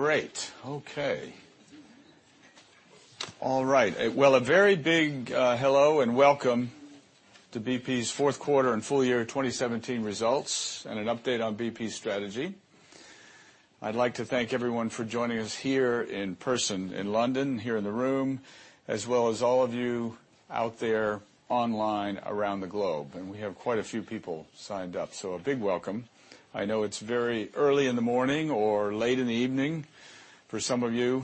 Great. Okay. All right. Well, a very big hello and welcome to BP's fourth quarter and full year 2017 results and an update on BP's strategy. I'd like to thank everyone for joining us here in person in London, here in the room, as well as all of you out there online around the globe. We have quite a few people signed up, so a big welcome. I know it's very early in the morning or late in the evening for some of you,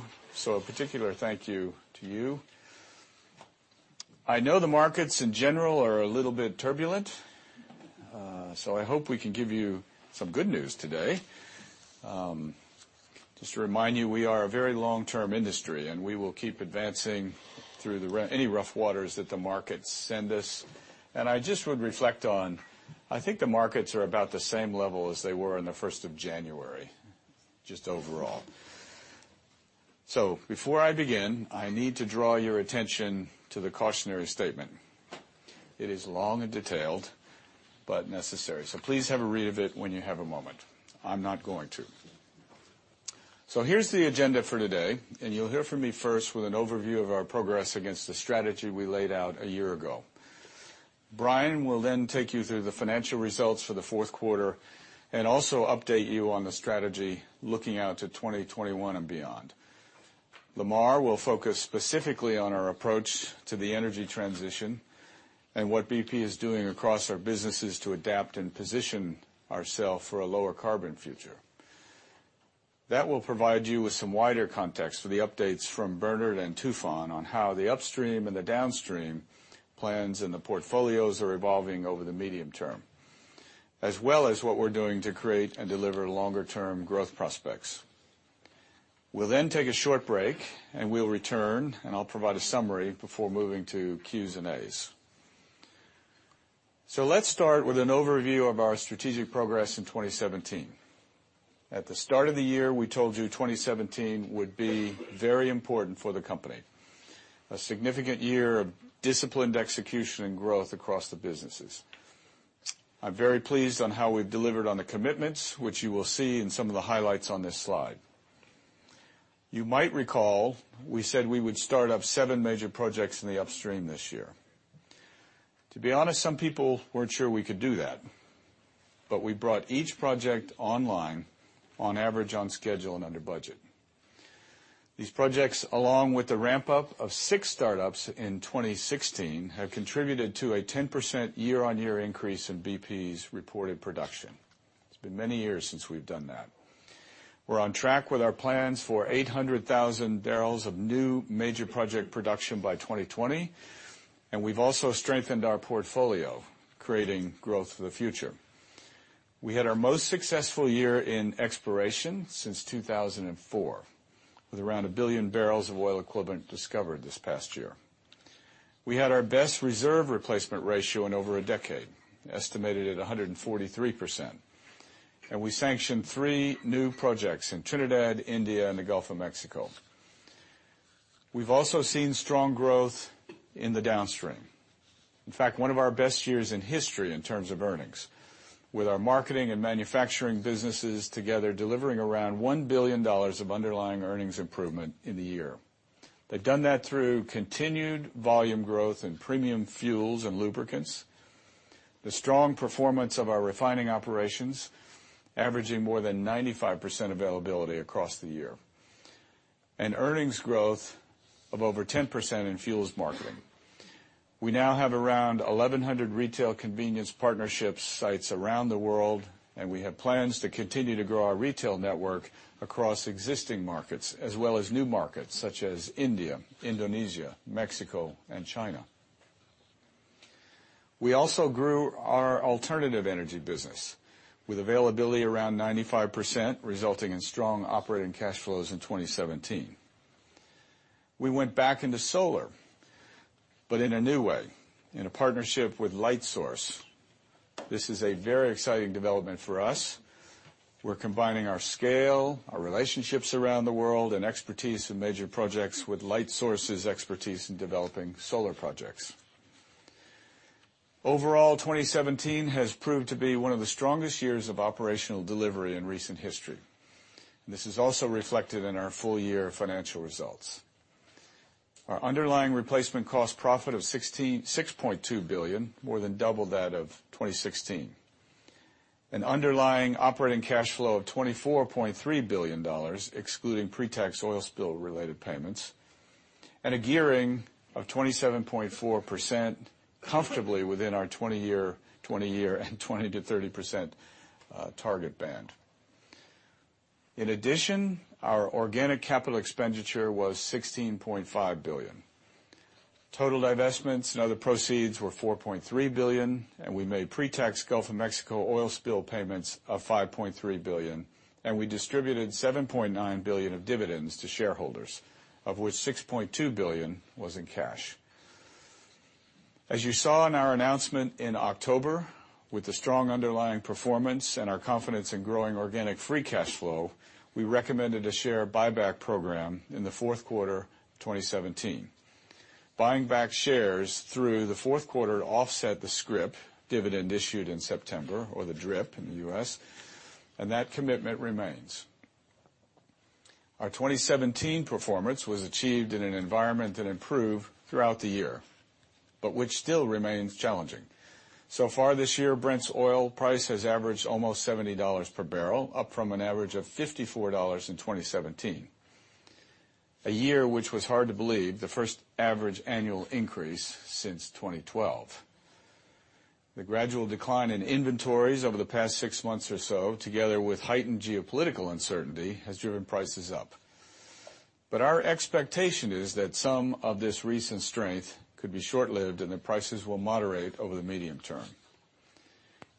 so a particular thank you to you. I know the markets in general are a little bit turbulent, so I hope we can give you some good news today. Just to remind you, we are a very long-term industry, and we will keep advancing through any rough waters that the markets send us. I just would reflect on, I think the markets are about the same level as they were on the 1st of January, just overall. Before I begin, I need to draw your attention to the cautionary statement. It is long and detailed, but necessary. Please have a read of it when you have a moment. I'm not going to. Here's the agenda for today, and you'll hear from me first with an overview of our progress against the strategy we laid out a year ago. Brian will then take you through the financial results for the fourth quarter and also update you on the strategy looking out to 2021 and beyond. Lamar will focus specifically on our approach to the energy transition and what BP is doing across our businesses to adapt and position ourself for a lower carbon future. That will provide you with some wider context for the updates from Bernard and Tufan on how the upstream and the downstream plans in the portfolios are evolving over the medium term, as well as what we're doing to create and deliver longer term growth prospects. We'll take a short break and we'll return, and I'll provide a summary before moving to Qs and As. Let's start with an overview of our strategic progress in 2017. At the start of the year, we told you 2017 would be very important for the company, a significant year of disciplined execution and growth across the businesses. I'm very pleased on how we've delivered on the commitments, which you will see in some of the highlights on this slide. You might recall we said we would start up seven major projects in the upstream this year. To be honest, some people weren't sure we could do that, we brought each project online, on average, on schedule and under budget. These projects, along with the ramp-up of six startups in 2016, have contributed to a 10% year-on-year increase in BP's reported production. It's been many years since we've done that. We're on track with our plans for 800,000 barrels of new major project production by 2020, and we've also strengthened our portfolio, creating growth for the future. We had our most successful year in exploration since 2004, with around a billion barrels of oil equivalent discovered this past year. We had our best reserve replacement ratio in over a decade, estimated at 143%, and we sanctioned three new projects in Trinidad, India, and the Gulf of Mexico. We've also seen strong growth in the downstream. In fact, one of our best years in history in terms of earnings, with our marketing and manufacturing businesses together delivering around $1 billion of underlying earnings improvement in the year. They've done that through continued volume growth in premium fuels and lubricants, the strong performance of our refining operations averaging more than 95% availability across the year, and earnings growth of over 10% in fuels marketing. We now have around 1,100 retail convenience partnership sites around the world, and we have plans to continue to grow our retail network across existing markets as well as new markets such as India, Indonesia, Mexico, and China. We also grew our alternative energy business with availability around 95%, resulting in strong operating cash flows in 2017. We went back into solar, but in a new way, in a partnership with Lightsource. This is a very exciting development for us. We're combining our scale, our relationships around the world, and expertise in major projects with Lightsource's expertise in developing solar projects. Overall, 2017 has proved to be one of the strongest years of operational delivery in recent history. This is also reflected in our full year financial results. Our underlying replacement cost profit of $6.2 billion, more than double that of 2016. Underlying operating cash flow of $24.3 billion, excluding pre-tax oil spill related payments, and a gearing of 27.4%, comfortably within our 20-year and 20%-30% target band. In addition, our organic capital expenditure was $16.5 billion. Total divestments and other proceeds were $4.3 billion. We made pre-tax Gulf of Mexico oil spill payments of $5.3 billion, and we distributed $7.9 billion of dividends to shareholders, of which $6.2 billion was in cash. As you saw in our announcement in October, with the strong underlying performance and our confidence in growing organic free cash flow, we recommended a share buyback program in the fourth quarter 2017. Buying back shares through the fourth quarter to offset the scrip dividend issued in September or the DRIP in the U.S. That commitment remains. So far this year, Brent's oil price has averaged almost $70 per barrel, up from an average of $54 in 2017. A year which was hard to believe, the first average annual increase since 2012. The gradual decline in inventories over the past six months or so, together with heightened geopolitical uncertainty, has driven prices up. Our expectation is that some of this recent strength could be short-lived and that prices will moderate over the medium term.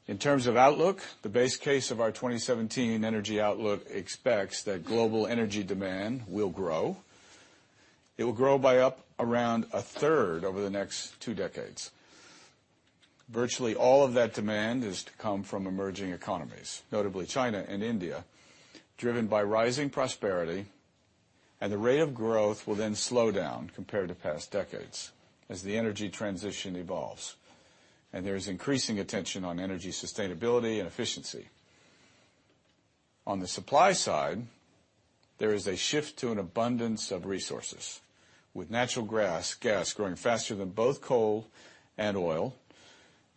In terms of outlook, the base case of our 2017 Energy Outlook expects that global energy demand will grow. It will grow by up around a third over the next two decades. Virtually all of that demand is to come from emerging economies, notably China and India, driven by rising prosperity, and the rate of growth will then slow down compared to past decades as the energy transition evolves. There is increasing attention on energy sustainability and efficiency. On the supply side, there is a shift to an abundance of resources, with natural gas growing faster than both coal and oil.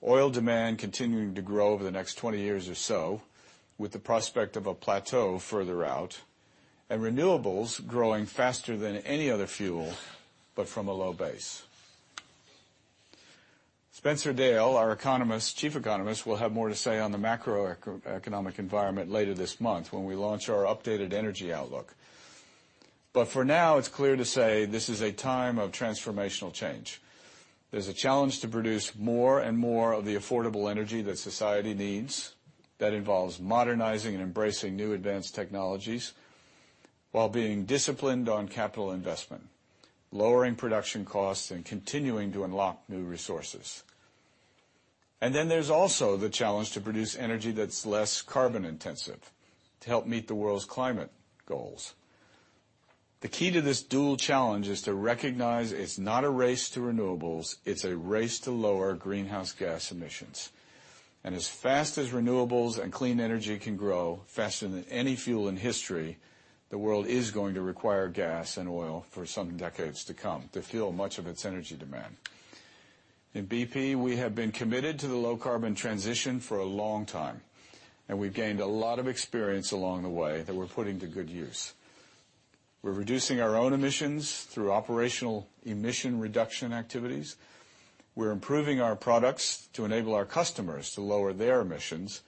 Oil demand continuing to grow over the next 20 years or so, with the prospect of a plateau further out, and renewables growing faster than any other fuel, but from a low base. Spencer Dale, our chief economist, will have more to say on the macroeconomic environment later this month when we launch our updated Energy Outlook. For now, it's clear to say this is a time of transformational change. There's a challenge to produce more and more of the affordable energy that society needs. That involves modernizing and embracing new advanced technologies while being disciplined on capital investment, lowering production costs, and continuing to unlock new resources. Then there's also the challenge to produce energy that's less carbon-intensive to help meet the world's climate goals. The key to this dual challenge is to recognize it's not a race to renewables, it's a race to lower greenhouse gas emissions. As fast as renewables and clean energy can grow, faster than any fuel in history, the world is going to require gas and oil for some decades to come to fuel much of its energy demand. In BP, we have been committed to the low-carbon transition for a long time, and we've gained a lot of experience along the way that we're putting to good use. We're reducing our own emissions through operational emission reduction activities. We're improving our products to enable our customers to lower their emissions,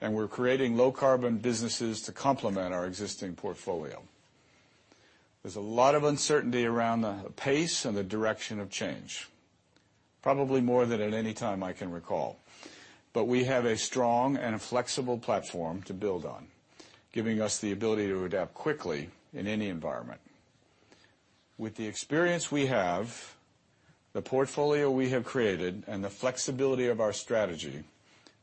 and we're creating low-carbon businesses to complement our existing portfolio. There's a lot of uncertainty around the pace and the direction of change, probably more than at any time I can recall, but we have a strong and flexible platform to build on, giving us the ability to adapt quickly in any environment. With the experience we have, the portfolio we have created, and the flexibility of our strategy,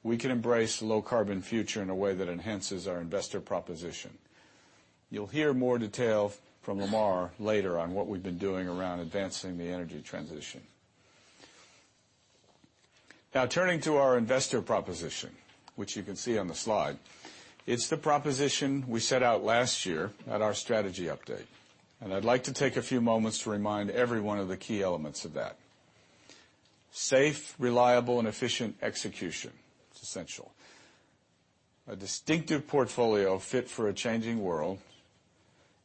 we can embrace a low-carbon future in a way that enhances our investor proposition. You'll hear more detail from Lamar later on what we've been doing around advancing the energy transition. Now, turning to our investor proposition, which you can see on the slide. It's the proposition we set out last year at our strategy update. I'd like to take a few moments to remind everyone of the key elements of that. Safe, reliable, and efficient execution. It's essential. A distinctive portfolio fit for a changing world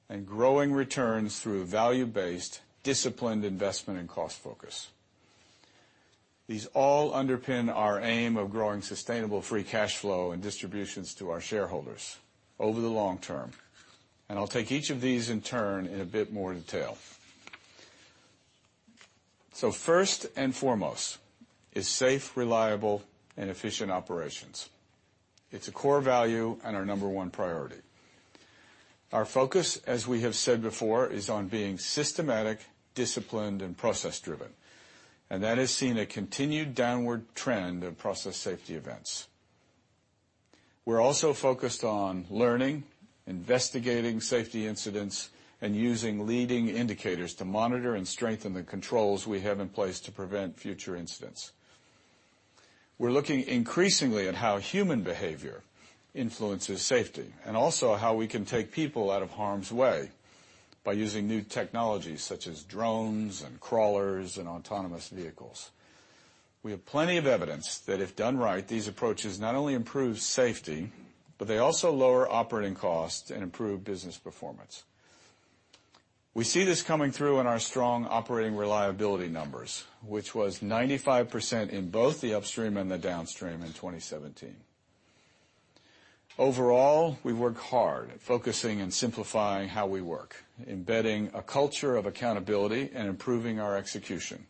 and growing returns through value-based, disciplined investment and cost focus. These all underpin our aim of growing sustainable free cash flow and distributions to our shareholders over the long term. I'll take each of these in turn in a bit more detail. First and foremost is safe, reliable, and efficient operations. It's a core value and our number one priority. Our focus, as we have said before, is on being systematic, disciplined, and process-driven, and that has seen a continued downward trend of process safety events. We're also focused on learning, investigating safety incidents, and using leading indicators to monitor and strengthen the controls we have in place to prevent future incidents. We're looking increasingly at how human behavior influences safety, also how we can take people out of harm's way by using new technologies such as drones and crawlers and autonomous vehicles. We have plenty of evidence that if done right, these approaches not only improve safety, they also lower operating costs and improve business performance. We see this coming through in our strong operating reliability numbers, which was 95% in both the upstream and the downstream in 2017. Overall, we work hard at focusing and simplifying how we work, embedding a culture of accountability and improving our execution,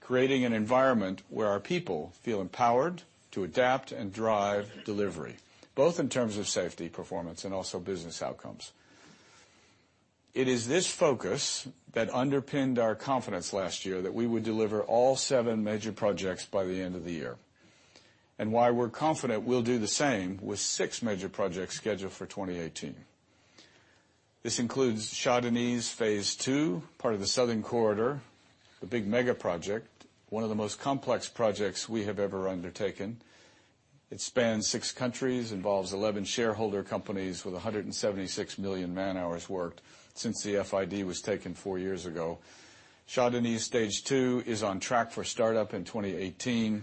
creating an environment where our people feel empowered to adapt and drive delivery, both in terms of safety performance and also business outcomes. It is this focus that underpinned our confidence last year that we would deliver all seven major projects by the end of the year, why we're confident we'll do the same with six major projects scheduled for 2018. This includes Shah Deniz Phase 2, part of the Southern Gas Corridor, the big mega project, one of the most complex projects we have ever undertaken. It spans six countries, involves 11 shareholder companies with 176 million man-hours worked since the FID was taken four years ago. Shah Deniz Stage 2 is on track for startup in 2018.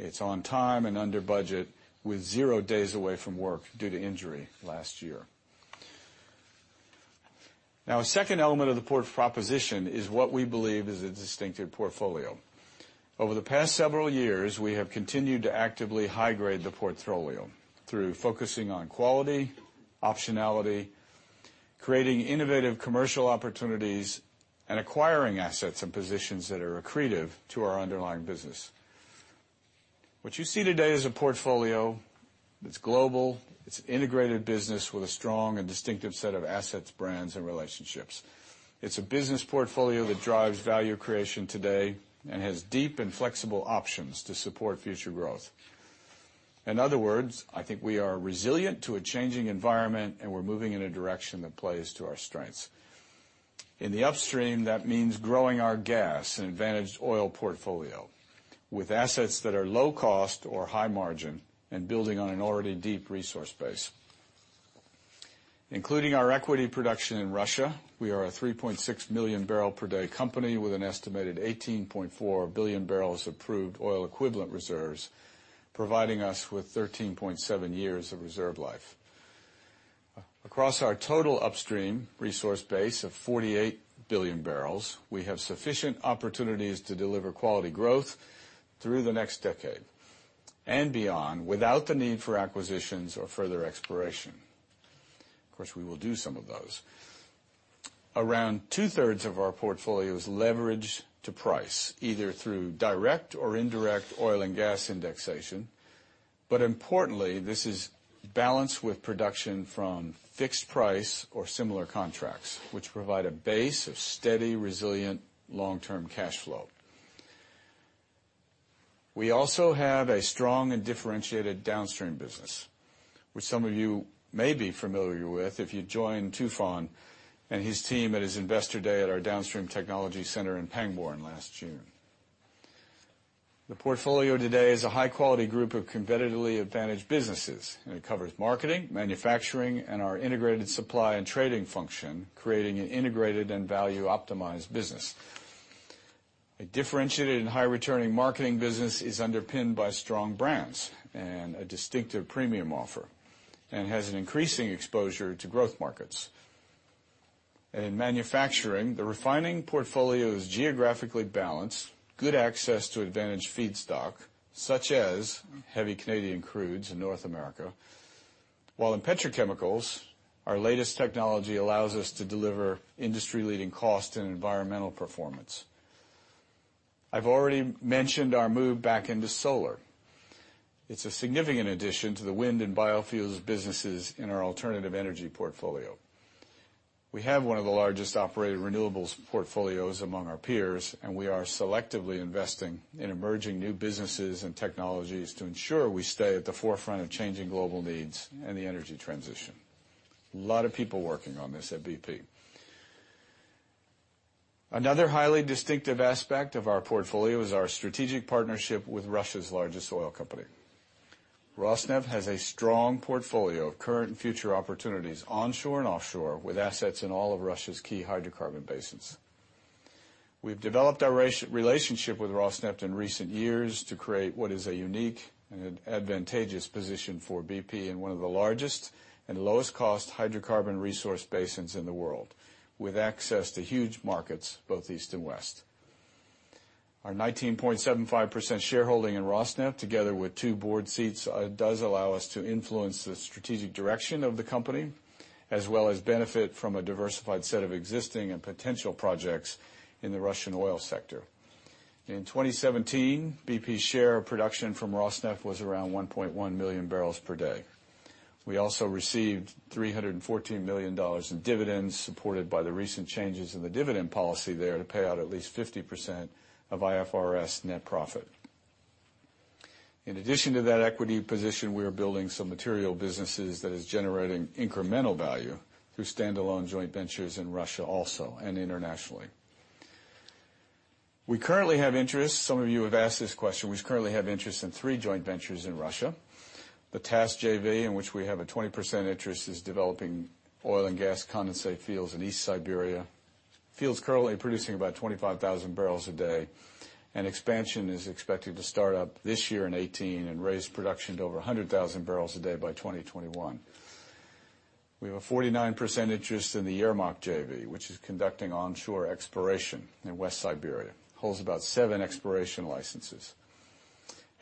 It's on time and under budget with zero days away from work due to injury last year. Now, a second element of the port proposition is what we believe is a distinctive portfolio. Over the past several years, we have continued to actively high-grade the portfolio through focusing on quality, optionality, creating innovative commercial opportunities, acquiring assets and positions that are accretive to our underlying business. What you see today is a portfolio that's global, it's an integrated business with a strong and distinctive set of assets, brands, and relationships. It's a business portfolio that drives value creation today and has deep and flexible options to support future growth. In other words, I think we are resilient to a changing environment, we're moving in a direction that plays to our strengths. In the upstream, that means growing our gas and advantaged oil portfolio with assets that are low cost or high margin and building on an already deep resource base. Including our equity production in Russia, we are a 3.6 million barrel per day company with an estimated 18.4 billion barrels proved oil equivalent reserves, providing us with 13.7 years of reserve life. Across our total upstream resource base of 48 billion barrels, we have sufficient opportunities to deliver quality growth through the next decade and beyond without the need for acquisitions or further exploration. Of course, we will do some of those. Around two-thirds of our portfolio is leveraged to price, either through direct or indirect oil and gas indexation. Importantly, this is balanced with production from fixed price or similar contracts, which provide a base of steady, resilient, long-term cash flow. We also have a strong and differentiated Downstream business, which some of you may be familiar with if you joined Tufan and his team at his investor day at our Downstream Technology Center in Pangbourne last June. The portfolio today is a high-quality group of competitively advantaged businesses. It covers marketing, manufacturing, and our Integrated Supply and Trading function, creating an integrated and value-optimized business. A differentiated and high returning marketing business is underpinned by strong brands and a distinctive premium offer. Has an increasing exposure to growth markets. In manufacturing, the refining portfolio is geographically balanced, good access to advantaged feedstock, such as heavy Canadian crudes in North America, while in petrochemicals, our latest technology allows us to deliver industry-leading cost and environmental performance. I've already mentioned our move back into solar. It's a significant addition to the wind and biofuels businesses in our alternative energy portfolio. We have one of the largest operated renewables portfolios among our peers. We are selectively investing in emerging new businesses and technologies to ensure we stay at the forefront of changing global needs and the energy transition. A lot of people working on this at BP. Another highly distinctive aspect of our portfolio is our strategic partnership with Russia's largest oil company. Rosneft has a strong portfolio of current and future opportunities onshore and offshore, with assets in all of Russia's key hydrocarbon basins. We've developed our relationship with Rosneft in recent years to create what is a unique and advantageous position for BP in one of the largest and lowest cost hydrocarbon resource basins in the world, with access to huge markets, both East and West. Our 19.75% shareholding in Rosneft, together with two board seats, does allow us to influence the strategic direction of the company, as well as benefit from a diversified set of existing and potential projects in the Russian oil sector. In 2017, BP's share of production from Rosneft was around 1.1 million barrels per day. We also received $314 million in dividends, supported by the recent changes in the dividend policy there to pay out at least 50% of IFRS net profit. In addition to that equity position, we are building some material businesses that is generating incremental value through stand-alone joint ventures in Russia also and internationally. We currently have interests, some of you have asked this question, we currently have interest in three joint ventures in Russia. The Taas JV, in which we have a 20% interest, is developing oil and gas condensate fields in East Siberia. Fields currently producing about 25,000 barrels a day. Expansion is expected to start up this year in 2018 and raise production to over 100,000 barrels a day by 2021. We have a 49% interest in the Yermak JV, which is conducting onshore exploration in West Siberia. Holds about seven exploration licenses.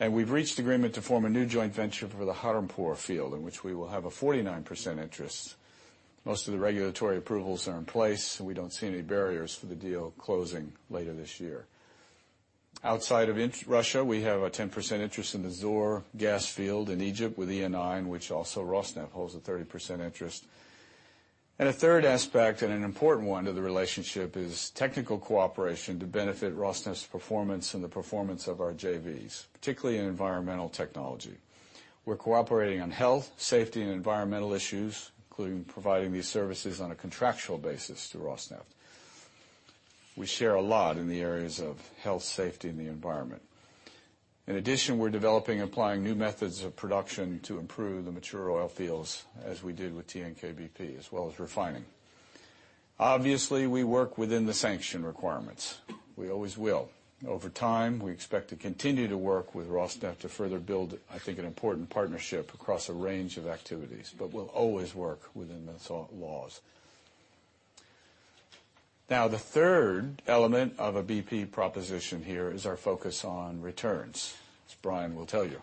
We've reached agreement to form a new joint venture for the Kharampur field, in which we will have a 49% interest. Most of the regulatory approvals are in place. We don't see any barriers for the deal closing later this year. Outside of Russia, we have a 10% interest in the Zohr gas field in Egypt with Eni, which also Rosneft holds a 30% interest. A third aspect, and an important one to the relationship, is technical cooperation to benefit Rosneft's performance and the performance of our JVs, particularly in environmental technology. We're cooperating on health, safety, and environmental issues, including providing these services on a contractual basis to Rosneft. We share a lot in the areas of health, safety, and the environment. In addition, we're developing and applying new methods of production to improve the mature oil fields as we did with TNK-BP, as well as refining. Obviously, we work within the sanction requirements. We always will. Over time, we expect to continue to work with Rosneft to further build, I think, an important partnership across a range of activities, but we'll always work within those laws. The third element of a BP proposition here is our focus on returns, as Brian will tell you.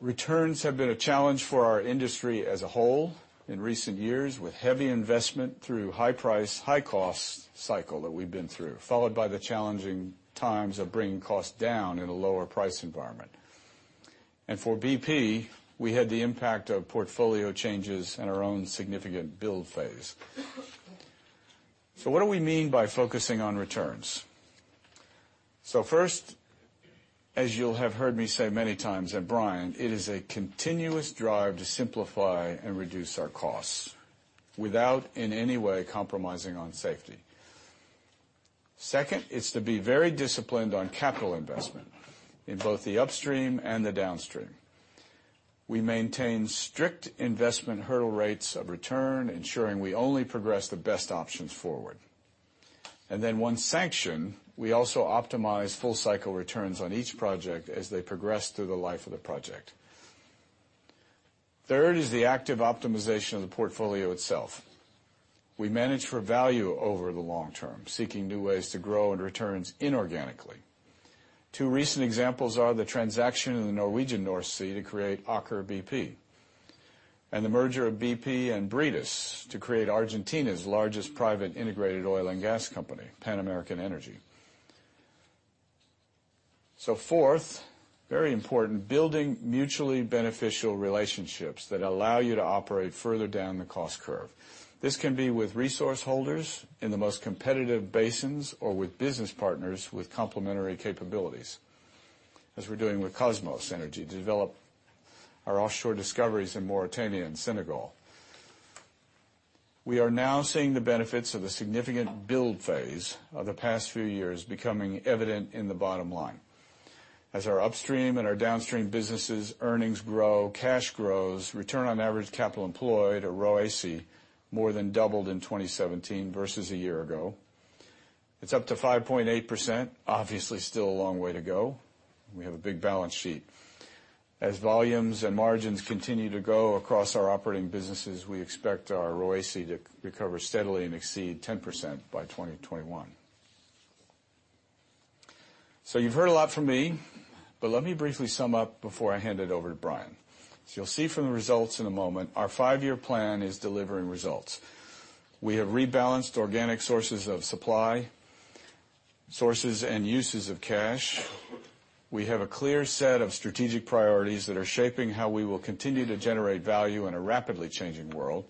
Returns have been a challenge for our industry as a whole in recent years, with heavy investment through high price, high cost cycle that we've been through, followed by the challenging times of bringing costs down in a lower price environment. For BP, we had the impact of portfolio changes and our own significant build phase. What do we mean by focusing on returns? First, as you'll have heard me say many times, and Brian, it is a continuous drive to simplify and reduce our costs without, in any way, compromising on safety. Second, it's to be very disciplined on capital investment in both the upstream and the downstream. We maintain strict investment hurdle rates of return, ensuring we only progress the best options forward. Then once sanctioned, we also optimize full-cycle returns on each project as they progress through the life of the project. Third is the active optimization of the portfolio itself. We manage for value over the long term, seeking new ways to grow and returns inorganically. Two recent examples are the transaction in the Norwegian North Sea to create Aker BP, and the merger of BP and Bridas to create Argentina's largest private integrated oil and gas company, Pan American Energy. Fourth, very important, building mutually beneficial relationships that allow you to operate further down the cost curve. This can be with resource holders in the most competitive basins or with business partners with complementary capabilities, as we're doing with Kosmos Energy to develop our offshore discoveries in Mauritania and Senegal. We are now seeing the benefits of the significant build phase of the past few years becoming evident in the bottom line. As our upstream and our downstream businesses earnings grow, cash grows, return on average capital employed or ROACE, more than doubled in 2017 versus a year ago. It's up to 5.8%, obviously still a long way to go. We have a big balance sheet. As volumes and margins continue to grow across our operating businesses, we expect our ROACE to recover steadily and exceed 10% by 2021. You've heard a lot from me, but let me briefly sum up before I hand it over to Brian. You'll see from the results in a moment, our five-year plan is delivering results. We have rebalanced organic sources of supply, sources and uses of cash. We have a clear set of strategic priorities that are shaping how we will continue to generate value in a rapidly changing world.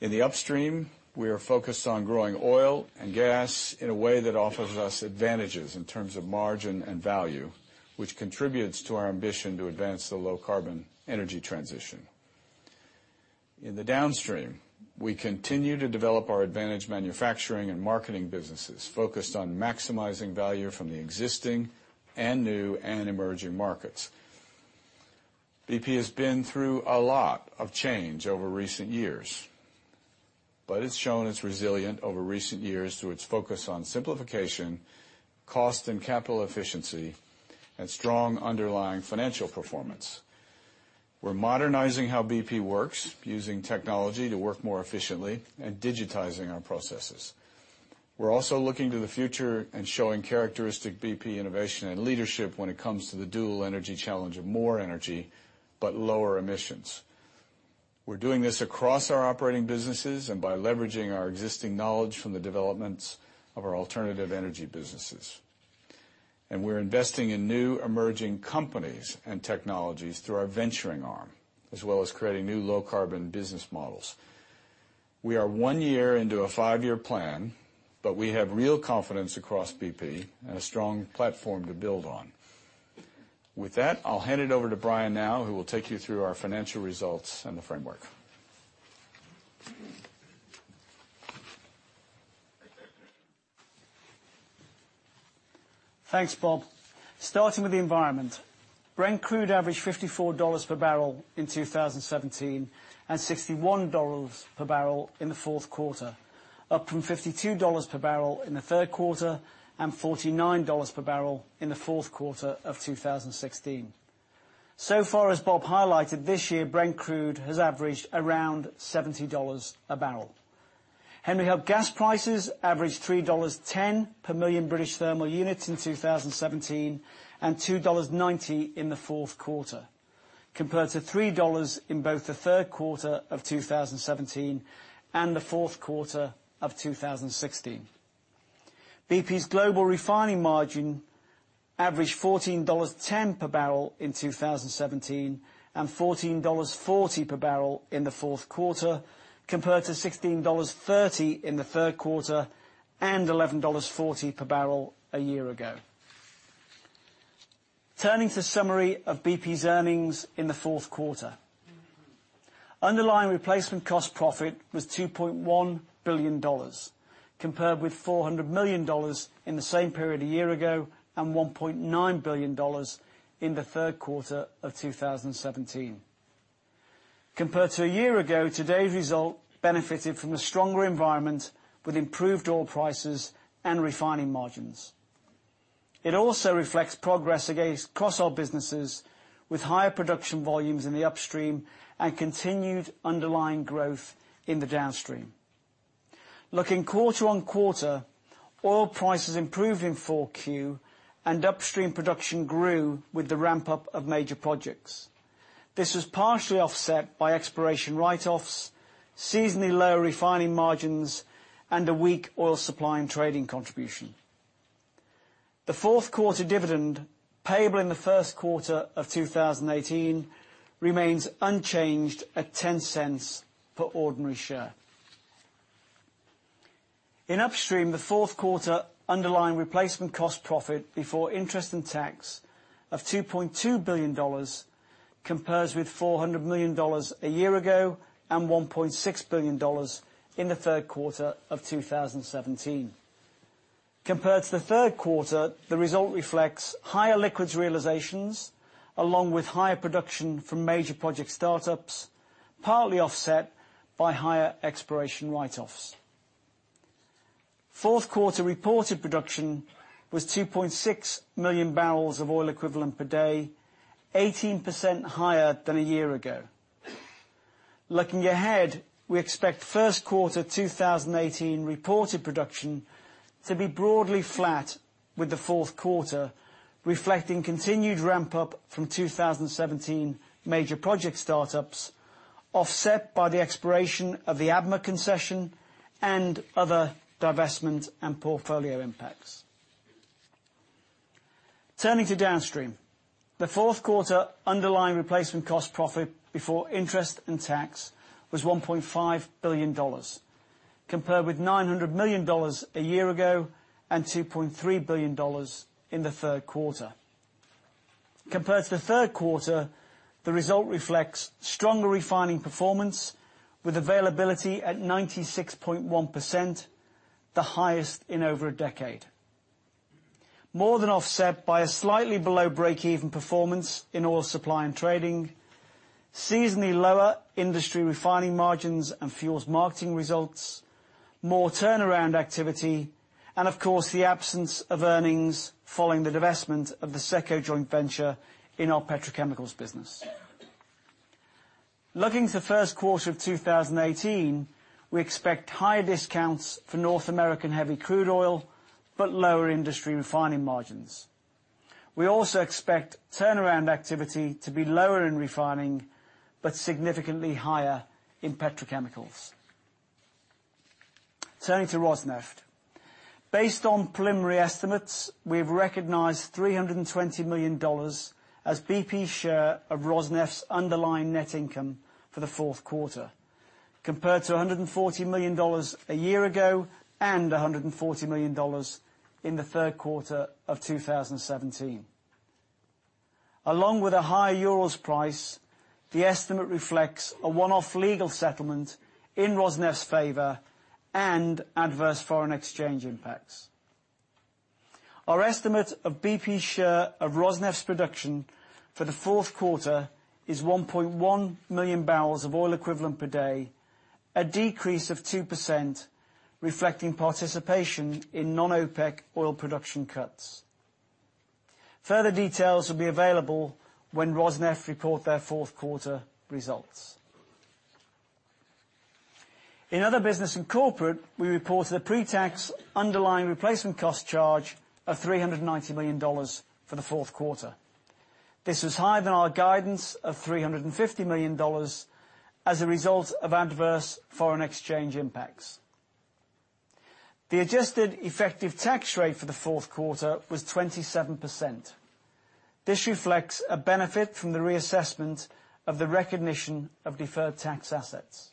In the upstream, we are focused on growing oil and gas in a way that offers us advantages in terms of margin and value, which contributes to our ambition to advance the low carbon energy transition. In the downstream, we continue to develop our advantage manufacturing and marketing businesses focused on maximizing value from the existing and new and emerging markets. BP has been through a lot of change over recent years, but it's shown it's resilient over recent years through its focus on simplification, cost and capital efficiency, and strong underlying financial performance. We're modernizing how BP works using technology to work more efficiently and digitizing our processes. We're also looking to the future and showing characteristic BP innovation and leadership when it comes to the dual energy challenge of more energy but lower emissions. We're doing this across our operating businesses and by leveraging our existing knowledge from the developments of our alternative energy businesses. We're investing in new emerging companies and technologies through our venturing arm, as well as creating new low carbon business models. We are one year into a five-year plan, but we have real confidence across BP and a strong platform to build on. With that, I'll hand it over to Brian now, who will take you through our financial results and the framework. Thanks, Bob. Starting with the environment. Brent crude averaged $54 per barrel in 2017 and $61 per barrel in the fourth quarter, up from $52 per barrel in the third quarter and $49 per barrel in the fourth quarter of 2016. So far, as Bob highlighted this year, Brent crude has averaged around $70 a barrel. Henry Hub gas prices averaged $3.10 per million British thermal units in 2017 and $2.90 in the fourth quarter, compared to $3 in both the third quarter of 2017 and the fourth quarter of 2016. BP's global refining margin averaged $14.10 per barrel in 2017 and $14.40 per barrel in the fourth quarter, compared to $16.30 in the third quarter and $11.40 per barrel a year ago. Turning to summary of BP's earnings in the fourth quarter. Underlying replacement cost profit was $2.1 billion, compared with $400 million in the same period a year ago, and $1.9 billion in the third quarter of 2017. Compared to a year ago, today's result benefited from a stronger environment with improved oil prices and refining margins. It also reflects progress across our businesses, with higher production volumes in the upstream, and continued underlying growth in the downstream. Looking quarter on quarter, oil prices improved in 4Q, and upstream production grew with the ramp-up of major projects. This was partially offset by exploration write-offs, seasonally lower refining margins, and a weak oil supply and trading contribution. The fourth quarter dividend, payable in the first quarter of 2018, remains unchanged at $0.10 per ordinary share. In Upstream, the fourth quarter underlying replacement cost profit before interest and tax of $2.2 billion compares with $400 million a year ago, and $1.6 billion in the third quarter of 2017. Compared to the third quarter, the result reflects higher liquids realizations, along with higher production from major project startups, partly offset by higher exploration write-offs. Fourth quarter reported production was 2.6 million barrels of oil equivalent per day, 18% higher than a year ago. Looking ahead, we expect first quarter 2018 reported production to be broadly flat with the fourth quarter, reflecting continued ramp-up from 2017 major project startups, offset by the expiration of the ADMA concession, and other divestment and portfolio impacts. Turning to Downstream. The fourth quarter underlying replacement cost profit before interest and tax was $1.5 billion, compared with $900 million a year ago, and $2.3 billion in the third quarter. Compared to the third quarter, the result reflects stronger refining performance, with availability at 96.1%, the highest in over a decade, more than offset by a slightly below break-even performance in oil supply and trading, seasonally lower industry refining margins and fuels marketing results, more turnaround activity, and of course, the absence of earnings following the divestment of the SECCO joint venture in our petrochemicals business. Looking to the first quarter of 2018, we expect higher discounts for North American heavy crude oil, but lower industry refining margins. We also expect turnaround activity to be lower in refining, but significantly higher in petrochemicals. Turning to Rosneft. Based on preliminary estimates, we've recognized $320 million as BP's share of Rosneft's underlying net income for the fourth quarter, compared to $140 million a year ago, and $140 million in the third quarter of 2017. Along with a higher EUR price, the estimate reflects a one-off legal settlement in Rosneft's favor, and adverse foreign exchange impacts. Our estimate of BP's share of Rosneft's production for the fourth quarter is 1.1 million barrels of oil equivalent per day, a decrease of 2%, reflecting participation in non-OPEC oil production cuts. Further details will be available when Rosneft report their fourth quarter results. In other business and corporate, we reported a pre-tax underlying replacement cost charge of $390 million for the fourth quarter. This was higher than our guidance of $350 million as a result of adverse foreign exchange impacts. The adjusted effective tax rate for the fourth quarter was 27%. This reflects a benefit from the reassessment of the recognition of deferred tax assets.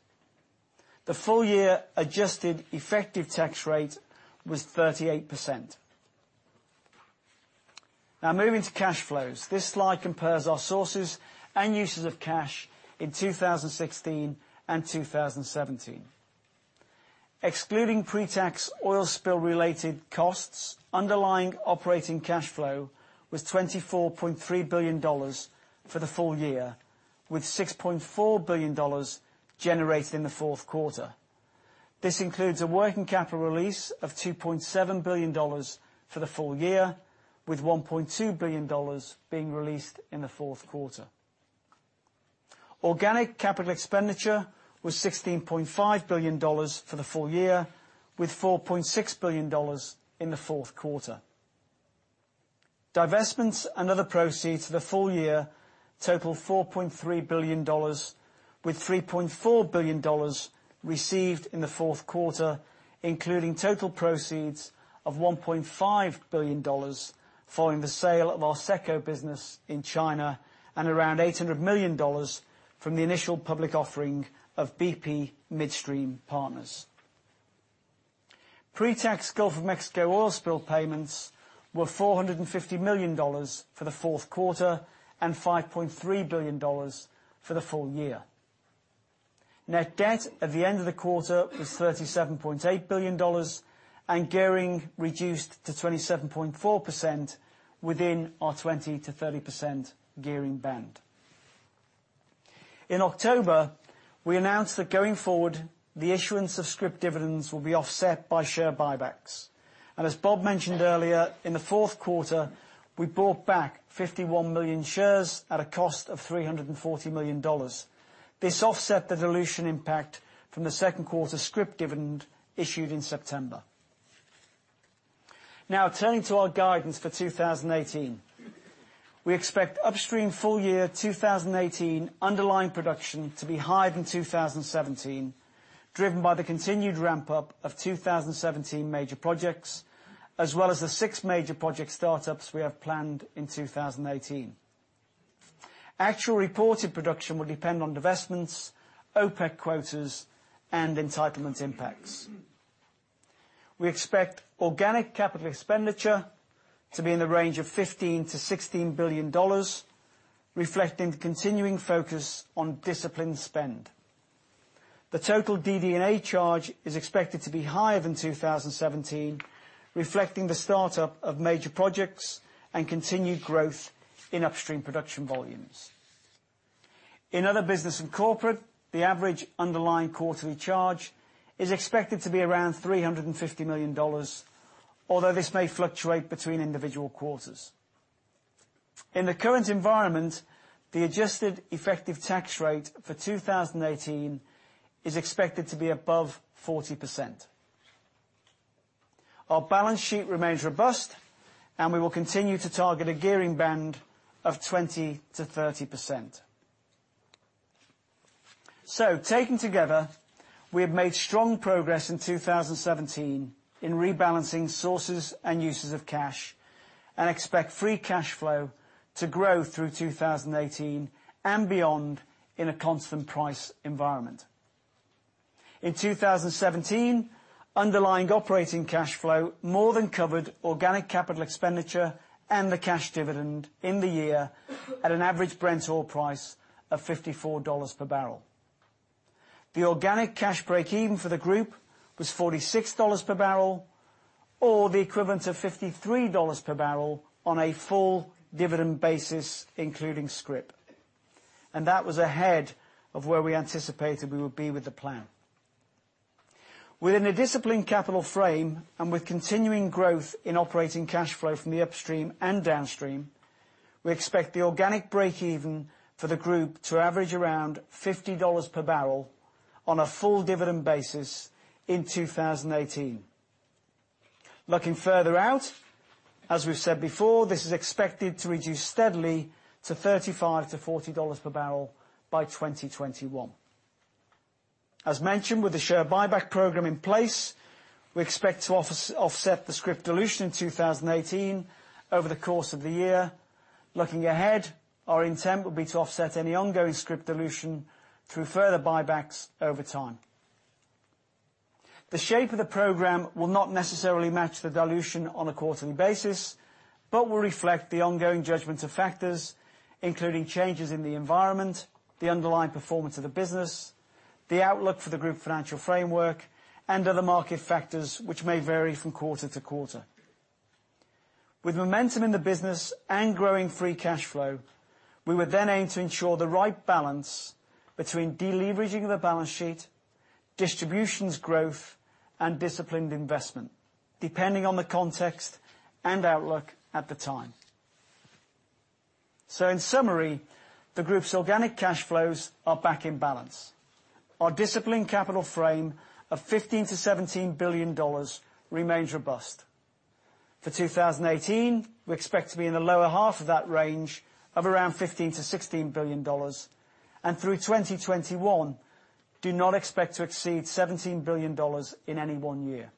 The full-year adjusted effective tax rate was 38%. Moving to cash flows. This slide compares our sources and uses of cash in 2016 and 2017. Excluding pre-tax oil spill related costs, underlying operating cash flow was $24.3 billion for the full year, with $6.4 billion generated in the fourth quarter. This includes a working capital release of $2.7 billion for the full year, with $1.2 billion being released in the fourth quarter. Organic capital expenditure was $16.5 billion for the full year, with $4.6 billion in the fourth quarter. Divestments and other proceeds for the full year total $4.3 billion, with $3.4 billion received in the fourth quarter, including total proceeds of $1.5 billion following the sale of our SECCO business in China, and around $800 million from the initial public offering of BP Midstream Partners. Pre-tax Gulf of Mexico oil spill payments were $450 million for the fourth quarter and $5.3 billion for the full year. Net debt at the end of the quarter was $37.8 billion and gearing reduced to 27.4% within our 20%-30% gearing band. In October, we announced that going forward, the issuance of scrip dividends will be offset by share buybacks. As Bob mentioned earlier, in the fourth quarter, we bought back 51 million shares at a cost of $340 million. This offset the dilution impact from the second quarter scrip dividend issued in September. Turning to our guidance for 2018. We expect Upstream full-year 2018 underlying production to be higher than 2017, driven by the continued ramp-up of 2017 major projects, as well as the six major project startups we have planned in 2018. Actual reported production will depend on divestments, OPEC quotas, and entitlement impacts. We expect organic capital expenditure to be in the range of $15 billion-$16 billion, reflecting the continuing focus on disciplined spend. The total DD&A charge is expected to be higher than 2017, reflecting the startup of major projects and continued growth in Upstream production volumes. In Other Business and Corporate, the average underlying quarterly charge is expected to be around $350 million, although this may fluctuate between individual quarters. In the current environment, the adjusted effective tax rate for 2018 is expected to be above 40%. Our balance sheet remains robust, and we will continue to target a gearing band of 20%-30%. Taken together, we have made strong progress in 2017 in rebalancing sources and uses of cash and expect free cash flow to grow through 2018 and beyond in a constant price environment. In 2017, underlying operating cash flow more than covered organic capital expenditure and the cash dividend in the year at an average Brent oil price of $54 per barrel. The organic cash breakeven for the group was $46 per barrel or the equivalent of $53 per barrel on a full dividend basis, including scrip. That was ahead of where we anticipated we would be with the plan. Within a disciplined capital frame and with continuing growth in operating cash flow from the Upstream and Downstream, we expect the organic breakeven for the group to average around $50 per barrel on a full dividend basis in 2018. Looking further out, as we've said before, this is expected to reduce steadily to $35-$40 per barrel by 2021. As mentioned, with the share buyback program in place, we expect to offset the scrip dilution in 2018 over the course of the year. Looking ahead, our intent would be to offset any ongoing scrip dilution through further buybacks over time. The shape of the program will not necessarily match the dilution on a quarterly basis but will reflect the ongoing judgment of factors, including changes in the environment, the underlying performance of the business, the outlook for the group financial framework, and other market factors which may vary from quarter to quarter. With momentum in the business and growing free cash flow, we would then aim to ensure the right balance between deleveraging of the balance sheet, distributions growth, and disciplined investment, depending on the context and outlook at the time. In summary, the group's organic cash flows are back in balance. Our disciplined capital frame of $15 billion-$17 billion remains robust. For 2018, we expect to be in the lower half of that range of around $15 billion-$16 billion, through 2021, do not expect to exceed $17 billion in any one year.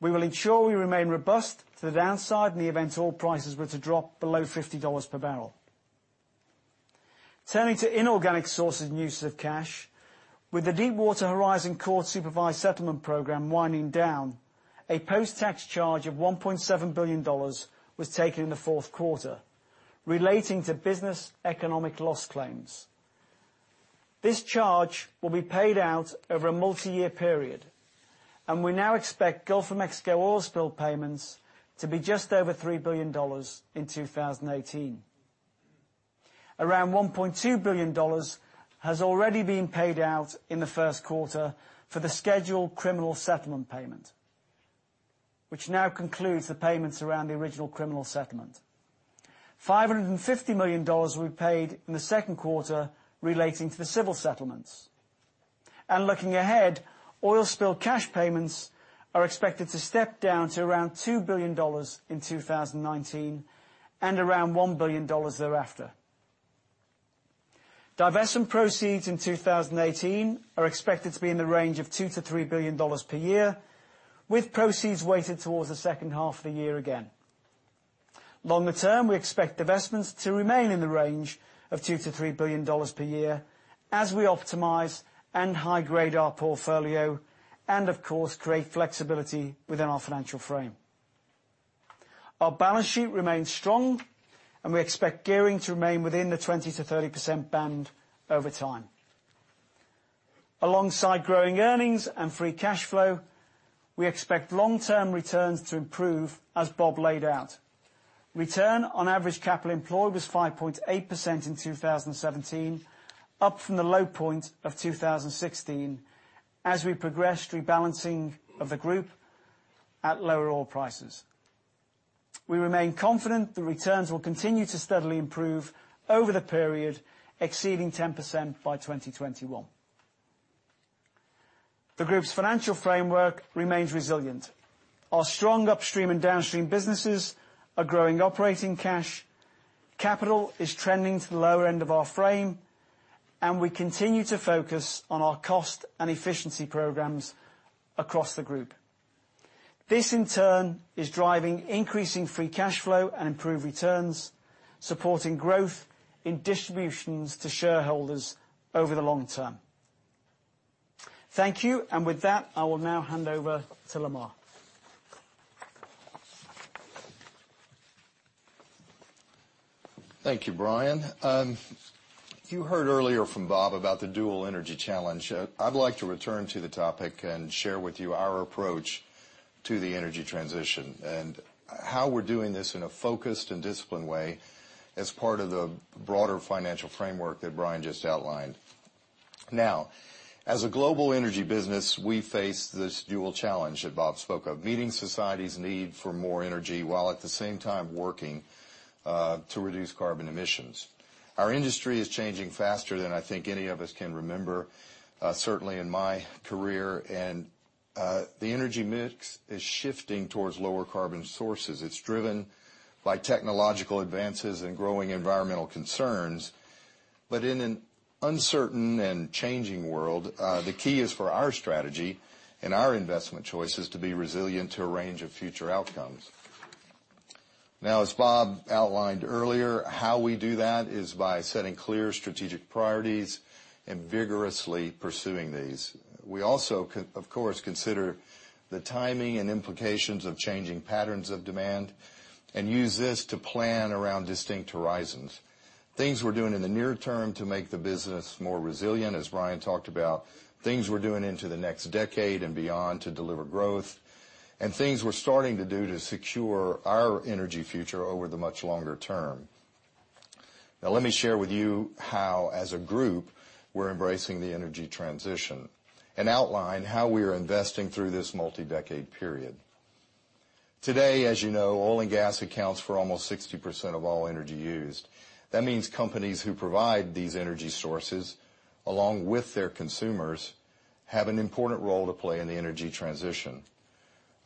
We will ensure we remain robust to the downside in the event oil prices were to drop below $50 per barrel. Turning to inorganic sources and uses of cash, with the Deepwater Horizon court-supervised settlement program winding down, a post-tax charge of $1.7 billion was taken in the fourth quarter relating to business economic loss claims. This charge will be paid out over a multi-year period, we now expect Gulf of Mexico oil spill payments to be just over $3 billion in 2018. Around $1.2 billion has already been paid out in the first quarter for the scheduled criminal settlement payment, which now concludes the payments around the original criminal settlement. $550 million will be paid in the second quarter relating to the civil settlements. Looking ahead, oil spill cash payments are expected to step down to around $2 billion in 2019 and around $1 billion thereafter. Divestment proceeds in 2018 are expected to be in the range of $2 billion-$3 billion per year, with proceeds weighted towards the second half of the year again. Longer term, we expect investments to remain in the range of $2 billion-$3 billion per year as we optimize and high-grade our portfolio, of course, create flexibility within our financial frame. Our balance sheet remains strong, we expect gearing to remain within the 20%-30% band over time. Alongside growing earnings and free cash flow, we expect long-term returns to improve as Bob laid out. Return on average capital employed was 5.8% in 2017, up from the low point of 2016 as we progressed rebalancing of the group at lower oil prices. We remain confident that returns will continue to steadily improve over the period, exceeding 10% by 2021. The group's financial framework remains resilient. Our strong upstream and downstream businesses are growing operating cash, capital is trending to the lower end of our frame, we continue to focus on our cost and efficiency programs across the group. This, in turn, is driving increasing free cash flow and improved returns, supporting growth in distributions to shareholders over the long term. Thank you. With that, I will now hand over to Lamar. Thank you, Brian. You heard earlier from Bob about the dual energy challenge. I'd like to return to the topic and share with you our approach to the energy transition and how we're doing this in a focused and disciplined way as part of the broader financial framework that Brian just outlined. Now, as a global energy business, we face this dual challenge that Bob spoke of, meeting society's need for more energy, while at the same time working to reduce carbon emissions. Our industry is changing faster than I think any of us can remember, certainly in my career, the energy mix is shifting towards lower carbon sources. It's driven by technological advances and growing environmental concerns. In an uncertain and changing world, the key is for our strategy and our investment choices to be resilient to a range of future outcomes. As Bob outlined earlier, how we do that is by setting clear strategic priorities and vigorously pursuing these. We also, of course, consider the timing and implications of changing patterns of demand and use this to plan around distinct horizons. Things we're doing in the near term to make the business more resilient, as Brian talked about, things we're doing into the next decade and beyond to deliver growth, things we're starting to do to secure our energy future over the much longer term. Let me share with you how, as a group, we're embracing the energy transition and outline how we are investing through this multi-decade period. Today, as you know, oil and gas accounts for almost 60% of all energy used. That means companies who provide these energy sources, along with their consumers, have an important role to play in the energy transition.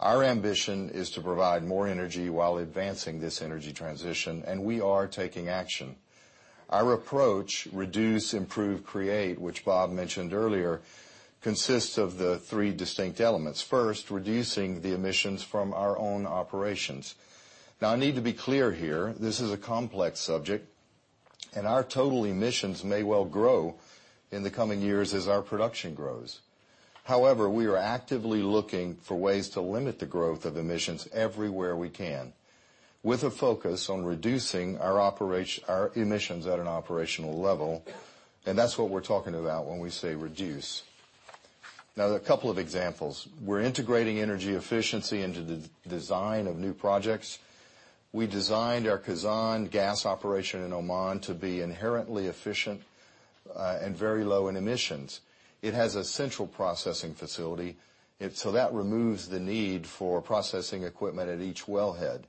Our ambition is to provide more energy while advancing this energy transition, we are taking action. Our approach, reduce, improve, create, which Bob mentioned earlier, consists of the three distinct elements. First, reducing the emissions from our own operations. I need to be clear here, this is a complex subject, our total emissions may well grow in the coming years as our production grows. However, we are actively looking for ways to limit the growth of emissions everywhere we can, with a focus on reducing our emissions at an operational level, that's what we're talking about when we say reduce. There are a couple of examples. We're integrating energy efficiency into the design of new projects. We designed our Khazzan gas operation in Oman to be inherently efficient, very low in emissions. It has a central processing facility. That removes the need for processing equipment at each wellhead.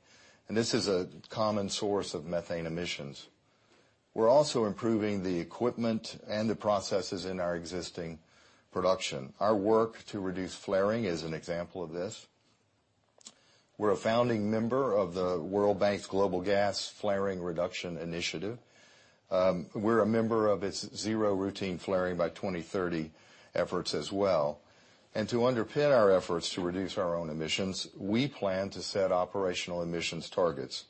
This is a common source of methane emissions. We're also improving the equipment and the processes in our existing production. Our work to reduce flaring is an example of this. We're a founding member of the World Bank's Global Gas Flaring Reduction Partnership. We're a member of its Zero Routine Flaring by 2030 efforts as well. To underpin our efforts to reduce our own emissions, we plan to set operational emissions targets,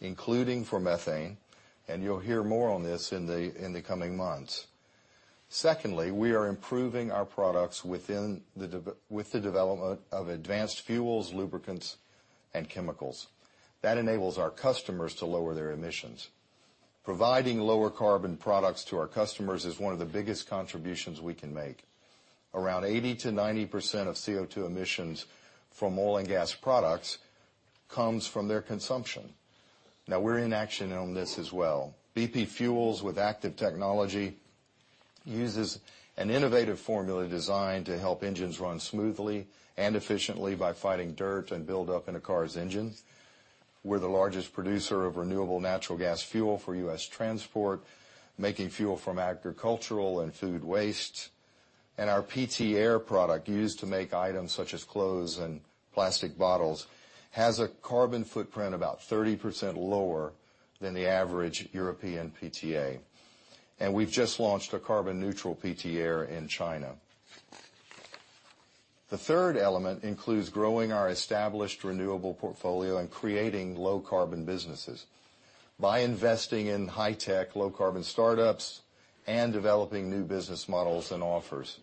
including for methane, you'll hear more on this in the coming months. Secondly, we are improving our products with the development of advanced fuels, lubricants, and chemicals. That enables our customers to lower their emissions. Providing lower carbon products to our customers is one of the biggest contributions we can make. Around 80%-90% of CO2 emissions from oil and gas products comes from their consumption. We're in action on this as well. BP fuels with ACTIVE technology uses an innovative formula designed to help engines run smoothly and efficiently by fighting dirt and build up in a car's engine. We're the largest producer of renewable natural gas fuel for U.S. transport, making fuel from agricultural and food waste. Our PTAir product, used to make items such as clothes and plastic bottles, has a carbon footprint about 30% lower than the average European PTA. We've just launched a carbon neutral PTAir in China. The third element includes growing our established renewable portfolio and creating low carbon businesses by investing in high tech, low carbon startups, and developing new business models and offers.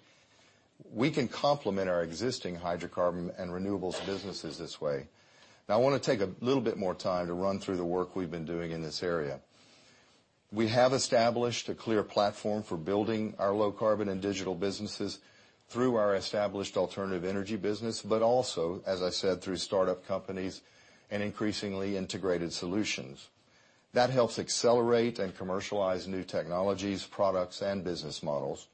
We can complement our existing hydrocarbon and renewables businesses this way. I want to take a little bit more time to run through the work we've been doing in this area. We have established a clear platform for building our low carbon and digital businesses through our established Alternative Energy business, but also, as I said, through startup companies and increasingly integrated solutions. That helps accelerate and commercialize new technologies, products, and business models.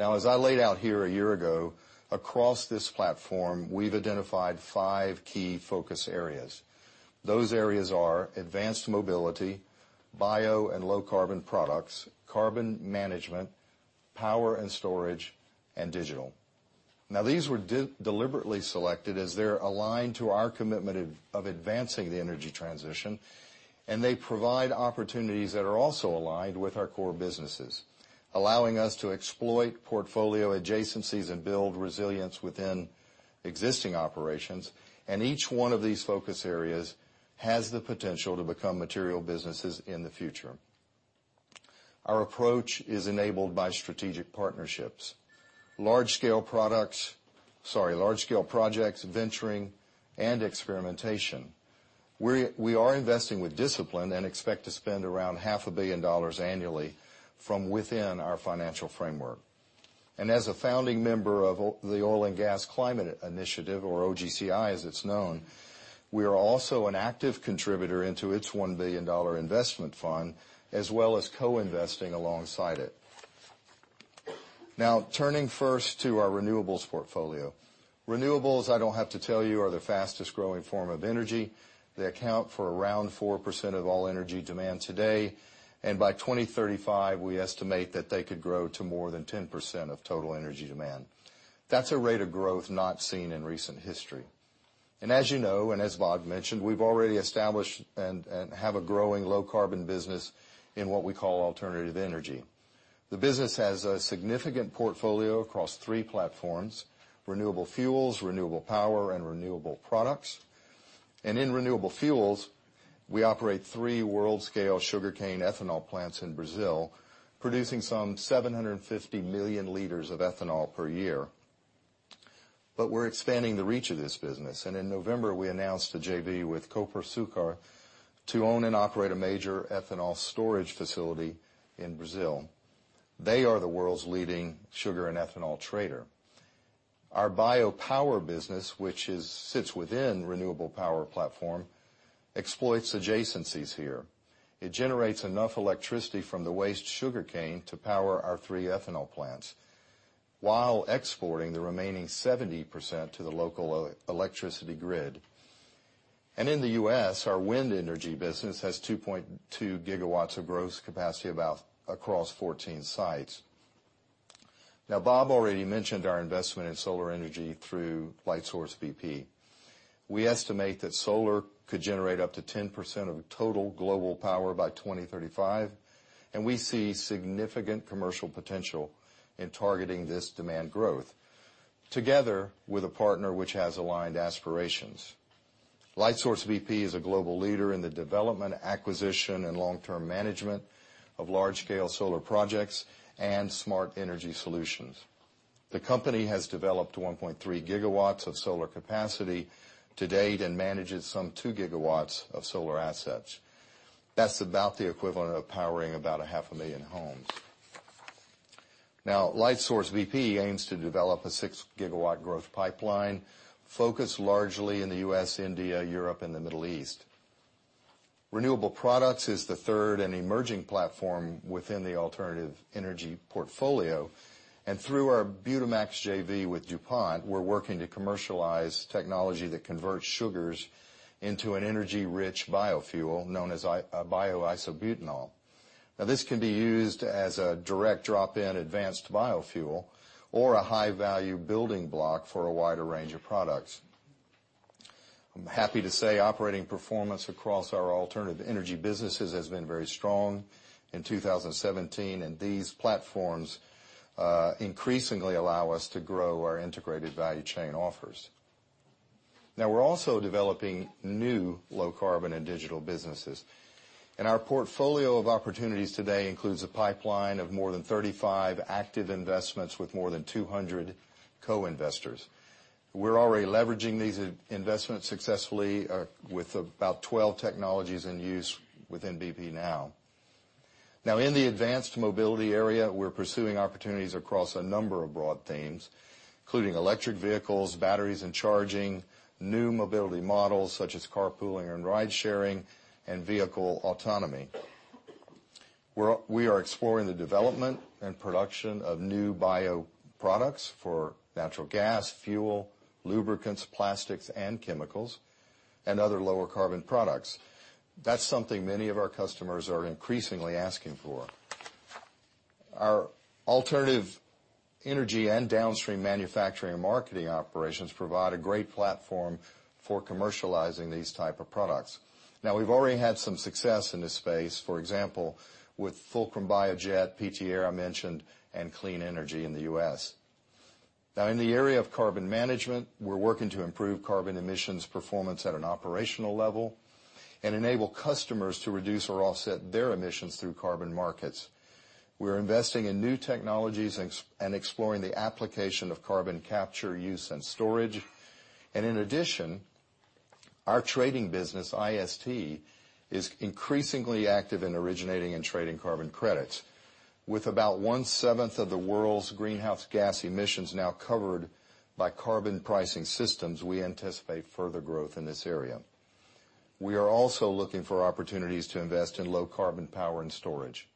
As I laid out here a year ago, across this platform, we've identified five key focus areas. Those areas are Advanced Mobility, Bio and Low Carbon Products, Carbon Management, Power and Storage, and Digital. These were deliberately selected as they're aligned to our commitment of advancing the energy transition, and they provide opportunities that are also aligned with our core businesses, allowing us to exploit portfolio adjacencies and build resilience within existing operations. Each one of these focus areas has the potential to become material businesses in the future. Our approach is enabled by strategic partnerships, large scale projects, venturing, and experimentation. We are investing with discipline and expect to spend around $0.5 billion annually from within our financial framework. As a founding member of the Oil and Gas Climate Initiative, or OGCI, as it's known, we are also an active contributor into its $1 billion investment fund, as well as co-investing alongside it. Turning first to our renewables portfolio. Renewables, I don't have to tell you, are the fastest growing form of energy. They account for around 4% of all energy demand today, and by 2035, we estimate that they could grow to more than 10% of total energy demand. That's a rate of growth not seen in recent history. As you know, and as Bob mentioned, we've already established and have a growing low carbon business in what we call Alternative Energy. The business has a significant portfolio across three platforms, Renewable Fuels, Renewable Power, and Renewable Products. In Renewable Fuels, we operate three world scale sugarcane ethanol plants in Brazil, producing some 750 million liters of ethanol per year. We're expanding the reach of this business. In November, we announced a JV with Copersucar to own and operate a major ethanol storage facility in Brazil. They are the world's leading sugar and ethanol trader. Our biopower business, which sits within Renewable Power platform, exploits adjacencies here. It generates enough electricity from the waste sugarcane to power our three ethanol plants while exporting the remaining 70% to the local electricity grid. In the U.S., our wind energy business has 2.2 gigawatts of gross capacity across 14 sites. Bob already mentioned our investment in solar energy through Lightsource BP. We estimate that solar could generate up to 10% of total global power by 2035, and we see significant commercial potential in targeting this demand growth together with a partner which has aligned aspirations. Lightsource BP is a global leader in the development, acquisition, and long-term management of large scale solar projects and smart energy solutions. The company has developed 1.3 gigawatts of solar capacity to date and manages some two gigawatts of solar assets. That's about the equivalent of powering about a half a million homes. Lightsource BP aims to develop a six gigawatt growth pipeline focused largely in the U.S., India, Europe, and the Middle East. Renewable products is the third and emerging platform within the alternative energy portfolio. Through our Butamax JV with DuPont, we're working to commercialize technology that converts sugars into an energy-rich biofuel known as bioisobutanol. This can be used as a direct drop-in advanced biofuel or a high-value building block for a wider range of products. I'm happy to say operating performance across our alternative energy businesses has been very strong in 2017, and these platforms increasingly allow us to grow our integrated value chain offers. We're also developing new low carbon and digital businesses, and our portfolio of opportunities today includes a pipeline of more than 35 active investments with more than 200 co-investors. We're already leveraging these investments successfully with about 12 technologies in use within BP now. In the advanced mobility area, we're pursuing opportunities across a number of broad themes, including electric vehicles, batteries and charging, new mobility models such as carpooling and ride sharing, and vehicle autonomy. We are exploring the development and production of new bioproducts for natural gas, fuel, lubricants, plastics, and chemicals, and other lower carbon products. That's something many of our customers are increasingly asking for. Our Downstream manufacturing and marketing operations provide a great platform for commercializing these type of products. We've already had some success in this space, for example, with Fulcrum BioEnergy, PTA I mentioned, and Clean Energy in the U.S. In the area of carbon management, we're working to improve carbon emissions performance at an operational level and enable customers to reduce or offset their emissions through carbon markets. We're investing in new technologies and exploring the application of carbon capture use and storage. In addition, our trading business, IST, is increasingly active in originating and trading carbon credits. With about one-seventh of the world's greenhouse gas emissions now covered by carbon pricing systems, we anticipate further growth in this area. We are also looking for opportunities to invest in low carbon power and storage.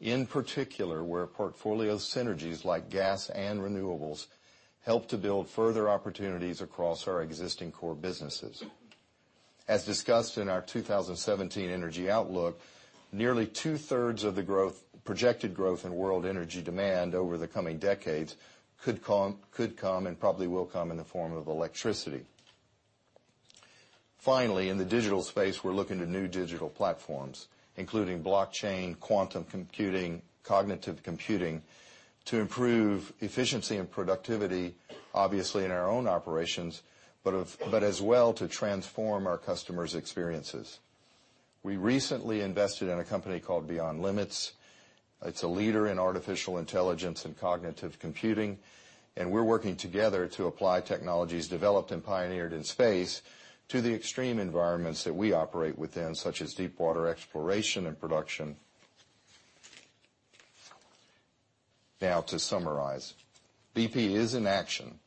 In particular, where portfolio synergies like gas and renewables help to build further opportunities across our existing core businesses. As discussed in our 2017 Energy Outlook, nearly two-thirds of the projected growth in world energy demand over the coming decades could come and probably will come in the form of electricity. Finally, in the digital space, we're looking to new digital platforms, including blockchain, quantum computing, cognitive computing, to improve efficiency and productivity, obviously in our own operations, but as well to transform our customers' experiences. We recently invested in a company called Beyond Limits. It's a leader in artificial intelligence and cognitive computing, and we're working together to apply technologies developed and pioneered in space to the extreme environments that we operate within, such as deep water exploration and production. To summarize, BP is in action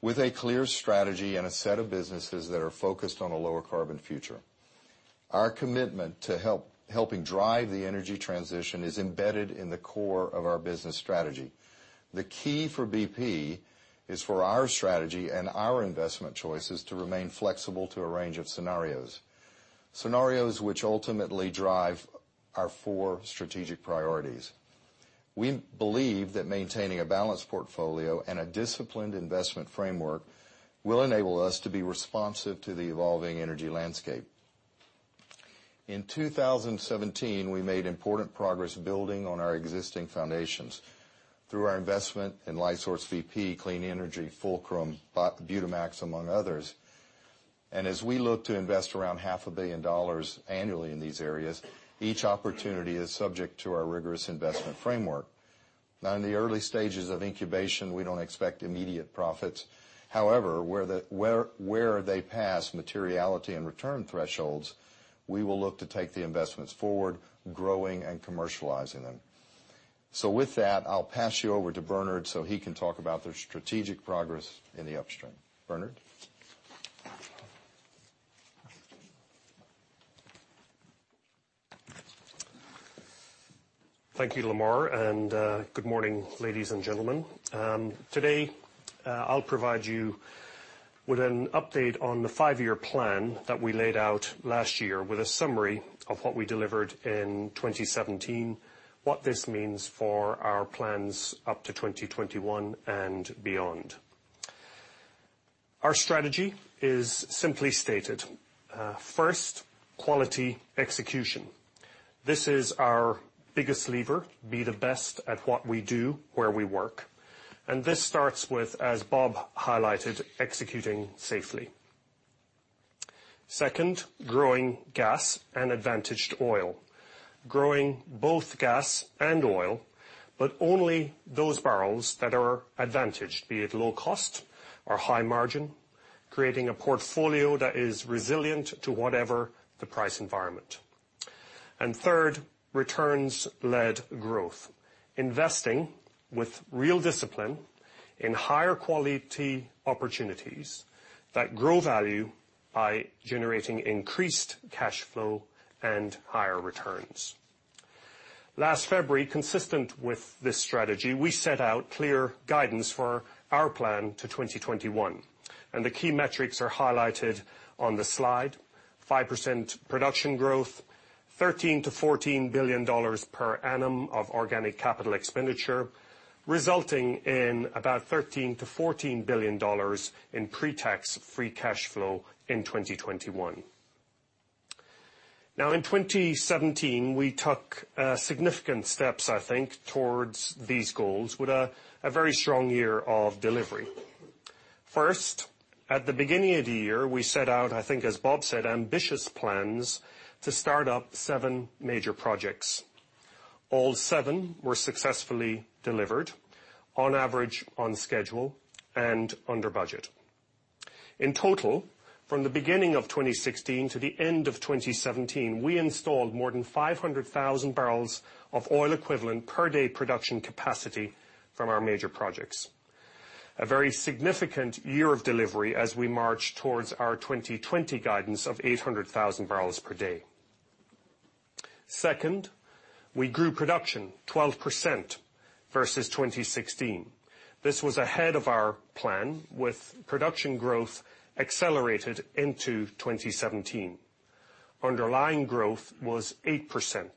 with a clear strategy and a set of businesses that are focused on a lower carbon future. Our commitment to helping drive the energy transition is embedded in the core of our business strategy. The key for BP is for our strategy and our investment choices to remain flexible to a range of scenarios which ultimately drive our four strategic priorities. We believe that maintaining a balanced portfolio and a disciplined investment framework will enable us to be responsive to the evolving energy landscape. In 2017, we made important progress building on our existing foundations through our investment in Lightsource BP, Clean Energy, Fulcrum, Butamax, among others. As we look to invest around half a billion dollars annually in these areas, each opportunity is subject to our rigorous investment framework. In the early stages of incubation, we don't expect immediate profits. However, where they pass materiality and return thresholds, we will look to take the investments forward, growing and commercializing them. With that, I'll pass you over to Bernard so he can talk about the strategic progress in the upstream. Bernard? Thank you, Lamar, and good morning, ladies and gentlemen. Today, I'll provide you with an update on the five-year plan that we laid out last year with a summary of what we delivered in 2017, what this means for our plans up to 2021 and beyond. Our strategy is simply stated. First, quality execution. This is our biggest lever, be the best at what we do, where we work. This starts with, as Bob highlighted, executing safely. Second, growing gas and advantaged oil. Growing both gas and oil, but only those barrels that are advantaged, be it low cost or high margin, creating a portfolio that is resilient to whatever the price environment. Third, returns-led growth. Investing with real discipline in higher quality opportunities that grow value by generating increased cash flow and higher returns. Last February, consistent with this strategy, we set out clear guidance for our plan to 2021, and the key metrics are highlighted on the slide. 5% production growth, $13 billion-$14 billion per annum of organic capital expenditure, resulting in about $13 billion-$14 billion in pre-tax free cash flow in 2021. In 2017, we took significant steps, I think, towards these goals with a very strong year of delivery. First, at the beginning of the year, we set out, I think as Bob said, ambitious plans to start up seven major projects. All seven were successfully delivered, on average, on schedule and under budget. In total, from the beginning of 2016 to the end of 2017, we installed more than 500,000 barrels of oil equivalent per day production capacity from our major projects. A very significant year of delivery as we march towards our 2020 guidance of 800,000 barrels per day. Second, we grew production 12% versus 2016. This was ahead of our plan with production growth accelerated into 2017. Underlying growth was 8%.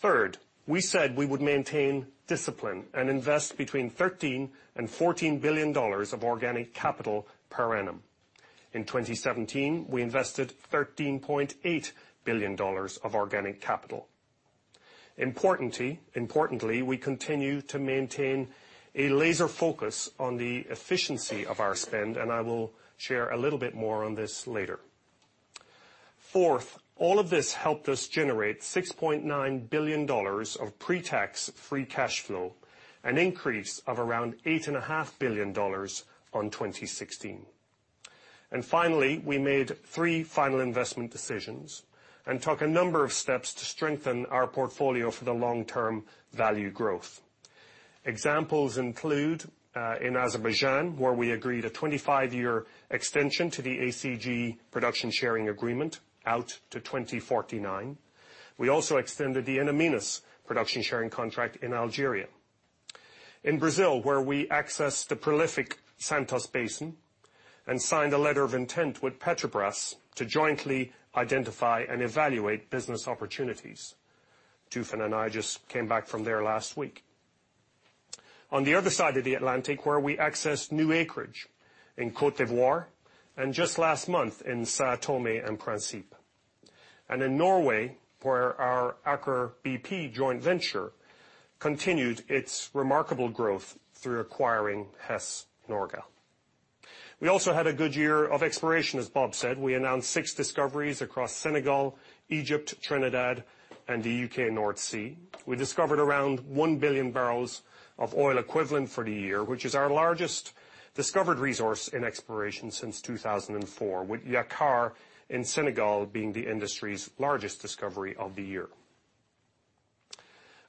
Third, we said we would maintain discipline and invest between $13 billion and $14 billion of organic capital per annum. In 2017, we invested $13.8 billion of organic capital. Importantly, we continue to maintain a laser focus on the efficiency of our spend, and I will share a little bit more on this later. Fourth, all of this helped us generate $6.9 billion of pre-tax free cash flow, an increase of around $8.5 billion on 2016. Finally, we made three final investment decisions and took a number of steps to strengthen our portfolio for the long-term value growth. Examples include, in Azerbaijan, where we agreed a 25-year extension to the ACG production sharing agreement out to 2049. We also extended the In Amenas production sharing contract in Algeria. In Brazil, where we accessed the prolific Santos Basin and signed a letter of intent with Petrobras to jointly identify and evaluate business opportunities. Tufan and I just came back from there last week. On the other side of the Atlantic, where we accessed new acreage in Côte d'Ivoire, and just last month in São Tomé and Príncipe, in Norway, where our Aker BP joint venture continued its remarkable growth through acquiring Hess Norge. We also had a good year of exploration, as Bob said. We announced 6 discoveries across Senegal, Egypt, Trinidad, and the U.K. North Sea. We discovered around 1 billion barrels of oil equivalent for the year, which is our largest discovered resource in exploration since 2004, with Yakaar in Senegal being the industry's largest discovery of the year.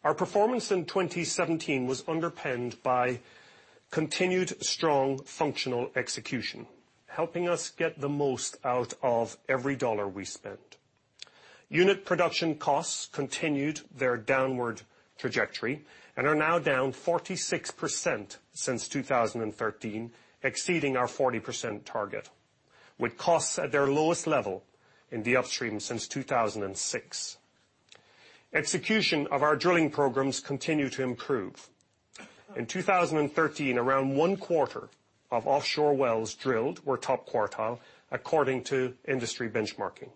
Our performance in 2017 was underpinned by continued strong functional execution, helping us get the most out of every dollar we spent. Unit production costs continued their downward trajectory and are now down 46% since 2013, exceeding our 40% target, with costs at their lowest level in the upstream since 2006. Execution of our drilling programs continue to improve. In 2013, around one-quarter of offshore wells drilled were top quartile according to industry benchmarking.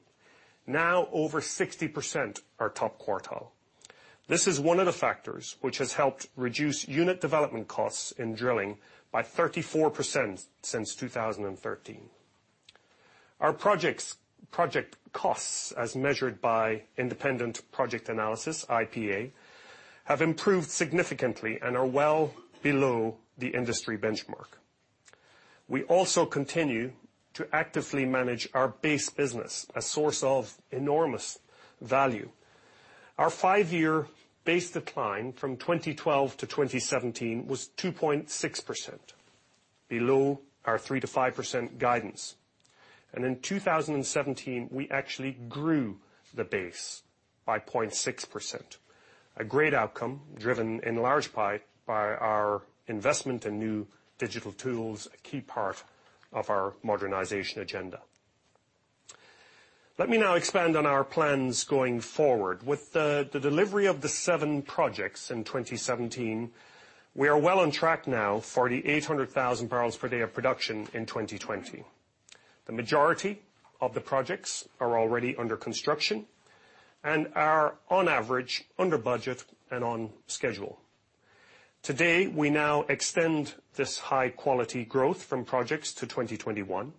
Now over 60% are top quartile. This is one of the factors which has helped reduce unit development costs in drilling by 34% since 2013. Our project costs, as measured by independent project analysis, IPA, have improved significantly and are well below the industry benchmark. We also continue to actively manage our base business, a source of enormous value. Our five-year base decline from 2012 to 2017 was 2.6%, below our 3%-5% guidance. In 2017, we actually grew the base by 0.6%, a great outcome driven in large part by our investment in new digital tools, a key part of our modernization agenda. Let me now expand on our plans going forward. With the delivery of the 7 projects in 2017, we are well on track now for the 800,000 barrels per day of production in 2020. The majority of the projects are already under construction and are on average under budget and on schedule. Today, we now extend this high-quality growth from projects to 2021,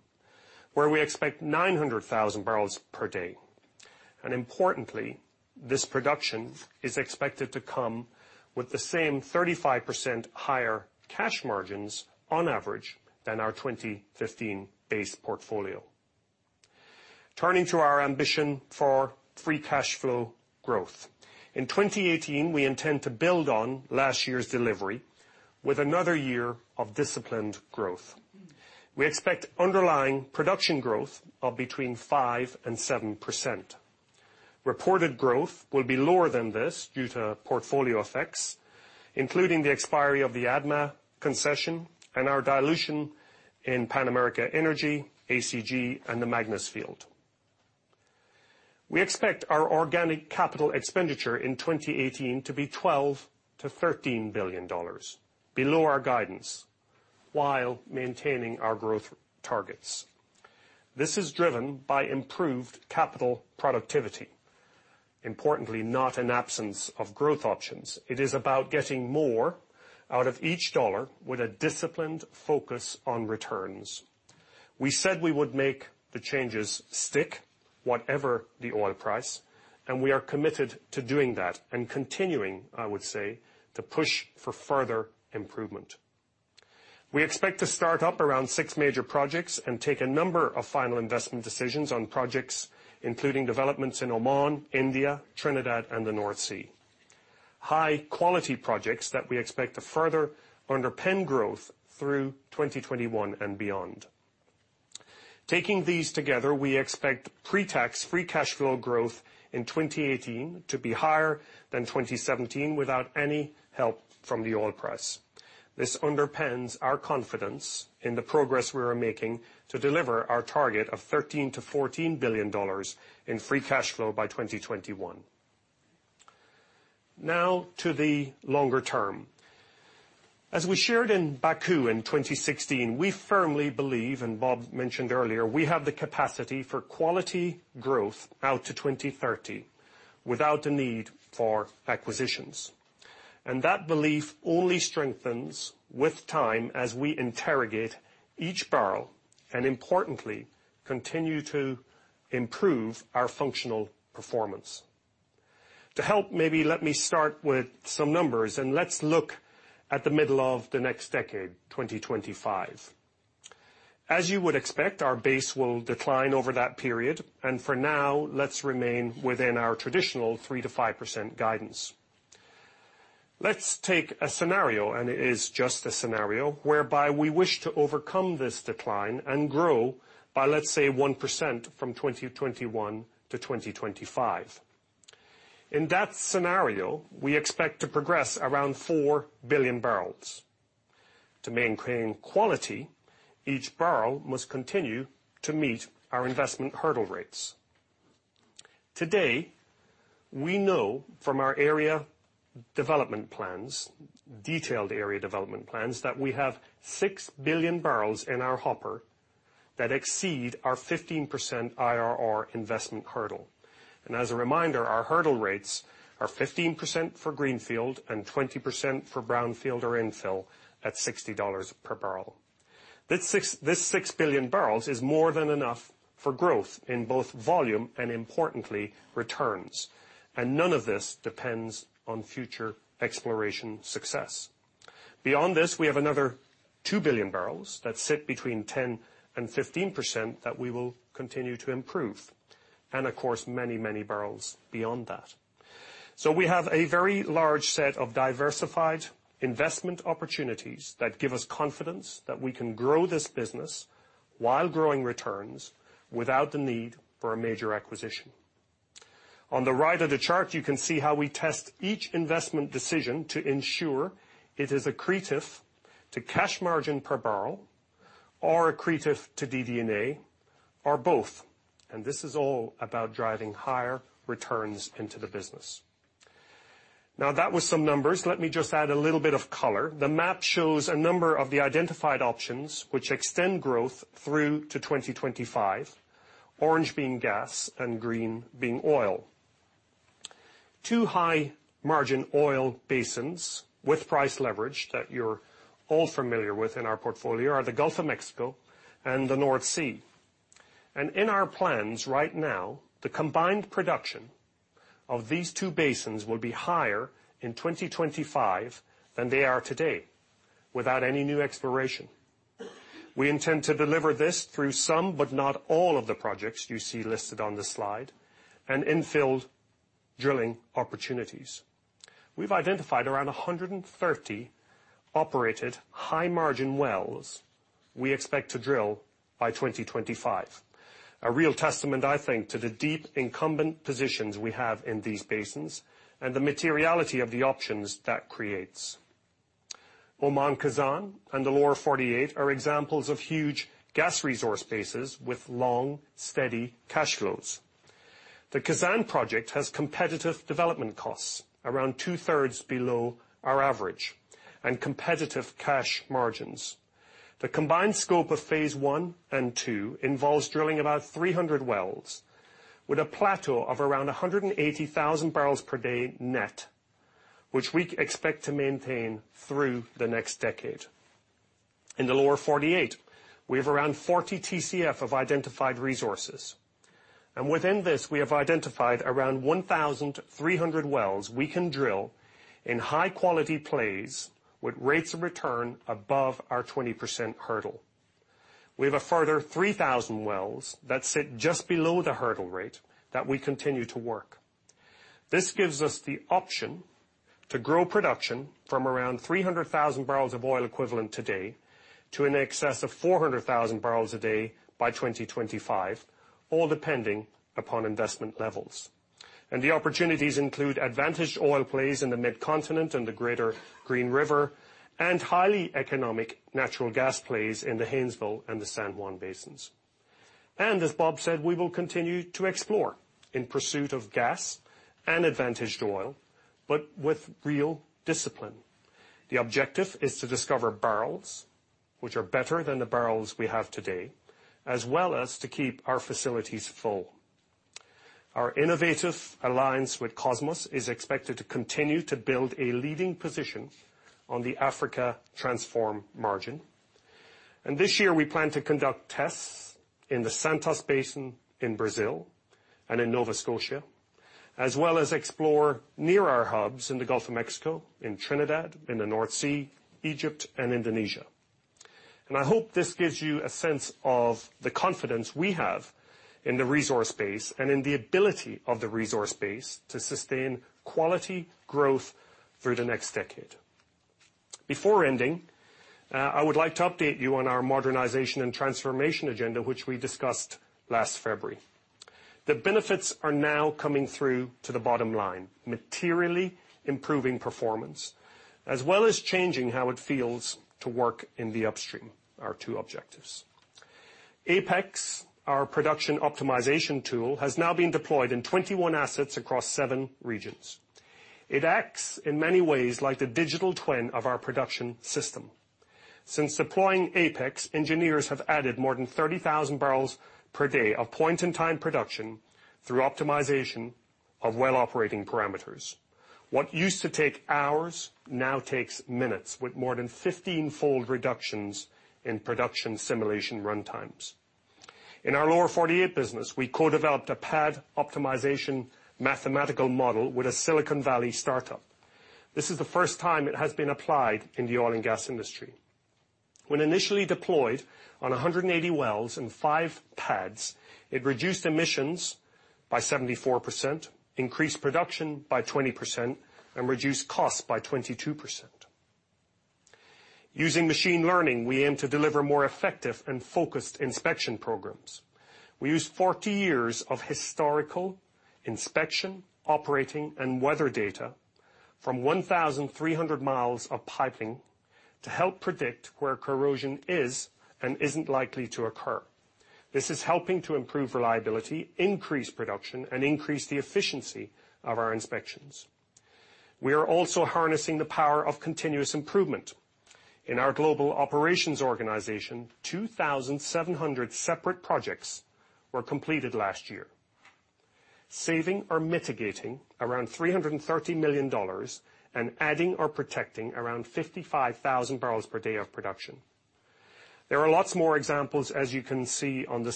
where we expect 900,000 barrels per day. Importantly, this production is expected to come with the same 35% higher cash margins on average than our 2015 base portfolio. Turning to our ambition for free cash flow growth. In 2018, we intend to build on last year's delivery with another year of disciplined growth. We expect underlying production growth of between 5%-7%. Reported growth will be lower than this due to portfolio effects, including the expiry of the ADMA concession and our dilution in Pan American Energy, ACG, and the Magnus field. We expect our organic capital expenditure in 2018 to be $12 billion-$13 billion, below our guidance while maintaining our growth targets. This is driven by improved capital productivity. Importantly, not an absence of growth options. It is about getting more out of each dollar with a disciplined focus on returns. We said we would make the changes stick whatever the oil price, and we are committed to doing that and continuing, I would say, to push for further improvement. We expect to start up around six major projects and take a number of final investment decisions on projects, including developments in Oman, India, Trinidad, and the North Sea. High-quality projects that we expect to further underpin growth through 2021 and beyond. Taking these together, we expect pre-tax free cash flow growth in 2018 to be higher than 2017 without any help from the oil price. This underpins our confidence in the progress we are making to deliver our target of $13 billion to $14 billion in free cash flow by 2021. To the longer term. As we shared in Baku in 2016, we firmly believe, Bob mentioned earlier, we have the capacity for quality growth out to 2030 without the need for acquisitions. That belief only strengthens with time as we interrogate each barrel, importantly, continue to improve our functional performance. To help maybe let me start with some numbers, let's look at the middle of the next decade, 2025. As you would expect, our base will decline over that period, for now, let's remain within our traditional 3%-5% guidance. Let's take a scenario, and it is just a scenario, whereby we wish to overcome this decline and grow by, let's say, 1% from 2021 to 2025. In that scenario, we expect to progress around four billion barrels. To maintain quality, each barrel must continue to meet our investment hurdle rates. Today, we know from our area development plans, detailed area development plans, that we have six billion barrels in our hopper that exceed our 15% IRR investment hurdle. As a reminder, our hurdle rates are 15% for greenfield and 20% for brownfield or infill at $60 per barrel. This six billion barrels is more than enough for growth in both volume and, importantly, returns. None of this depends on future exploration success. Beyond this, we have another two billion barrels that sit between 10% and 15% that we will continue to improve. Of course, many, many barrels beyond that. We have a very large set of diversified investment opportunities that give us confidence that we can grow this business while growing returns without the need for a major acquisition. On the right of the chart, you can see how we test each investment decision to ensure it is accretive to cash margin per barrel, or accretive to DVNA, or both. This is all about driving higher returns into the business. That was some numbers. Let me just add a little bit of color. The map shows a number of the identified options which extend growth through to 2025. Orange being gas and green being oil. Two high-margin oil basins with price leverage that you're all familiar with in our portfolio are the Gulf of Mexico and the North Sea. In our plans right now, the combined production of these two basins will be higher in 2025 than they are today, without any new exploration. We intend to deliver this through some, but not all of the projects you see listed on this slide, and in-field drilling opportunities. We've identified around 130 operated high-margin wells we expect to drill by 2025. A real testament, I think, to the deep incumbent positions we have in these basins and the materiality of the options that creates. Oman Khazzan and the Lower 48 are examples of huge gas resource bases with long, steady cash flows. The Khazzan project has competitive development costs, around two-thirds below our average, and competitive cash margins. The combined scope of phase one and two involves drilling about 300 wells with a plateau of around 180,000 barrels per day net, which we expect to maintain through the next decade. In the Lower 48, we have around 40 TCF of identified resources. Within this, we have identified around 1,300 wells we can drill in high-quality plays with rates of return above our 20% hurdle. We have a further 3,000 wells that sit just below the hurdle rate that we continue to work. This gives us the option to grow production from around 300,000 barrels of oil equivalent today to in excess of 400,000 barrels a day by 2025, all depending upon investment levels. The opportunities include advantaged oil plays in the Mid-Continent and the Greater Green River, and highly economic natural gas plays in the Haynesville and the San Juan basins. As Bob said, we will continue to explore in pursuit of gas and advantaged oil, but with real discipline. The objective is to discover barrels which are better than the barrels we have today, as well as to keep our facilities full. Our innovative alliance with Kosmos is expected to continue to build a leading position on the African Transform Margin. This year, we plan to conduct tests in the Santos Basin in Brazil and in Nova Scotia, as well as explore near our hubs in the Gulf of Mexico, in Trinidad, in the North Sea, Egypt, and Indonesia. I hope this gives you a sense of the confidence we have in the resource base and in the ability of the resource base to sustain quality growth through the next decade. Before ending, I would like to update you on our modernization and transformation agenda, which we discussed last February. The benefits are now coming through to the bottom line, materially improving performance, as well as changing how it feels to work in the upstream, our two objectives. APEX, our production optimization tool, has now been deployed in 21 assets across seven regions. It acts in many ways like the digital twin of our production system. Since deploying APEX, engineers have added more than 30,000 barrels per day of point-in-time production through optimization of well operating parameters. What used to take hours now takes minutes, with more than 15-fold reductions in production simulation runtimes. In our Lower 48 business, we co-developed a pad optimization mathematical model with a Silicon Valley start-up. This is the first time it has been applied in the oil and gas industry. When initially deployed on 180 wells and five pads, it reduced emissions by 74%, increased production by 20%, and reduced costs by 22%. Using machine learning, we aim to deliver more effective and focused inspection programs. We use 40 years of historical inspection, operating, and weather data from 1,300 miles of piping to help predict where corrosion is and isn't likely to occur. This is helping to improve reliability, increase production, and increase the efficiency of our inspections. We are also harnessing the power of continuous improvement. In our global operations organization, 2,700 separate projects were completed last year, saving or mitigating around $330 million and adding or protecting around 55,000 barrels per day of production. Overall,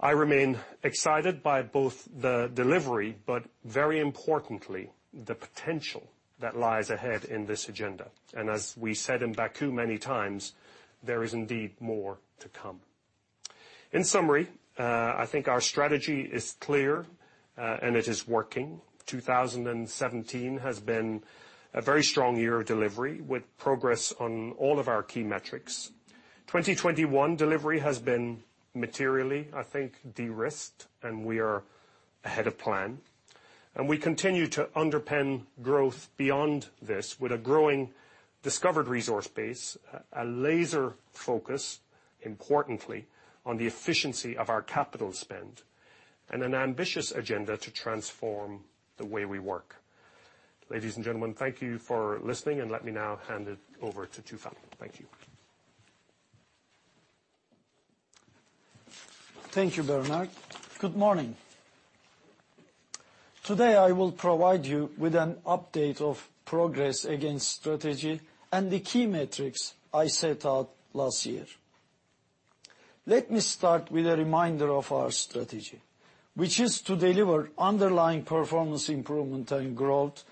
I remain excited by both the delivery, but very importantly, the potential that lies ahead in this agenda. As we said in Baku many times, there is indeed more to come. In summary, I think our strategy is clear, and it is working. 2017 has been a very strong year of delivery with progress on all of our key metrics. 2021 delivery has been materially, I think, de-risked, and we are ahead of plan. We continue to underpin growth beyond this with a growing discovered resource base, a laser focus, importantly, on the efficiency of our capital spend, and an ambitious agenda to transform the way we work. Ladies and gentlemen, thank you for listening, and let me now hand it over to Tufan. Thank you. Thank you, Bernard. Good morning. Today, I will provide you with an update of progress against strategy and the key metrics I set out last year. Let me start with a reminder of our strategy, which is to deliver underlying performance improvement and growth,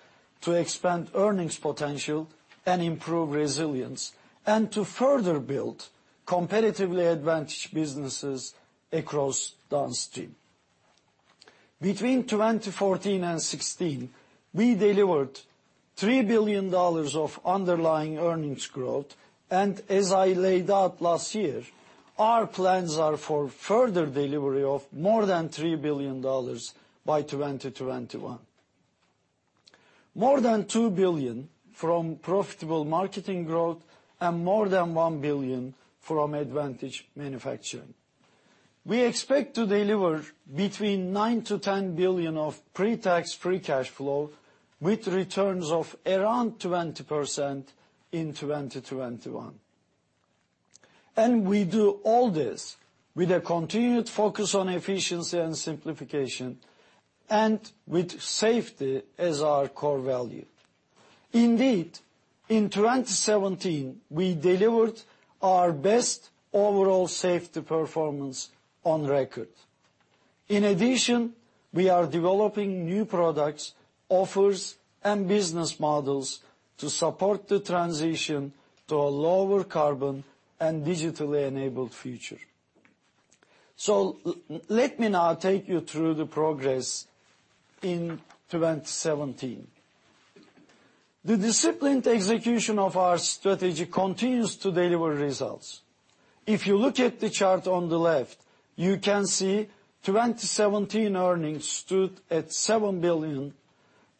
to expand earnings potential and improve resilience, and to further build competitively advantaged businesses across Downstream. Between 2014 and 2016, we delivered $3 billion of underlying earnings growth. As I laid out last year, our plans are for further delivery of more than $3 billion by 2021. More than $2 billion from profitable marketing growth and more than $1 billion from advantage manufacturing. We expect to deliver between $9 billion-$10 billion of pre-tax, free cash flow with returns of around 20% in 2021. We do all this with a continued focus on efficiency and simplification and with safety as our core value. Indeed, in 2017, we delivered our best overall safety performance on record. In addition, we are developing new products, offers, and business models to support the transition to a lower carbon and digitally enabled future. Let me now take you through the progress in 2017. The disciplined execution of our strategy continues to deliver results. If you look at the chart on the left, you can see 2017 earnings stood at $7 billion,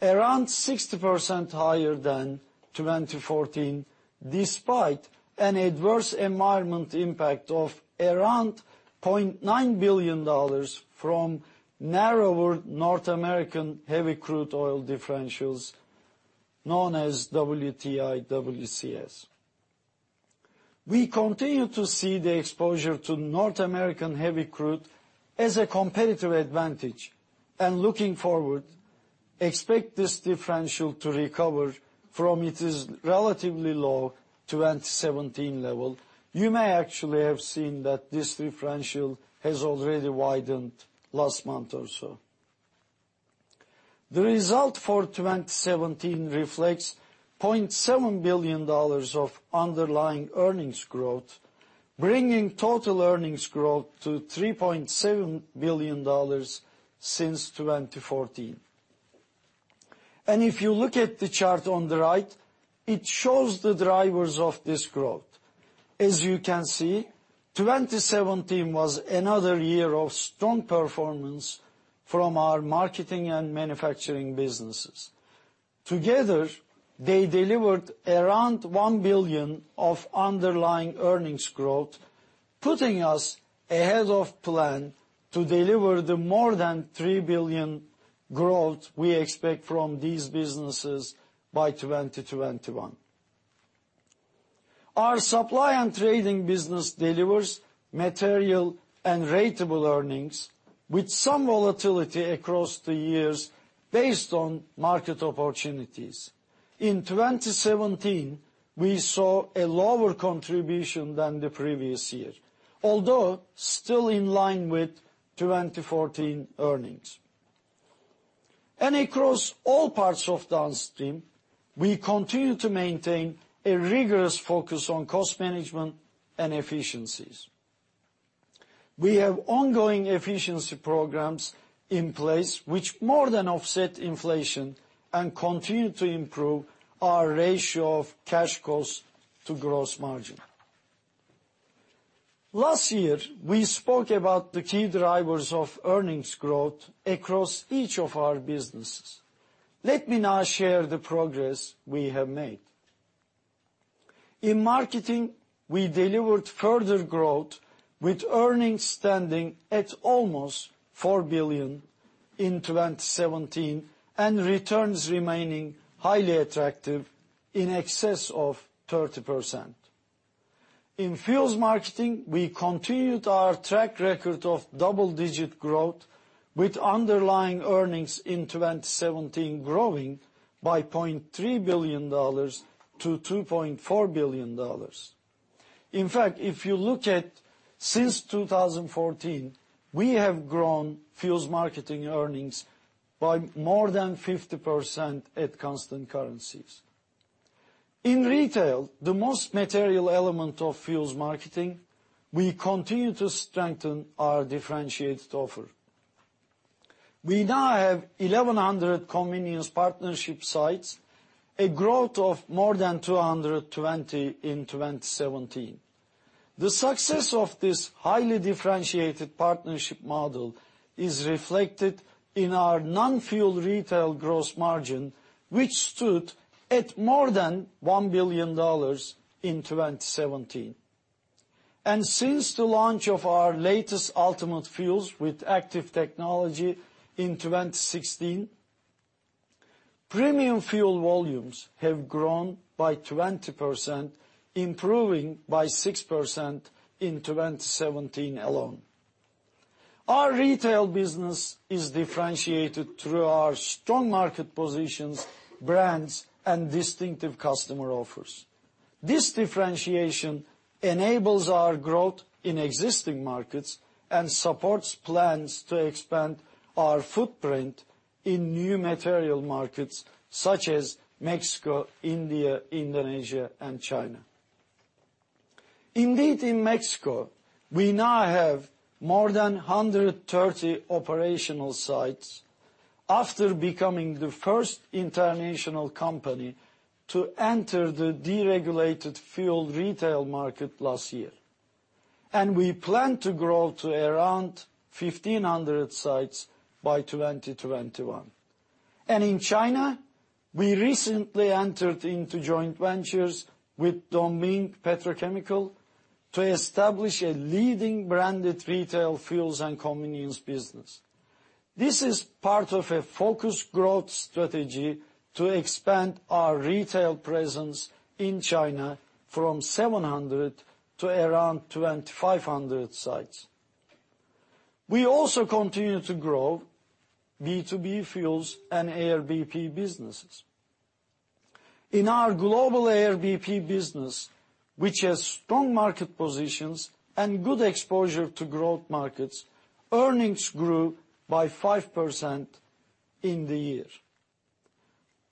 around 60% higher than 2014, despite an adverse environment impact of around $0.9 billion from narrower North American heavy crude oil differentials known as WTI/WCS. We continue to see the exposure to North American heavy crude as a competitive advantage and looking forward, expect this differential to recover from its relatively low 2017 level. You may actually have seen that this differential has already widened last month or so. The result for 2017 reflects $0.7 billion of underlying earnings growth, bringing total earnings growth to $3.7 billion since 2014. If you look at the chart on the right, it shows the drivers of this growth. As you can see, 2017 was another year of strong performance from our marketing and manufacturing businesses. Together, they delivered around $1 billion of underlying earnings growth, putting us ahead of plan to deliver the more than $3 billion growth we expect from these businesses by 2021. Our supply and trading business delivers material and ratable earnings with some volatility across the years based on market opportunities. In 2017, we saw a lower contribution than the previous year, although still in line with 2014 earnings. Across all parts of Downstream, we continue to maintain a rigorous focus on cost management and efficiencies. We have ongoing efficiency programs in place, which more than offset inflation and continue to improve our ratio of cash costs to gross margin. Last year, we spoke about the key drivers of earnings growth across each of our businesses. Let me now share the progress we have made. In marketing, we delivered further growth, with earnings standing at almost $4 billion in 2017, and returns remaining highly attractive, in excess of 30%. In fuels marketing, we continued our track record of double-digit growth, with underlying earnings in 2017 growing by $0.3 billion to $2.4 billion. In fact, if you look at since 2014, we have grown fuels marketing earnings by more than 50% at constant currencies. In retail, the most material element of fuels marketing, we continue to strengthen our differentiated offer. We now have 1,100 convenience partnership sites, a growth of more than 220 in 2017. The success of this highly differentiated partnership model is reflected in our non-fuel retail gross margin, which stood at more than $1 billion in 2017. Since the launch of our latest Ultimate fuels with ACTIVE technology in 2016, premium fuel volumes have grown by 20%, improving by 6% in 2017 alone. Our retail business is differentiated through our strong market positions, brands, and distinctive customer offers. This differentiation enables our growth in existing markets and supports plans to expand our footprint in new material markets such as Mexico, India, Indonesia, and China. Indeed, in Mexico, we now have more than 130 operational sites after becoming the first international company to enter the deregulated fuel retail market last year, and we plan to grow to around 1,500 sites by 2021. In China, we recently entered into joint ventures with Dongming Petrochemical to establish a leading branded retail fuels and convenience business. This is part of a focused growth strategy to expand our retail presence in China from 700 to around 2,500 sites. We also continue to grow B2B fuels and Air BP businesses. In our global Air BP business, which has strong market positions and good exposure to growth markets, earnings grew by 5% in the year.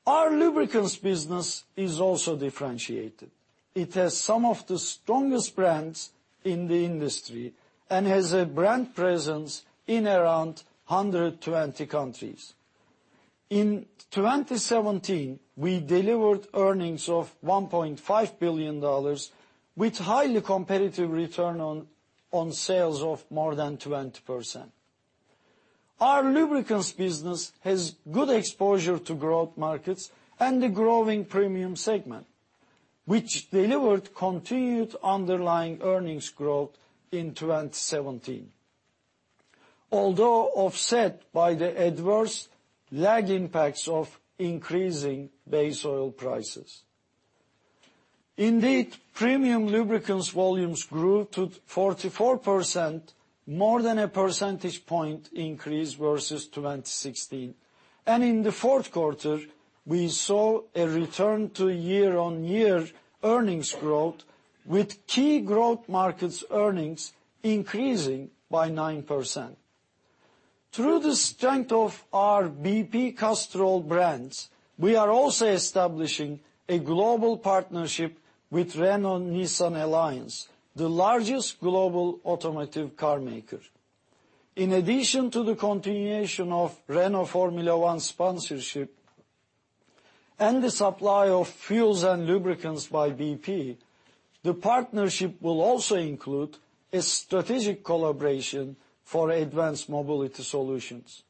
Our lubricants business is also differentiated. It has some of the strongest brands in the industry and has a brand presence in around 120 countries. In 2017, we delivered earnings of $1.5 billion with highly competitive return on sales of more than 20%. Our lubricants business has good exposure to growth markets and the growing premium segment, which delivered continued underlying earnings growth in 2017, although offset by the adverse lag impacts of increasing base oil prices. Indeed, premium lubricants volumes grew to 44%, more than a percentage point increase versus 2016. In the fourth quarter, we saw a return to year-on-year earnings growth, with key growth markets earnings increasing by 9%. Through the strength of our BP Castrol brands, we are also establishing a global partnership with Renault-Nissan Alliance, the largest global automotive car maker. In addition to the continuation of Renault Formula One sponsorship and the supply of fuels and lubricants by BP. The partnership will also include a strategic collaboration for advanced mobility solutions.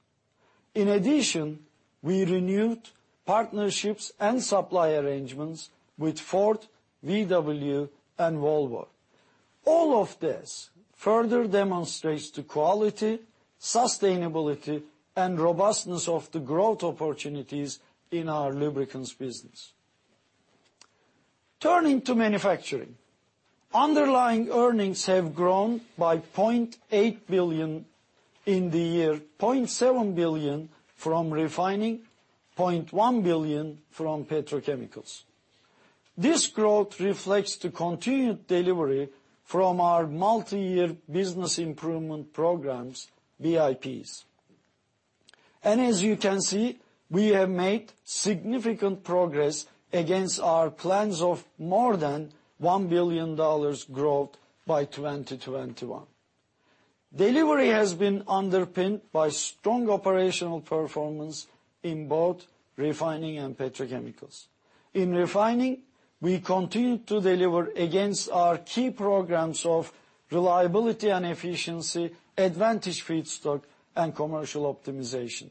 In addition, we renewed partnerships and supply arrangements with Ford, VW, and Volvo. All of this further demonstrates the quality, sustainability, and robustness of the growth opportunities in our lubricants business. Turning to manufacturing. Underlying earnings have grown by $0.8 billion in the year, $0.7 billion from refining, $0.1 billion from petrochemicals. This growth reflects the continued delivery from our multi-year Business Improvement Programs, BIPs. As you can see, we have made significant progress against our plans of more than $1 billion growth by 2021. Delivery has been underpinned by strong operational performance in both refining and petrochemicals. In refining, we continued to deliver against our key programs of reliability and efficiency, advantage feedstock, and commercial optimization.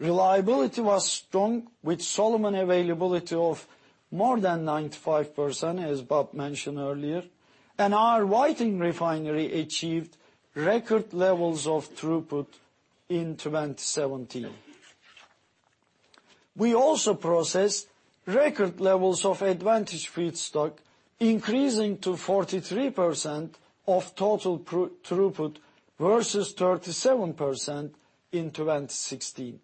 Reliability was strong with Solomon availability of more than 95%, as Bob mentioned earlier, and our Whiting Refinery achieved record levels of throughput in 2017. We also processed record levels of advantage feedstock, increasing to 43% of total throughput versus 37% in 2016.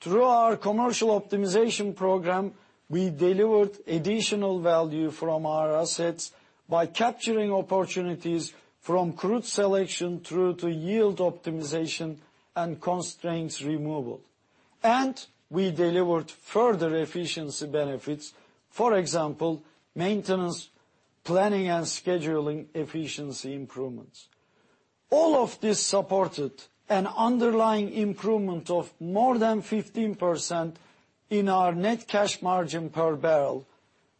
Through our commercial optimization program, we delivered additional value from our assets by capturing opportunities from crude selection through to yield optimization and constraints removal. We delivered further efficiency benefits. For example, maintenance, planning and scheduling efficiency improvements. All of this supported an underlying improvement of more than 15% in our net cash margin per barrel,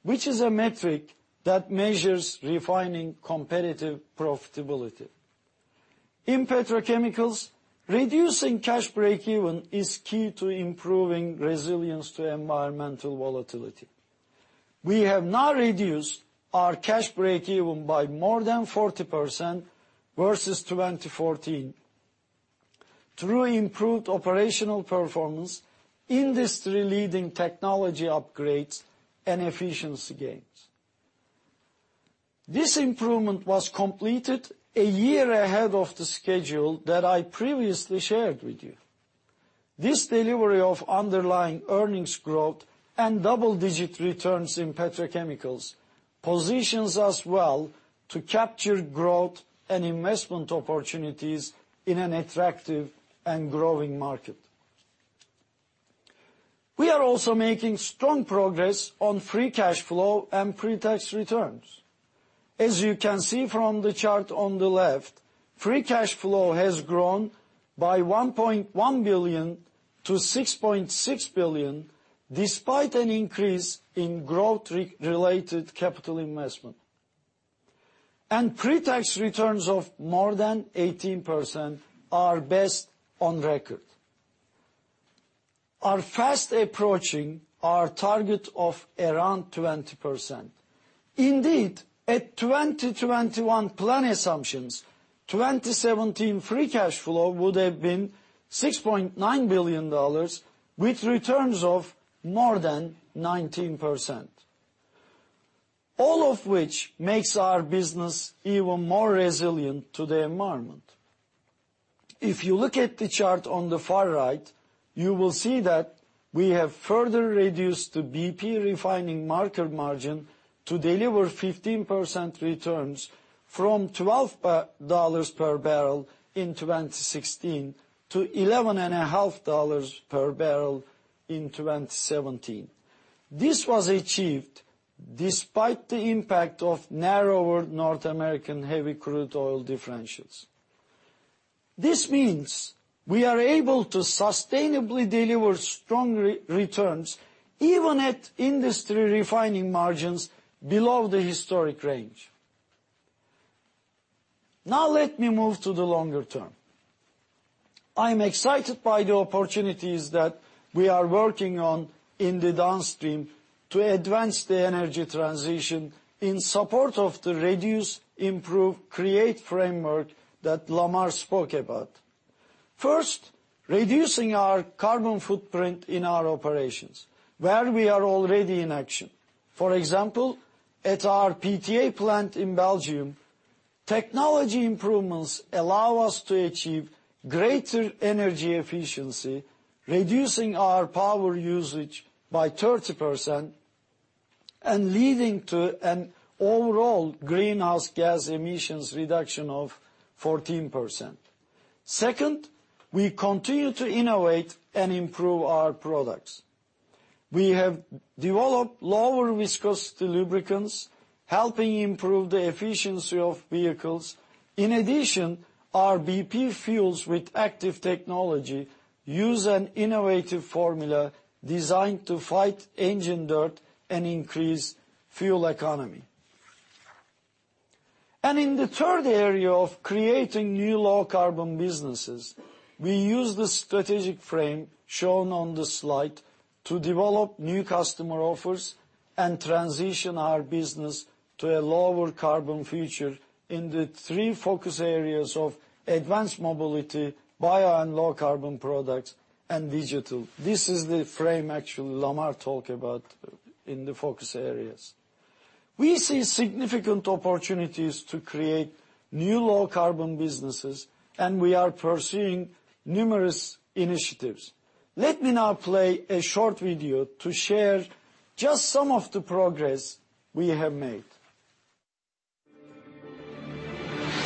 which is a metric that measures refining competitive profitability. In petrochemicals, reducing cash breakeven is key to improving resilience to environmental volatility. We have now reduced our cash breakeven by more than 40% versus 2014 through improved operational performance, industry-leading technology upgrades, and efficiency gains. This improvement was completed a year ahead of the schedule that I previously shared with you. This delivery of underlying earnings growth and double-digit returns in petrochemicals positions us well to capture growth and investment opportunities in an attractive and growing market. We are also making strong progress on free cash flow and pre-tax returns. As you can see from the chart on the left, free cash flow has grown by $1.1 billion to $6.6 billion, despite an increase in growth-related capital investment. Pre-tax returns of more than 18% are best on record, are fast approaching our target of around 20%. Indeed, at 2021 plan assumptions, 2017 free cash flow would have been $6.9 billion, with returns of more than 19%. All of which makes our business even more resilient to the environment. If you look at the chart on the far right, you will see that we have further reduced the BP refining marker margin to deliver 15% returns from $12 per barrel in 2016 to $11.5 per barrel in 2017. This was achieved despite the impact of narrower North American heavy crude oil differentials. This means we are able to sustainably deliver strong returns even at industry refining margins below the historic range. Let me move to the longer term. I am excited by the opportunities that we are working on in the Downstream to advance the energy transition in support of the reduce, improve, create framework that Lamar spoke about. First, reducing our carbon footprint in our operations, where we are already in action. For example, at our PTA plant in Belgium, technology improvements allow us to achieve greater energy efficiency, reducing our power usage by 30% and leading to an overall greenhouse gas emissions reduction of 14%. Second, we continue to innovate and improve our products. We have developed lower viscosity lubricants, helping improve the efficiency of vehicles. In addition, our BP fuels with ACTIVE technology use an innovative formula designed to fight engine dirt and increase fuel economy. In the third area of creating new low carbon businesses, we use the strategic frame shown on the slide to develop new customer offers and transition our business to a lower carbon future in the three focus areas of advanced mobility, bio and low carbon products, and digital. This is the frame actually Lamar talked about in the focus areas. We see significant opportunities to create new low carbon businesses, and we are pursuing numerous initiatives. Let me now play a short video to share just some of the progress we have made.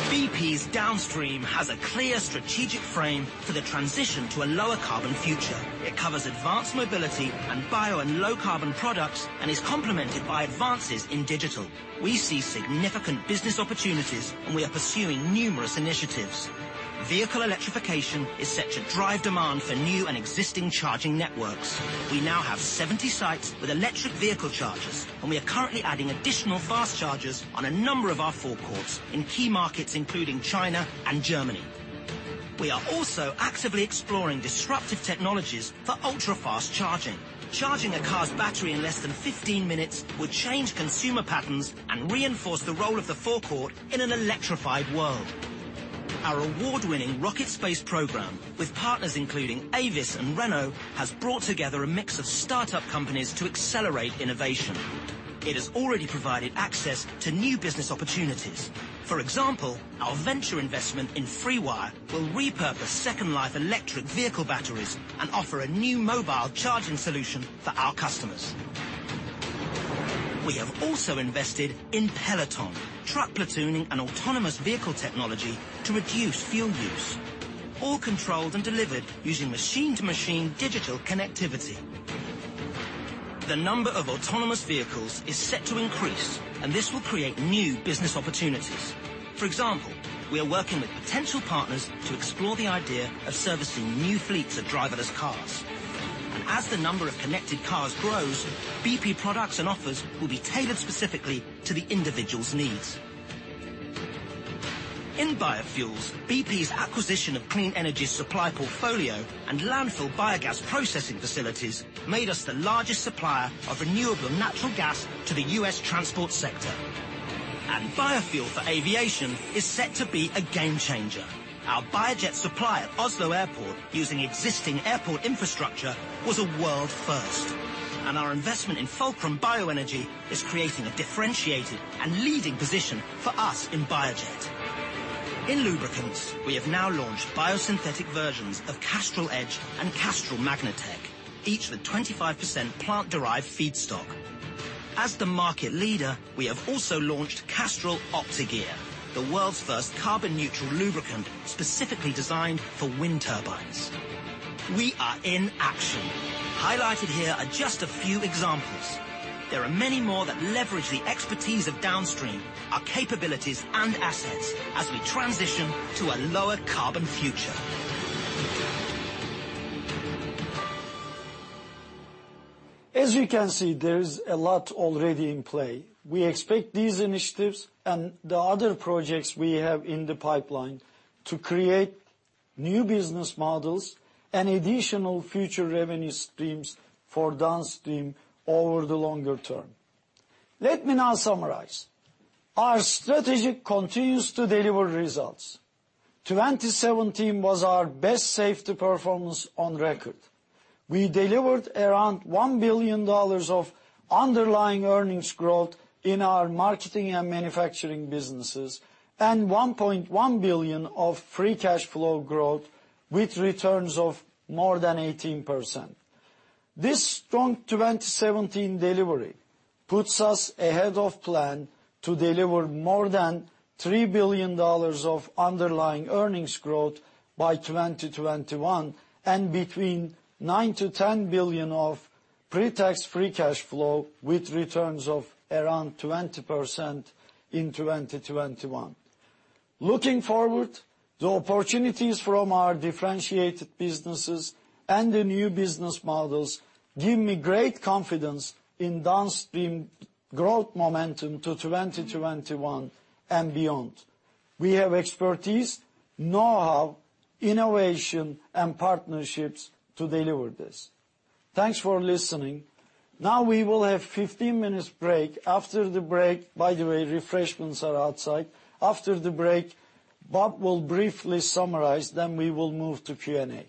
BP's Downstream has a clear strategic frame for the transition to a lower carbon future. It covers advanced mobility and bio and low carbon products and is complemented by advances in digital. We see significant business opportunities, and we are pursuing numerous initiatives. Vehicle electrification is set to drive demand for new and existing charging networks. We now have 70 sites with electric vehicle chargers, and we are currently adding additional fast chargers on a number of our forecourts in key markets, including China and Germany. We are also actively exploring disruptive technologies for ultra-fast charging. Charging a car's battery in less than 15 minutes would change consumer patterns and reinforce the role of the forecourt in an electrified world. Our award-winning RocketSpace program with partners including Avis and Renault, has brought together a mix of startup companies to accelerate innovation. It has already provided access to new business opportunities. For example, our venture investment in FreeWire will repurpose second life electric vehicle batteries and offer a new mobile charging solution for our customers. We have also invested in Peloton, truck platooning and autonomous vehicle technology to reduce fuel use, all controlled and delivered using machine-to-machine digital connectivity. The number of autonomous vehicles is set to increase, and this will create new business opportunities. For example, we are working with potential partners to explore the idea of servicing new fleets of driverless cars. As the number of connected cars grows, BP products and offers will be tailored specifically to the individual's needs. In biofuels, BP's acquisition of Clean Energy's supply portfolio and landfill biogas processing facilities made us the largest supplier of renewable natural gas to the U.S. transport sector. Biofuel for aviation is set to be a game changer. Our biojet supply at Oslo Airport using existing airport infrastructure was a world first. Our investment in Fulcrum BioEnergy is creating a differentiated and leading position for us in biojet. In lubricants, we have now launched biosynthetic versions of Castrol EDGE and Castrol MAGNATEC, each with 25% plant-derived feedstock. As the market leader, we have also launched Castrol Optigear, the world's first carbon neutral lubricant specifically designed for wind turbines. We are in action. Highlighted here are just a few examples. There are many more that leverage the expertise of Downstream, our capabilities and assets as we transition to a lower carbon future. As you can see, there is a lot already in play. We expect these initiatives and the other projects we have in the pipeline to create new business models and additional future revenue streams for Downstream over the longer term. Let me now summarize. Our strategy continues to deliver results. 2017 was our best safety performance on record. We delivered around $1 billion of underlying earnings growth in our marketing and manufacturing businesses and $1.1 billion of free cash flow growth with returns of more than 18%. This strong 2017 delivery puts us ahead of plan to deliver more than $3 billion of underlying earnings growth by 2021, and between nine to $10 billion of pre-tax free cash flow with returns of around 20% in 2021. Looking forward, the opportunities from our differentiated businesses and the new business models give me great confidence in Downstream growth momentum to 2021 and beyond. We have expertise, know-how, innovation, and partnerships to deliver this. Thanks for listening. Now we will have 15 minutes break. After the break, by the way, refreshments are outside. After the break, Bob will briefly summarize, then we will move to Q&A.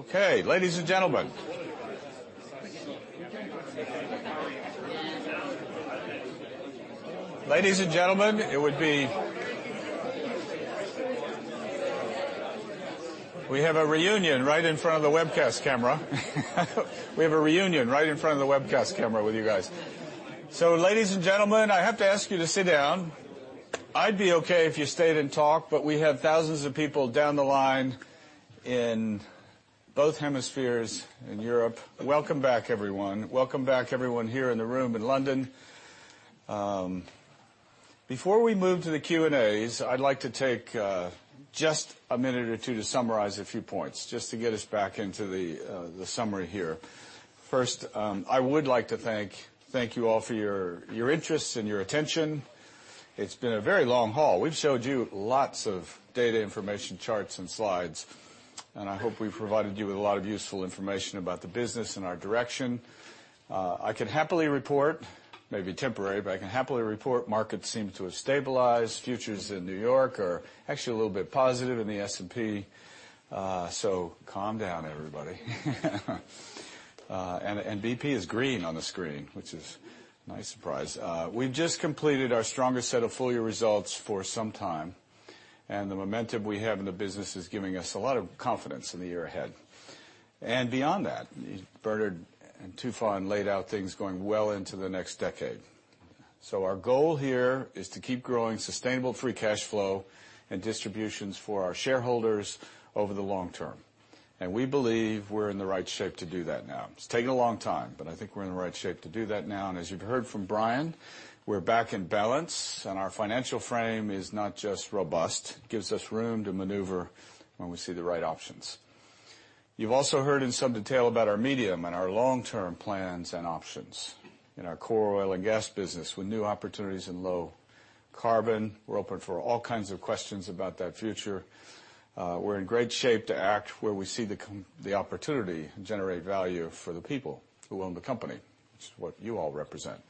Okay. Ladies and gentlemen. We have a reunion right in front of the webcast camera with you guys. Ladies and gentlemen, I have to ask you to sit down. I'd be okay if you stayed and talked, but we have thousands of people down the line in both hemispheres, in Europe. Welcome back, everyone. Welcome back, everyone here in the room in London. Before we move to the Q&As, I'd like to take just a minute or two to summarize a few points, just to get us back into the summary here. First, I would like to thank you all for your interests and your attention. It's been a very long haul. We've showed you lots of data, information, charts, and slides. I hope we've provided you with a lot of useful information about the business and our direction. I can happily report, maybe temporary. I can happily report markets seem to have stabilized. Futures in New York are actually a little bit positive in the S&P. Calm down, everybody. BP is green on the screen, which is a nice surprise. We've just completed our strongest set of full-year results for some time. The momentum we have in the business is giving us a lot of confidence in the year ahead. Beyond that, Bernard and Tufan laid out things going well into the next decade. Our goal here is to keep growing sustainable free cash flow and distributions for our shareholders over the long term. We believe we're in the right shape to do that now. It's taken a long time. I think we're in the right shape to do that now. As you've heard from Brian, we're back in balance. Our financial frame is not just robust. It gives us room to maneuver when we see the right options. You've also heard in some detail about our medium and our long-term plans and options in our core oil and gas business with new opportunities in low carbon. We're open for all kinds of questions about that future. We're in great shape to act where we see the opportunity and generate value for the people who own the company, which is what you all represent.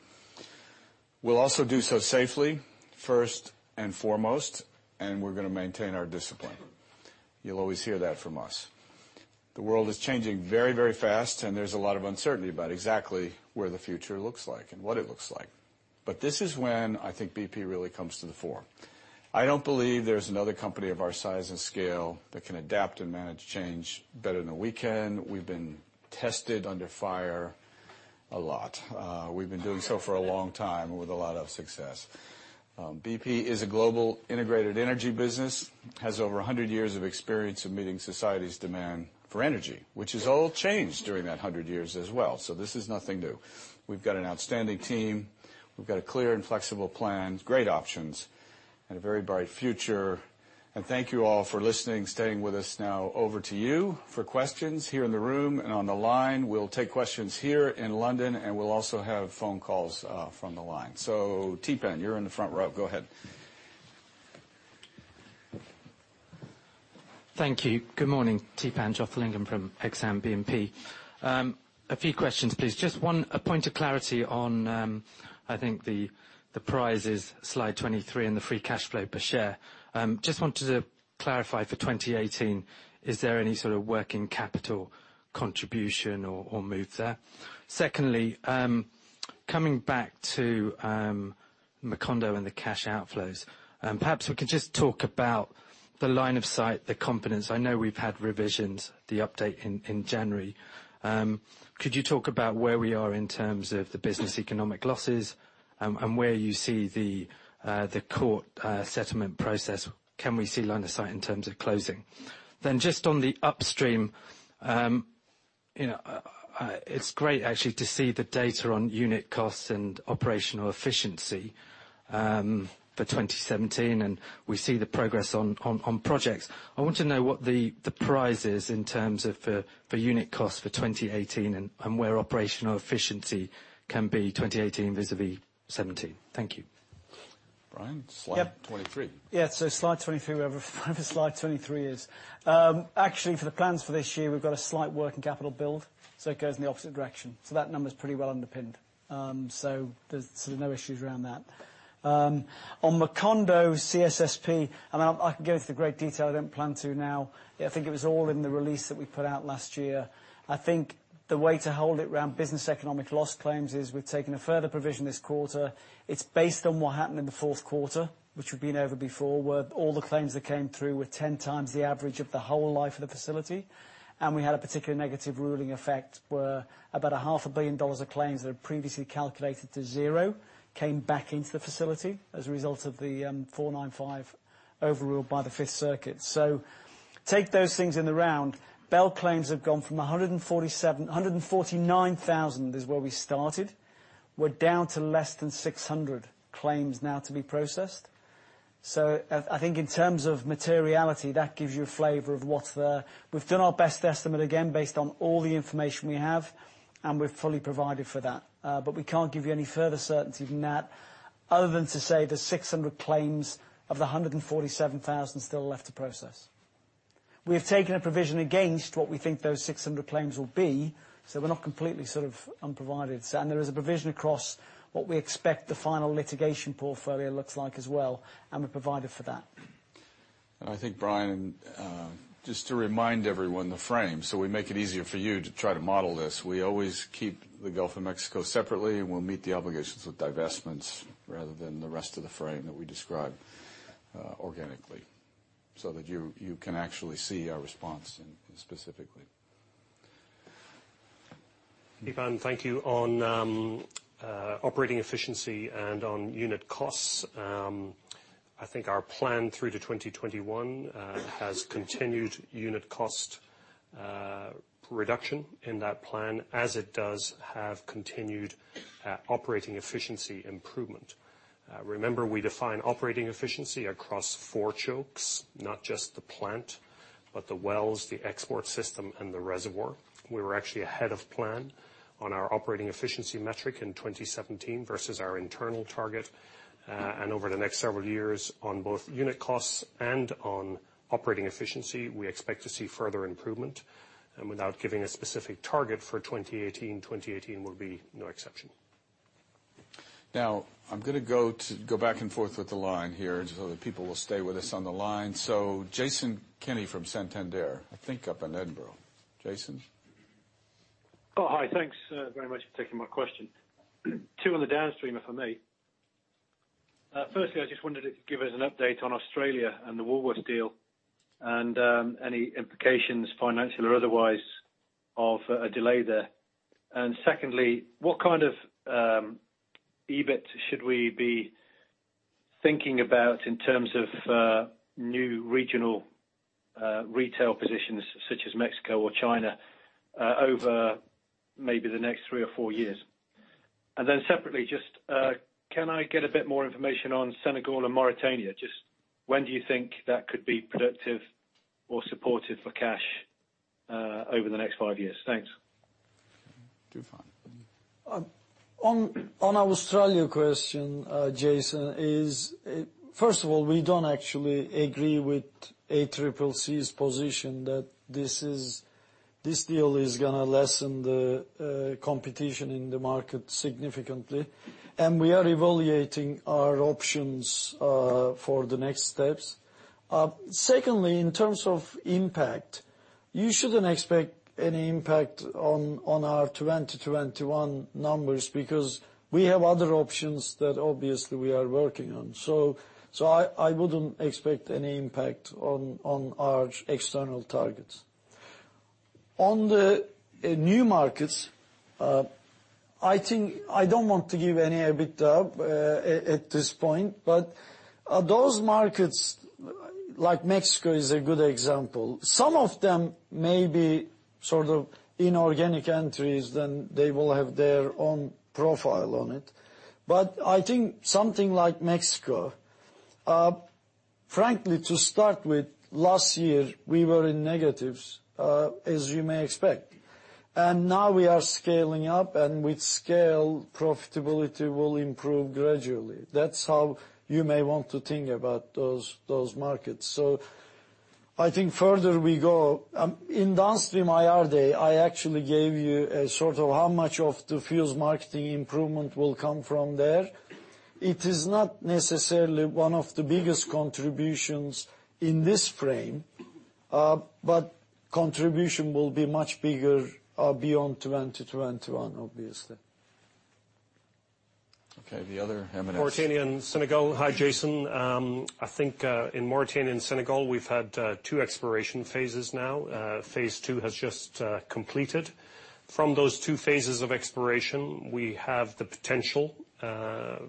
We'll also do so safely, first and foremost. We're going to maintain our discipline. You'll always hear that from us. The world is changing very fast. There's a lot of uncertainty about exactly where the future looks like and what it looks like. This is when I think BP really comes to the fore. I don't believe there's another company of our size and scale that can adapt and manage change better than we can. We've been tested under fire a lot. We've been doing so for a long time with a lot of success. BP is a global integrated energy business, has over 100 years of experience of meeting society's demand for energy, which has all changed during that 100 years as well. This is nothing new. We've got an outstanding team. We've got a clear and flexible plan, great options, and a very bright future. Thank you all for listening, staying with us. Now over to you for questions here in the room and on the line. We'll take questions here in London. We'll also have phone calls from the line. Theepan, you're in the front row. Go ahead. Thank you. Good morning, Theepan Jothilingam from Exane BNP. A few questions, please. Just one, a point of clarity on, I think the prize is slide 23 and the free cash flow per share. Just wanted to clarify for 2018, is there any sort of working capital contribution or move there? Secondly, coming back to Macondo and the cash outflows, perhaps we could just talk about the line of sight, the confidence. I know we've had revisions, the update in January. Could you talk about where we are in terms of the business economic losses and where you see the court settlement process? Can we see line of sight in terms of closing? Then just on the Upstream, it's great actually to see the data on unit costs and operational efficiency, for 2017, and we see the progress on projects. I want to know what the prize is in terms of the unit cost for 2018 and where operational efficiency can be 2018 vis-à-vis 2017. Thank you. Brian? Slide 23. Slide 23, wherever slide 23 is. Actually, for the plans for this year, we've got a slight working capital build, it goes in the opposite direction. That number's pretty well underpinned. There's no issues around that. On Macondo CSSP, I can go into the great detail, I don't plan to now. I think it was all in the release that we put out last year. I think the way to hold it around business economic loss claims is we've taken a further provision this quarter. It's based on what happened in the fourth quarter, which we've been over before, where all the claims that came through were 10 times the average of the whole life of the facility. We had a particular negative ruling effect where about a half a billion dollars of claims that had previously calculated to zero came back into the facility as a result of the 495 overrule by the Fifth Circuit. Take those things in the round. BEL claims have gone from 149,000, is where we started. We are down to less than 600 claims now to be processed. I think in terms of materiality, that gives you a flavor of what's there. We have done our best estimate, again, based on all the information we have, and we have fully provided for that. We cannot give you any further certainty than that, other than to say there are 600 claims of the 147,000 still left to process. We have taken a provision against what we think those 600 claims will be, so we are not completely unprovided. There is a provision across what we expect the final litigation portfolio looks like as well, and we have provided for that. I think, Brian, just to remind everyone the frame, we make it easier for you to try to model this. We always keep the Gulf of Mexico separately, and we will meet the obligations with divestments rather than the rest of the frame that we describe organically, so that you can actually see our response specifically. Theepan, thank you. On operating efficiency and on unit costs, I think our plan through to 2021 has continued unit cost reduction in that plan as it does have continued operating efficiency improvement. Remember, we define operating efficiency across four chokes, not just the plant, but the wells, the export system, and the reservoir. We were actually ahead of plan on our operating efficiency metric in 2017 versus our internal target. Over the next several years on both unit costs and on operating efficiency, we expect to see further improvement. Without giving a specific target for 2018 will be no exception. I'm going to go back and forth with the line here so that people will stay with us on the line. Jason Kenney from Santander, I think up in Edinburgh. Jason? Oh, hi. Thanks very much for taking my question. Two on the Downstream, if I may. Firstly, I just wondered if you could give us an update on Australia and the Woolworths deal and any implications, financial or otherwise, of a delay there. Secondly, what kind of EBIT should we be thinking about in terms of new regional retail positions such as Mexico or China over maybe the next three or four years? Separately, can I get a bit more information on Senegal and Mauritania? When do you think that could be productive or supportive for cash over the next five years? Thanks. Tufan. On Australia question, Jason, is first of all, we don't actually agree with ACCC's position that this deal is going to lessen the competition in the market significantly. We are evaluating our options for the next steps. Secondly, in terms of impact, you shouldn't expect any impact on our 2021 numbers because we have other options that obviously we are working on. I wouldn't expect any impact on our external targets. On the new markets, I don't want to give any EBITDA at this point, but those markets, like Mexico is a good example. Some of them may be sort of inorganic entries, they will have their own profile on it. I think something like Mexico, frankly, to start with, last year, we were in negatives, as you may expect. Now we are scaling up, and with scale, profitability will improve gradually. That's how you may want to think about those markets. I think further we go. In Downstream IR Day, I actually gave you a sort of how much of the fuels marketing improvement will come from there. It is not necessarily one of the biggest contributions in this frame, but contribution will be much bigger beyond 2021, obviously. Okay. The other [M and S]. Mauritania and Senegal. Hi, Jason. I think in Mauritania and Senegal, we've had two exploration phases now. Phase 2 has just completed. From those two phases of exploration, we have the potential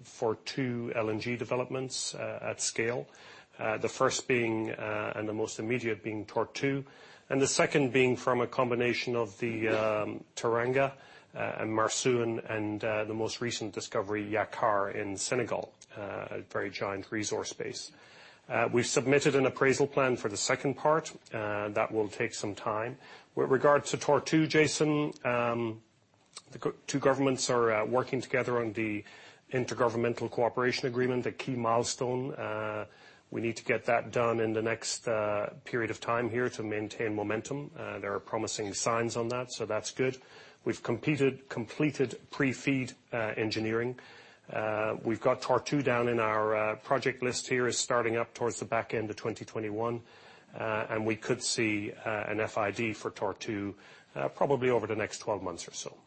for two LNG developments at scale. The first being, and the most immediate being Tortue, and the second being from a combination of the Teranga and Marsouin and the most recent discovery, Yakar, in Senegal, a very giant resource base. We've submitted an appraisal plan for the second part. That will take some time. With regard to Tortue, Jason, the two governments are working together on the Intergovernmental Cooperation Agreement, a key milestone. We need to get that done in the next period of time here to maintain momentum. There are promising signs on that. That's good. We've completed pre-feed engineering. We've got Tortue down in our project list here as starting up towards the back end of 2021. We could see an FID for Tortue probably over the next 12 months or so.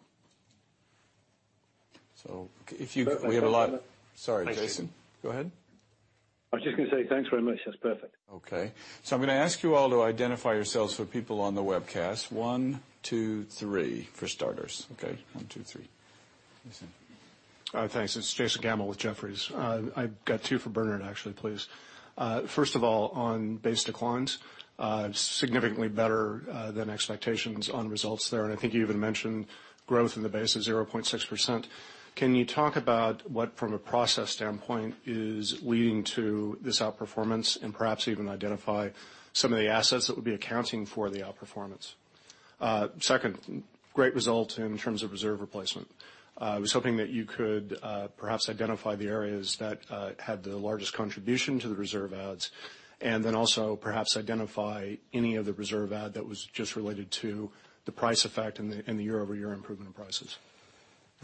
We have a lot. Can I just Sorry, Jason. Go ahead. I was just going to say thanks very much. That's perfect. Okay. I'm going to ask you all to identify yourselves for people on the webcast. One, two, three for starters. Okay? One, two, three. Jason. Thanks. It is Jason Gammel with Jefferies. I have got two for Bernard, actually, please. First of all, on base declines, significantly better than expectations on results there, and I think you even mentioned growth in the base of 0.6%. Can you talk about what, from a process standpoint, is leading to this outperformance and perhaps even identify some of the assets that would be accounting for the outperformance? Second, great result in terms of reserve replacement. I was hoping that you could perhaps identify the areas that had the largest contribution to the reserve adds, and then also perhaps identify any of the reserve add that was just related to the price effect and the year-over-year improvement in prices.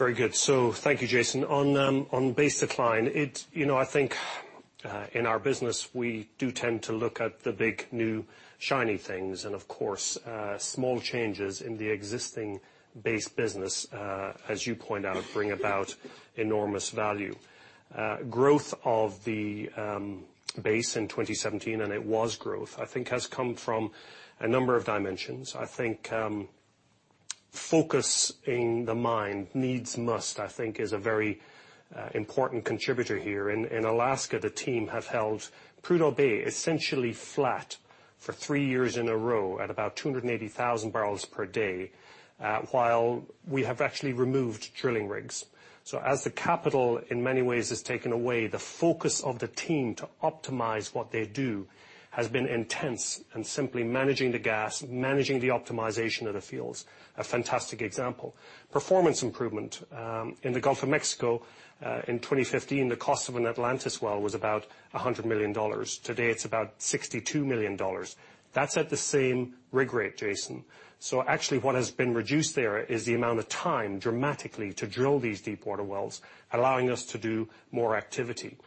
Very good. Thank you, Jason. On base decline, I think in our business, we do tend to look at the big, new, shiny things. Of course, small changes in the existing base business, as you point out, bring about enormous value. Growth of the base in 2017, and it was growth, I think has come from a number of dimensions. I think focusing the mind needs must, I think is a very important contributor here. In Alaska, the team have held Prudhoe Bay essentially flat for three years in a row at about 280,000 barrels per day, while we have actually removed drilling rigs. As the capital, in many ways, is taken away, the focus of the team to optimize what they do has been intense and simply managing the gas, managing the optimization of the fuels, a fantastic example. Performance improvement. In the Gulf of Mexico, in 2015, the cost of an Atlantis well was about $100 million. Today, it is about $62 million. That is at the same rig rate, Jason. Actually what has been reduced there is the amount of time dramatically to drill these deep water wells, allowing us to do more activity.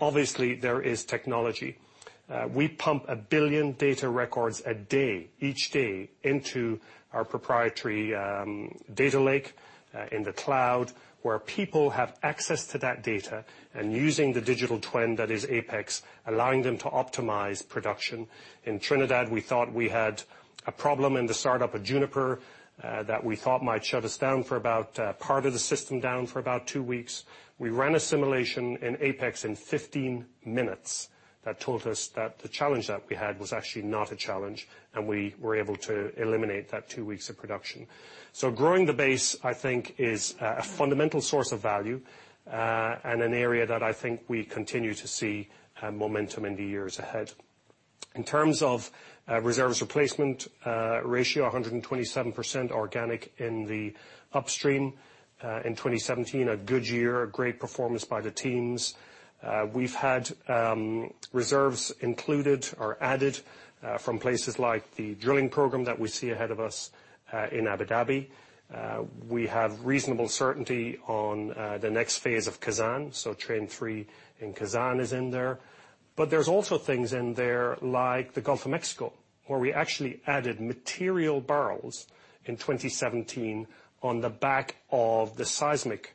Obviously there is technology. We pump a billion data records a day, each day into our proprietary data lake in the cloud where people have access to that data and using the digital twin that is APEX, allowing them to optimize production. In Trinidad, we thought we had a problem in the startup of Juniper that we thought might shut us down part of the system down for about two weeks. We ran a simulation in APEX in 15 minutes that told us that the challenge that we had was actually not a challenge, and we were able to eliminate that two weeks of production. Growing the base, I think is a fundamental source of value, and an area that I think I continue to see momentum in the years ahead. In terms of reserves replacement ratio, 127% organic in the upstream in 2017. A good year, a great performance by the teams. We have had reserves included or added from places like the drilling program that we see ahead of us in Abu Dhabi. We have reasonable certainty on the next phase of Khazzan. Train 3 in Khazzan is in there. There's also things in there like the Gulf of Mexico, where we actually added material barrels in 2017 on the back of the seismic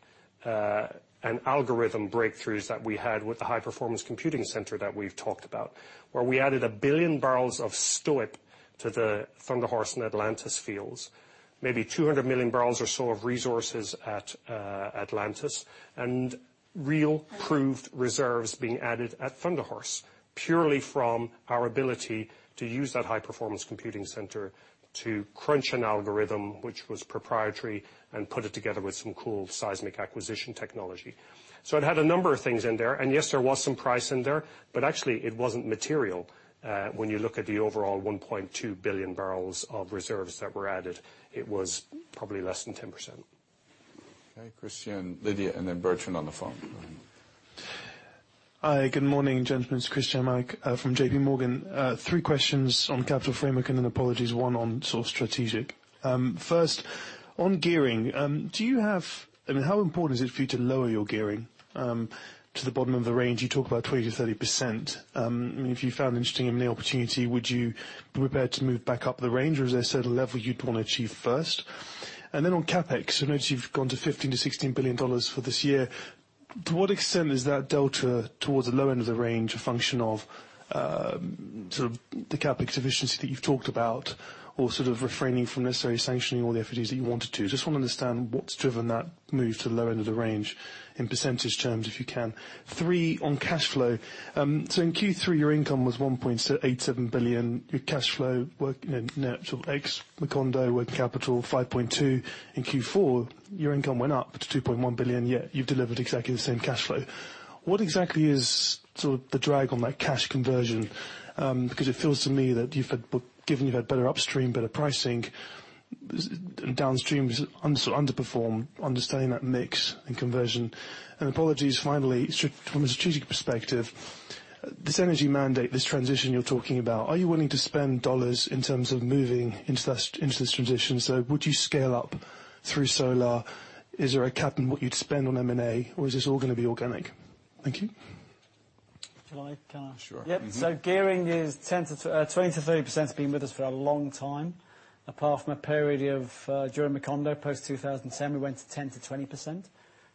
and algorithm breakthroughs that we had with the High-Performance Computing Center that we've talked about, where we added 1 billion barrels of STOIIP to the Thunder Horse and Atlantis fields. Maybe 200 million barrels or so of resources at Atlantis, and real proved reserves being added at Thunder Horse, purely from our ability to use that High-Performance Computing Center to crunch an algorithm which was proprietary and put it together with some cool seismic acquisition technology. It had a number of things in there, and yes, there was some price in there, but actually it wasn't material. When you look at the overall 1.2 billion barrels of reserves that were added, it was probably less than 10%. Okay. Christyan, Lydia, and then Bertrand on the phone. Hi, good morning, gentlemen. It's Christyan Malek from J.P. Morgan. 3 questions on capital framework and then apologies, one on sort of strategic. First, on gearing, how important is it for you to lower your gearing to the bottom of the range? You talk about 20%-30%. If you found an interesting M&A opportunity, would you be prepared to move back up the range, or is there a certain level you'd want to achieve first? On CapEx, I notice you've gone to $15 billion-$16 billion for this year. To what extent is that delta towards the low end of the range a function of the CapEx efficiency that you've talked about, or sort of refraining from necessarily sanctioning all the activities that you wanted to? Just want to understand what's driven that move to the low end of the range in % terms, if you can. 3, on cash flow. In Q3, your income was $1.87 billion. Your cash flow, ex Macondo working capital, $5.2 billion. In Q4, your income went up to $2.1 billion, yet you've delivered exactly the same cash flow. What exactly is the drag on that cash conversion? It feels to me that given you've had better upstream, better pricing, downstream has underperformed, understanding that mix and conversion. Apologies, finally, from a strategic perspective, this energy mandate, this transition you're talking about, are you willing to spend dollars in terms of moving into this transition? Would you scale up through solar? Is there a cap on what you'd spend on M&A, or is this all going to be organic? Thank you. Shall I? Sure. Mm-hmm Yep. Gearing is 20%-30% has been with us for a long time. Apart from a period of during Macondo post-2010, we went to 10%-20%,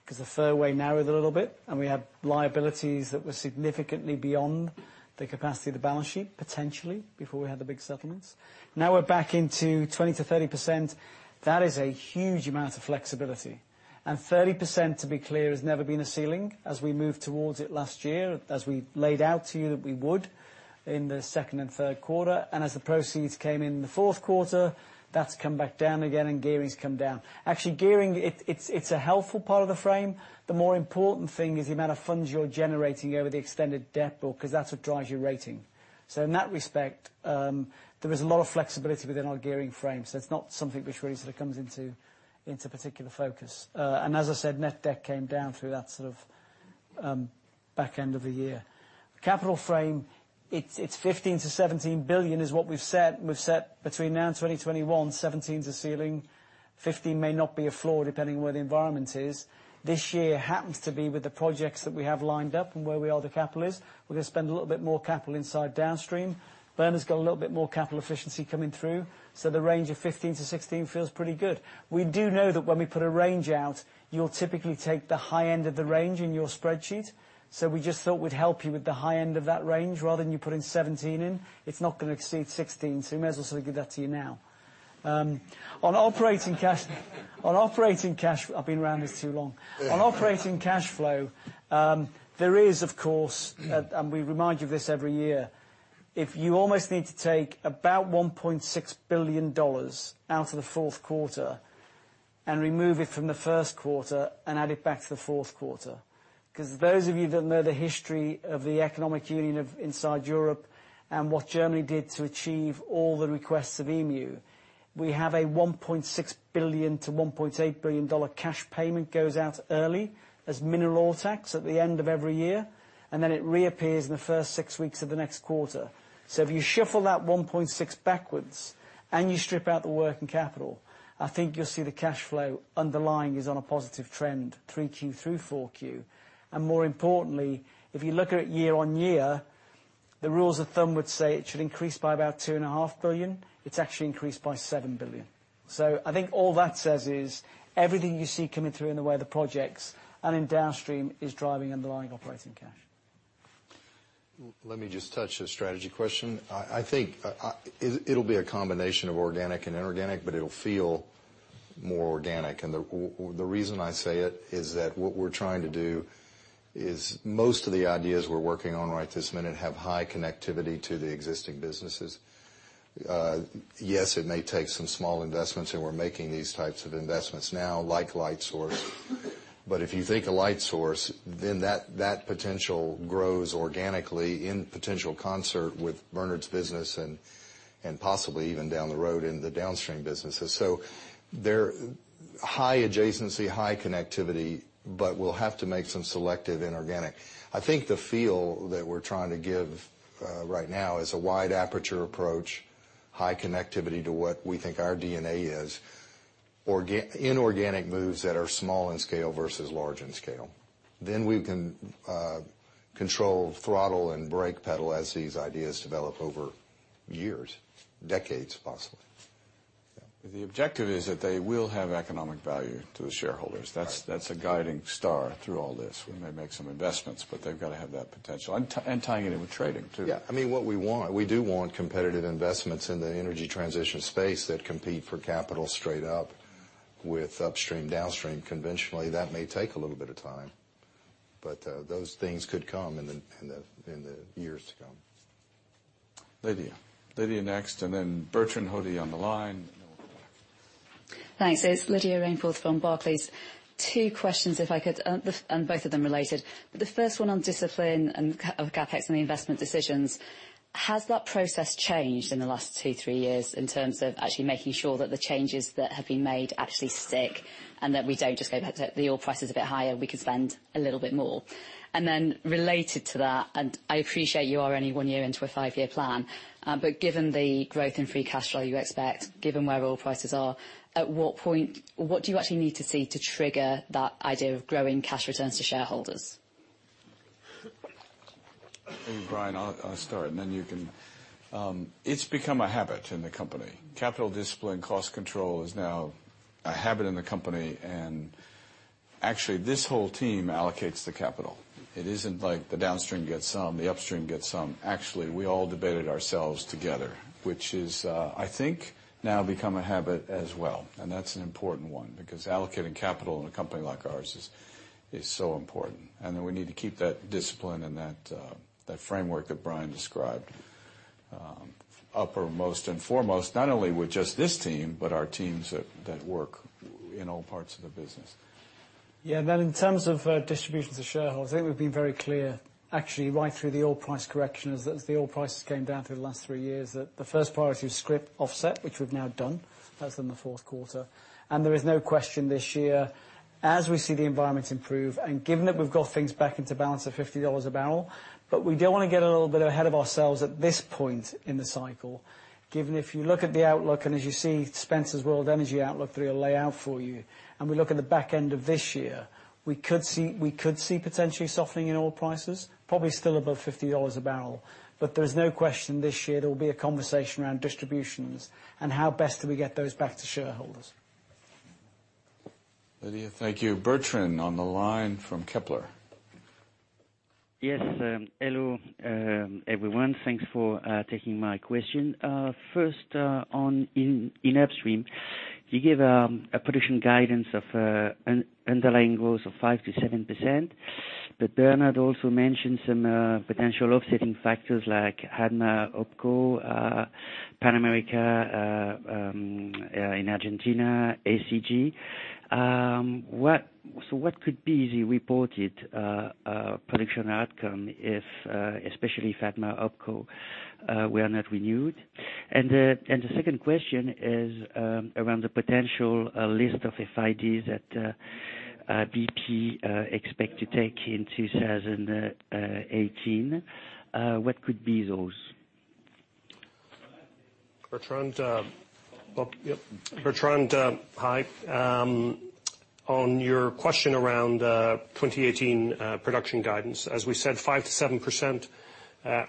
because the fairway narrowed a little bit, and we had liabilities that were significantly beyond the capacity of the balance sheet, potentially, before we had the big settlements. Now we're back into 20%-30%. That is a huge amount of flexibility. And 30%, to be clear, has never been a ceiling. As we moved towards it last year, as we laid out to you that we would in the second and third quarter, and as the proceeds came in the fourth quarter, that's come back down again and gearing's come down. Actually, gearing, it's a helpful part of the frame. The more important thing is the amount of funds you're generating over the extended debt book, because that's what drives your rating. In that respect, there is a lot of flexibility within our gearing frame. It's not something which really sort of comes into particular focus. As I said, net debt came down through that back end of the year. Capital frame, it's $15 billion-$17 billion is what we've set. We've set between now and 2021, 17's the ceiling. 15 may not be a floor, depending on where the environment is. This year happens to be with the projects that we have lined up and where we are with the capital is. We're going to spend a little bit more capital inside Downstream. Bernard's got a little bit more capital efficiency coming through. The range of $15 billion-$16 billion feels pretty good. We do know that when we put a range out, you'll typically take the high end of the range in your spreadsheet. We just thought we'd help you with the high end of that range rather than you putting 17 in. It's not going to exceed 16. We may as well sort of give that to you now. I've been around this too long. On operating cash flow, there is of course, and we remind you of this every year, if you almost need to take about $1.6 billion out of the fourth quarter and remove it from the first quarter and add it back to the fourth quarter. Those of you that know the history of the economic union inside Europe and what Germany did to achieve all the requests of EMU, we have a $1.6 billion-$1.8 billion cash payment goes out early as mineral oil tax at the end of every year, and then it reappears in the first six weeks of the next quarter. If you shuffle that $1.6 backwards and you strip out the working capital, I think you'll see the cash flow underlying is on a positive trend, 3Q through 4Q. More importantly, if you look at it year-on-year, the rules of thumb would say it should increase by about $2.5 billion. It's actually increased by $7 billion. I think all that says is everything you see coming through in the way of the projects and in Downstream is driving underlying operating cash. Let me just touch the strategy question. I think it'll be a combination of organic and inorganic, it'll feel more organic. The reason I say it is that what we're trying to do is most of the ideas we're working on right this minute have high connectivity to the existing businesses. Yes, it may take some small investments, and we're making these types of investments now, like Lightsource. If you take a Lightsource, that potential grows organically in potential concert with Bernard's business and possibly even down the road in the Downstream businesses. They're high adjacency, high connectivity, but we'll have to make some selective inorganic. I think the feel that we're trying to give right now is a wide-aperture approach, high connectivity to what we think our DNA is. Inorganic moves that are small in scale versus large in scale. We can control throttle and brake pedal as these ideas develop over years, decades possibly. The objective is that they will have economic value to the shareholders. Right. That's a guiding star through all this. We may make some investments, but they've got to have that potential. Tying it in with trading, too. Yeah. What we want, we do want competitive investments in the energy transition space that compete for capital straight up with upstream/downstream. Conventionally, that may take a little bit of time, but those things could come in the years to come. Lydia. Lydia next, and then Bertrand Hodée on the line, and then we'll come back. Thanks. It's Lydia Rainforth from Barclays. Two questions if I could. Both of them related. The first one on discipline of CapEx and the investment decisions. Has that process changed in the last two, three years, in terms of actually making sure that the changes that have been made actually stick, and that we don't just go, "The oil price is a bit higher. We could spend a little bit more"? Related to that, I appreciate you are only one year into a five-year plan. Given the growth in free cash flow you expect, given where oil prices are, at what point, what do you actually need to see to trigger that idea of growing cash returns to shareholders? Maybe Brian, I'll start. It's become a habit in the company. Capital discipline, cost control is now a habit in the company, and actually this whole team allocates the capital. It isn't like the Downstream gets some, the Upstream gets some. Actually, we all debate it ourselves together, which is, I think now become a habit as well. That's an important one, because allocating capital in a company like ours is so important. We need to keep that discipline and that framework that Brian described uppermost and foremost, not only with just this team, but our teams that work in all parts of the business. Yeah. In terms of distributions to shareholders, I think we've been very clear actually right through the oil price correction, as the oil price has came down through the last three years, that the first priority is scrip offset, which we've now done. That's in the fourth quarter. There is no question this year, as we see the environment improve, and given that we've got things back into balance at $50 a barrel. We don't want to get a little bit ahead of ourselves at this point in the cycle, given if you look at the outlook and as you see Spencer's World Energy Outlook that he'll lay out for you, and we look at the back end of this year, we could see potentially softening in oil prices. Probably still above $50 a barrel. There is no question this year there will be a conversation around distributions and how best do we get those back to shareholders. Lydia, thank you. Bertrand on the line from Kepler. Yes. Hello, everyone. Thanks for taking my question. First, on upstream, you gave a production guidance of an underlying growth of 5%-7%, but Bernard also mentioned some potential offsetting factors like ADMA-OPCO, Pan American in Argentina, ACG. What could be the reported production outcome if especially ADMA-OPCO were not renewed? The second question is around the potential list of FIDs that BP expect to take in 2018. What could be those? Bertrand? Well, yep. Bertrand, hi. On your question around 2018 production guidance, as we said, 5%-7%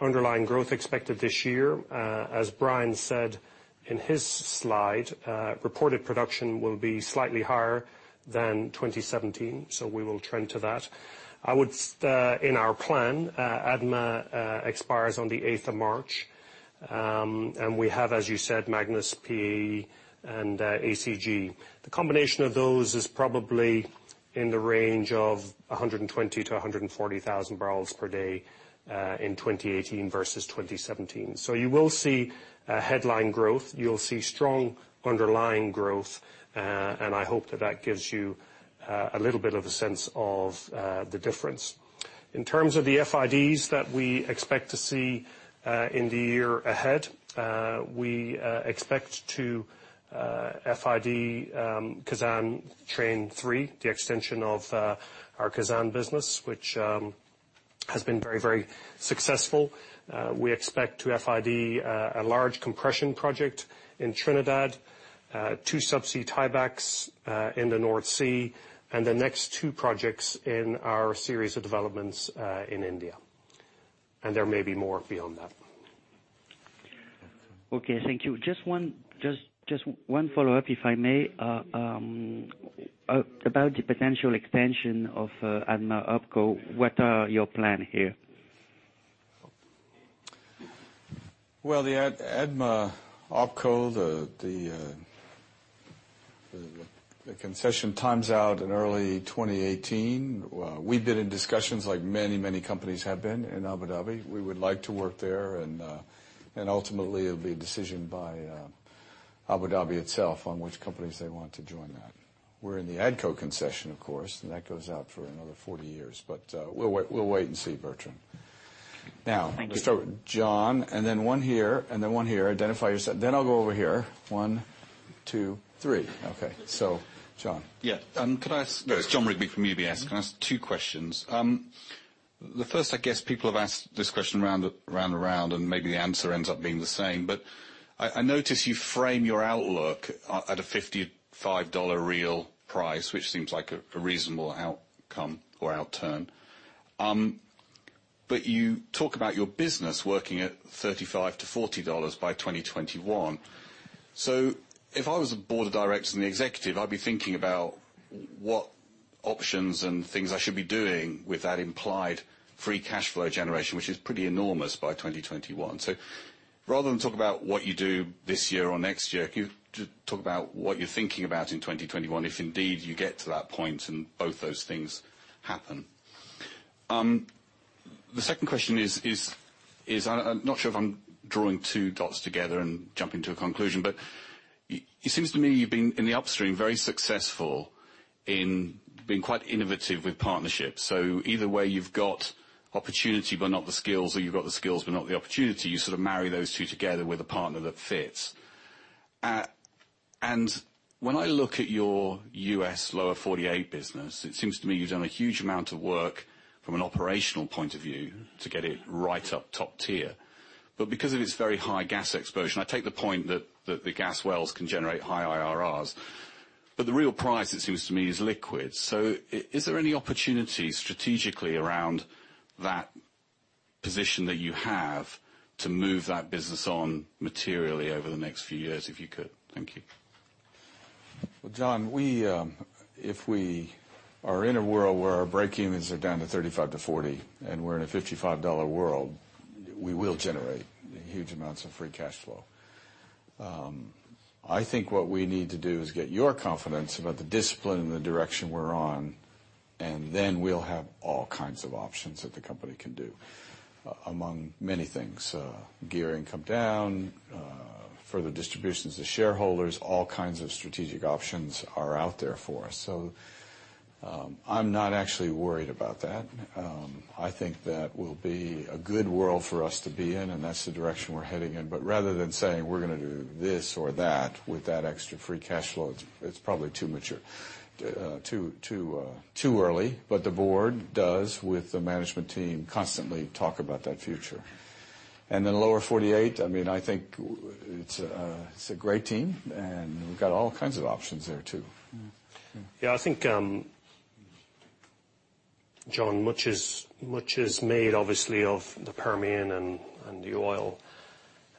underlying growth expected this year. As Brian said in his slide, reported production will be slightly higher than 2017, we will trend to that. In our plan, ADMA expires on the 8th of March. We have, as you said, Magnus, PAE and ACG. The combination of those is probably in the range of 120,000-140,000 barrels per day in 2018 versus 2017. You will see headline growth. You'll see strong underlying growth. I hope that that gives you a little bit of a sense of the difference. In terms of the FIDs that we expect to see in the year ahead, we expect to FID Khazzan Train 3, the extension of our Khazzan business, which has been very successful. We expect to FID a large compression project in Trinidad, two subsea tiebacks in the North Sea, and the next two projects in our series of developments in India. There may be more beyond that. Okay, thank you. Just one follow-up, if I may. About the potential extension of ADMA-OPCO, what are your plan here? Well, the ADMA-OPCO. The concession times out in early 2018. We've been in discussions like many companies have been in Abu Dhabi. We would like to work there, and ultimately, it'll be a decision by Abu Dhabi itself on which companies they want to join that. We're in the ADCO concession, of course, and that goes out for another 40 years. We'll wait and see, Bertrand. Thank you. Let's start with Jon, then one here, then one here. Identify yourself, I'll go over here. One, two, three. Okay. Jon. Yeah. It's Jon Rigby from UBS. Can I ask two questions? The first, I guess people have asked this question round and round, maybe the answer ends up being the same, I notice you frame your outlook at a $55 real price, which seems like a reasonable outcome or outturn. You talk about your business working at $35 to $40 by 2021. If I was a board of directors and the executive, I'd be thinking about what options and things I should be doing with that implied free cash flow generation, which is pretty enormous by 2021. Rather than talk about what you do this year or next year, can you just talk about what you're thinking about in 2021, if indeed you get to that point and both those things happen? The second question is, I'm not sure if I'm drawing two dots together and jumping to a conclusion, it seems to me you've been, in the upstream, very successful in being quite innovative with partnerships. Either where you've got opportunity but not the skills, or you've got the skills but not the opportunity, you sort of marry those two together with a partner that fits. When I look at your U.S. Lower 48 business, it seems to me you've done a huge amount of work from an operational point of view to get it right up top tier. Because of its very high gas exposure, I take the point that the gas wells can generate high IRRs, the real price, it seems to me, is liquids. Is there any opportunity strategically around that position that you have to move that business on materially over the next few years, if you could? Thank you. Well, Jon, if we are in a world where our breakevens are down to 35-40 and we're in a $55 world, we will generate huge amounts of free cash flow. I think what we need to do is get your confidence about the discipline and the direction we're on. Then we'll have all kinds of options that the company can do. Among many things, gear income down, further distributions to shareholders, all kinds of strategic options are out there for us. I'm not actually worried about that. I think that will be a good world for us to be in, and that's the direction we're heading in. Rather than saying we're going to do this or that with that extra free cash flow, it's probably too early. The board does, with the management team, constantly talk about that future. Lower 48, I think it's a great team. We've got all kinds of options there, too. Yeah, I think, Jon, much is made obviously of the Permian and the oil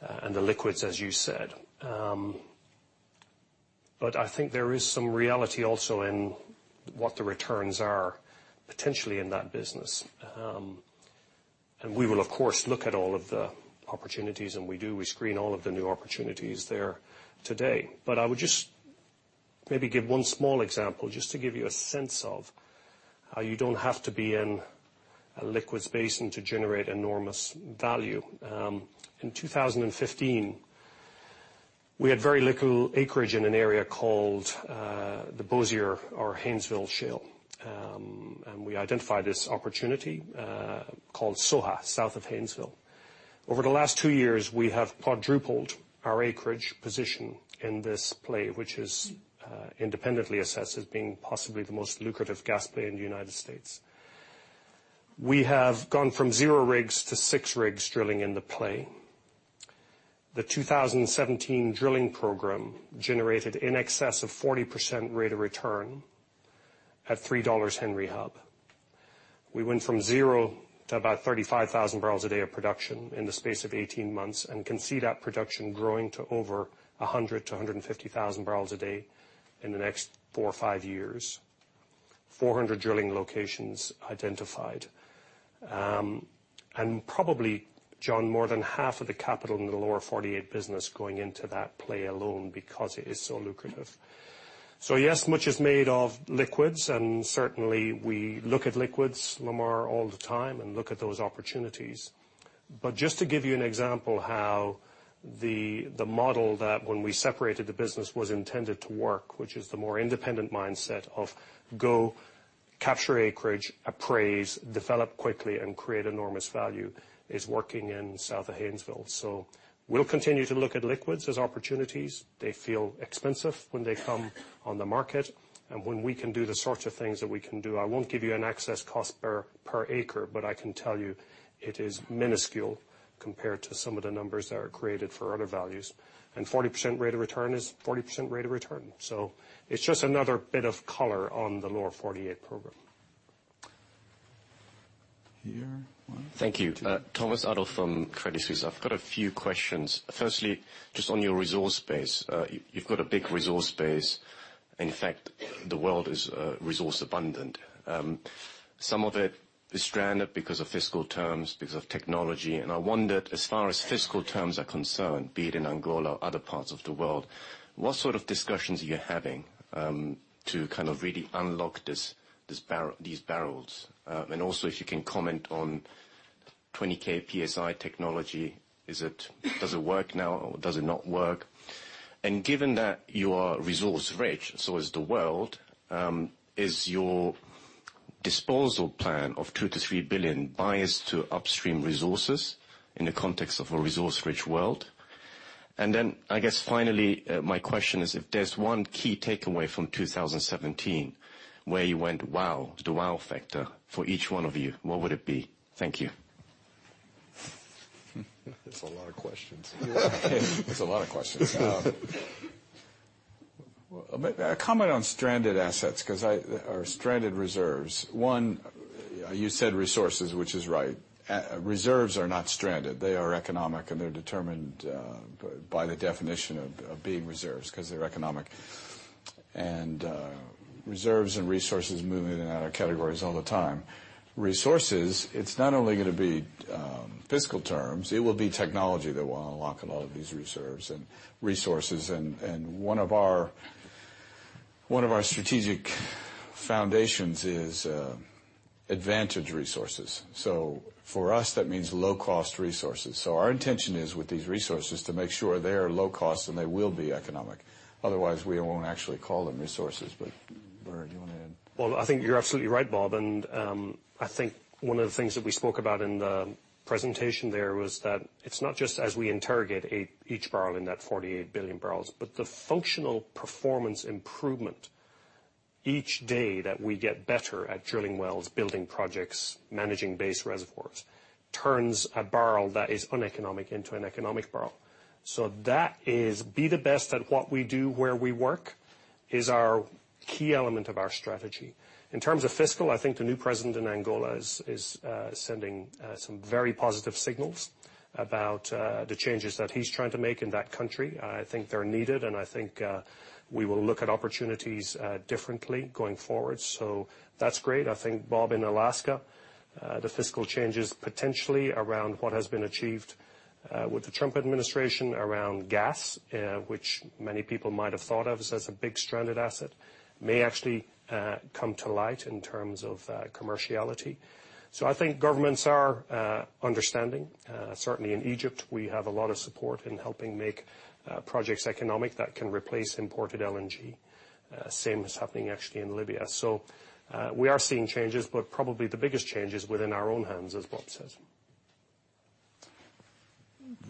and the liquids, as you said. I think there is some reality also in what the returns are potentially in that business. We will, of course, look at all of the opportunities, and we do, we screen all of the new opportunities there today. I would just maybe give one small example just to give you a sense of how you don't have to be in a liquids basin to generate enormous value. In 2015, we had very little acreage in an area called the Bossier or Haynesville Shale. We identified this opportunity, called SoHa, south of Haynesville. Over the last two years, we have quadrupled our acreage position in this play, which is independently assessed as being possibly the most lucrative gas play in the U.S. We have gone from zero rigs to six rigs drilling in the play. The 2017 drilling program generated in excess of 40% rate of return at $3 Henry Hub. We went from zero to about 35,000 barrels a day of production in the space of 18 months and can see that production growing to over 100,000-150,000 barrels a day in the next four or five years. 400 drilling locations identified. Probably, Jon, more than half of the capital in the Lower 48 business going into that play alone because it is so lucrative. Yes, much is made of liquids, and certainly we look at liquids, Lamar, all the time and look at those opportunities. Just to give you an example how the model that when we separated the business was intended to work, which is the more independent mindset of go capture acreage, appraise, develop quickly, and create enormous value, is working in south of Haynesville. We'll continue to look at liquids as opportunities. They feel expensive when they come on the market. When we can do the sorts of things that we can do, I won't give you an excess cost per acre, but I can tell you it is minuscule compared to some of the numbers that are created for other values. 40% rate of return is 40% rate of return. It's just another bit of color on the Lower 48 program. Here. One, two. Thank you. Thomas Adolff from Credit Suisse. I've got a few questions. Just on your resource base. You've got a big resource base. In fact, the world is resource abundant. Some of it is stranded because of fiscal terms, because of technology, I wondered, as far as fiscal terms are concerned, be it in Angola or other parts of the world, what sort of discussions are you having to really unlock these barrels? Also, if you can comment on 20k psi technology. Does it work now, or does it not work? Given that you are resource rich, so is the world, is your disposal plan of $2 billion-$3 billion biased to upstream resources in the context of a resource rich world? I guess finally, my question is, if there's one key takeaway from 2017 where you went, "Wow." The wow factor for each one of you. What would it be? Thank you. That's a lot of questions. That's a lot of questions. A comment on stranded assets or stranded reserves. One, you said resources, which is right. Reserves are not stranded. They are economic, and they're determined by the definition of being reserves because they're economic. Reserves and resources move in and out of categories all the time. Resources, it's not only going to be fiscal terms, it will be technology that will unlock a lot of these reserves and resources. One of our strategic foundations is advantage resources. For us, that means low-cost resources. Our intention is with these resources to make sure they are low cost, and they will be economic, otherwise we won't actually call them resources. Bernard, do you want to add? I think you're absolutely right, Bob, and I think one of the things that we spoke about in the presentation there was that it's not just as we interrogate each barrel in that 48 billion barrels, but the functional performance improvement each day that we get better at drilling wells, building projects, managing base reservoirs, turns a barrel that is uneconomic into an economic barrel. That is be the best at what we do, where we work, is our key element of our strategy. In terms of fiscal, I think the new president in Angola is sending some very positive signals about the changes that he's trying to make in that country. I think they're needed, and I think we will look at opportunities differently going forward. That's great. I think Bob, in Alaska, the fiscal changes potentially around what has been achieved with the Trump administration around gas, which many people might have thought of as a big stranded asset, may actually come to light in terms of commerciality. I think governments are understanding. Certainly in Egypt we have a lot of support in helping make projects economic that can replace imported LNG. Same is happening actually in Libya. We are seeing changes, but probably the biggest change is within our own hands, as Bob said.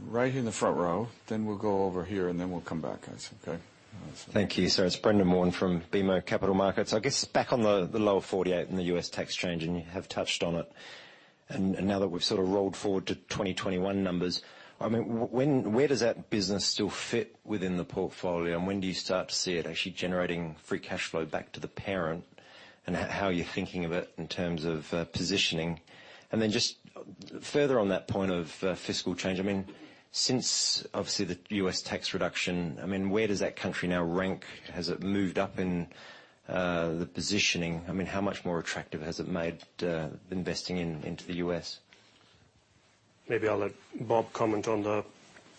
Right here in the front row. We'll go over here, and then we'll come back, guys. Okay. Thank you. Sir, it's Brendan Warn from BMO Capital Markets. I guess back on the Lower 48 and the U.S. tax change, you have touched on it. Now that we've sort of rolled forward to 2021 numbers, where does that business still fit within the portfolio? When do you start to see it actually generating free cash flow back to the parent? How are you thinking of it in terms of positioning? Then just further on that point of fiscal change, since obviously the U.S. tax reduction, where does that country now rank? Has it moved up in the positioning? How much more attractive has it made investing into the U.S.? Maybe I'll let Bob comment on the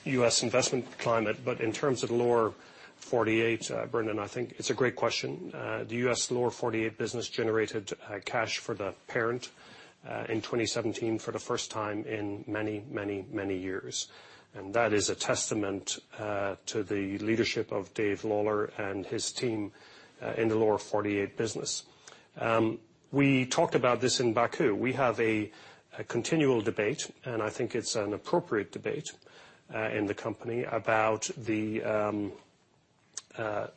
U.S. investment climate. In terms of Lower 48, Brendan, I think it's a great question. The U.S. Lower 48 business generated cash for the parent in 2017 for the first time in many years. That is a testament to the leadership of Dave Lawler and his team in the Lower 48 business. We talked about this in Baku. We have a continual debate, and I think it's an appropriate debate in the company about the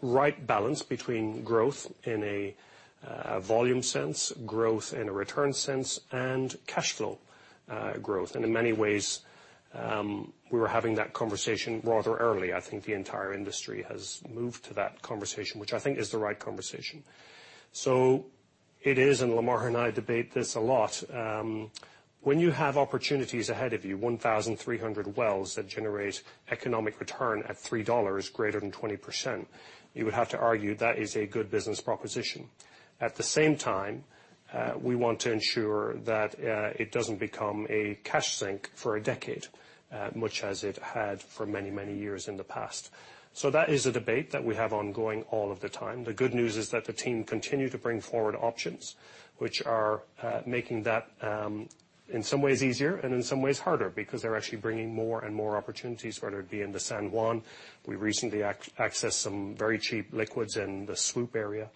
right balance between growth in a volume sense, growth in a return sense, and cash flow growth. In many ways, we were having that conversation rather early. I think the entire industry has moved to that conversation, which I think is the right conversation. It is, and Lamar and I debate this a lot, when you have opportunities ahead of you, 1,300 wells that generate economic return at $3 greater than 20%, you would have to argue that is a good business proposition. At the same time, we want to ensure that it doesn't become a cash sink for a decade, much as it had for many years in the past. That is a debate that we have ongoing all of the time. The good news is that the team continue to bring forward options which are making that in some ways easier and in some ways harder because they're actually bringing more and more opportunities, whether it be in the San Juan. We recently accessed some very cheap liquids in the SCOOP area.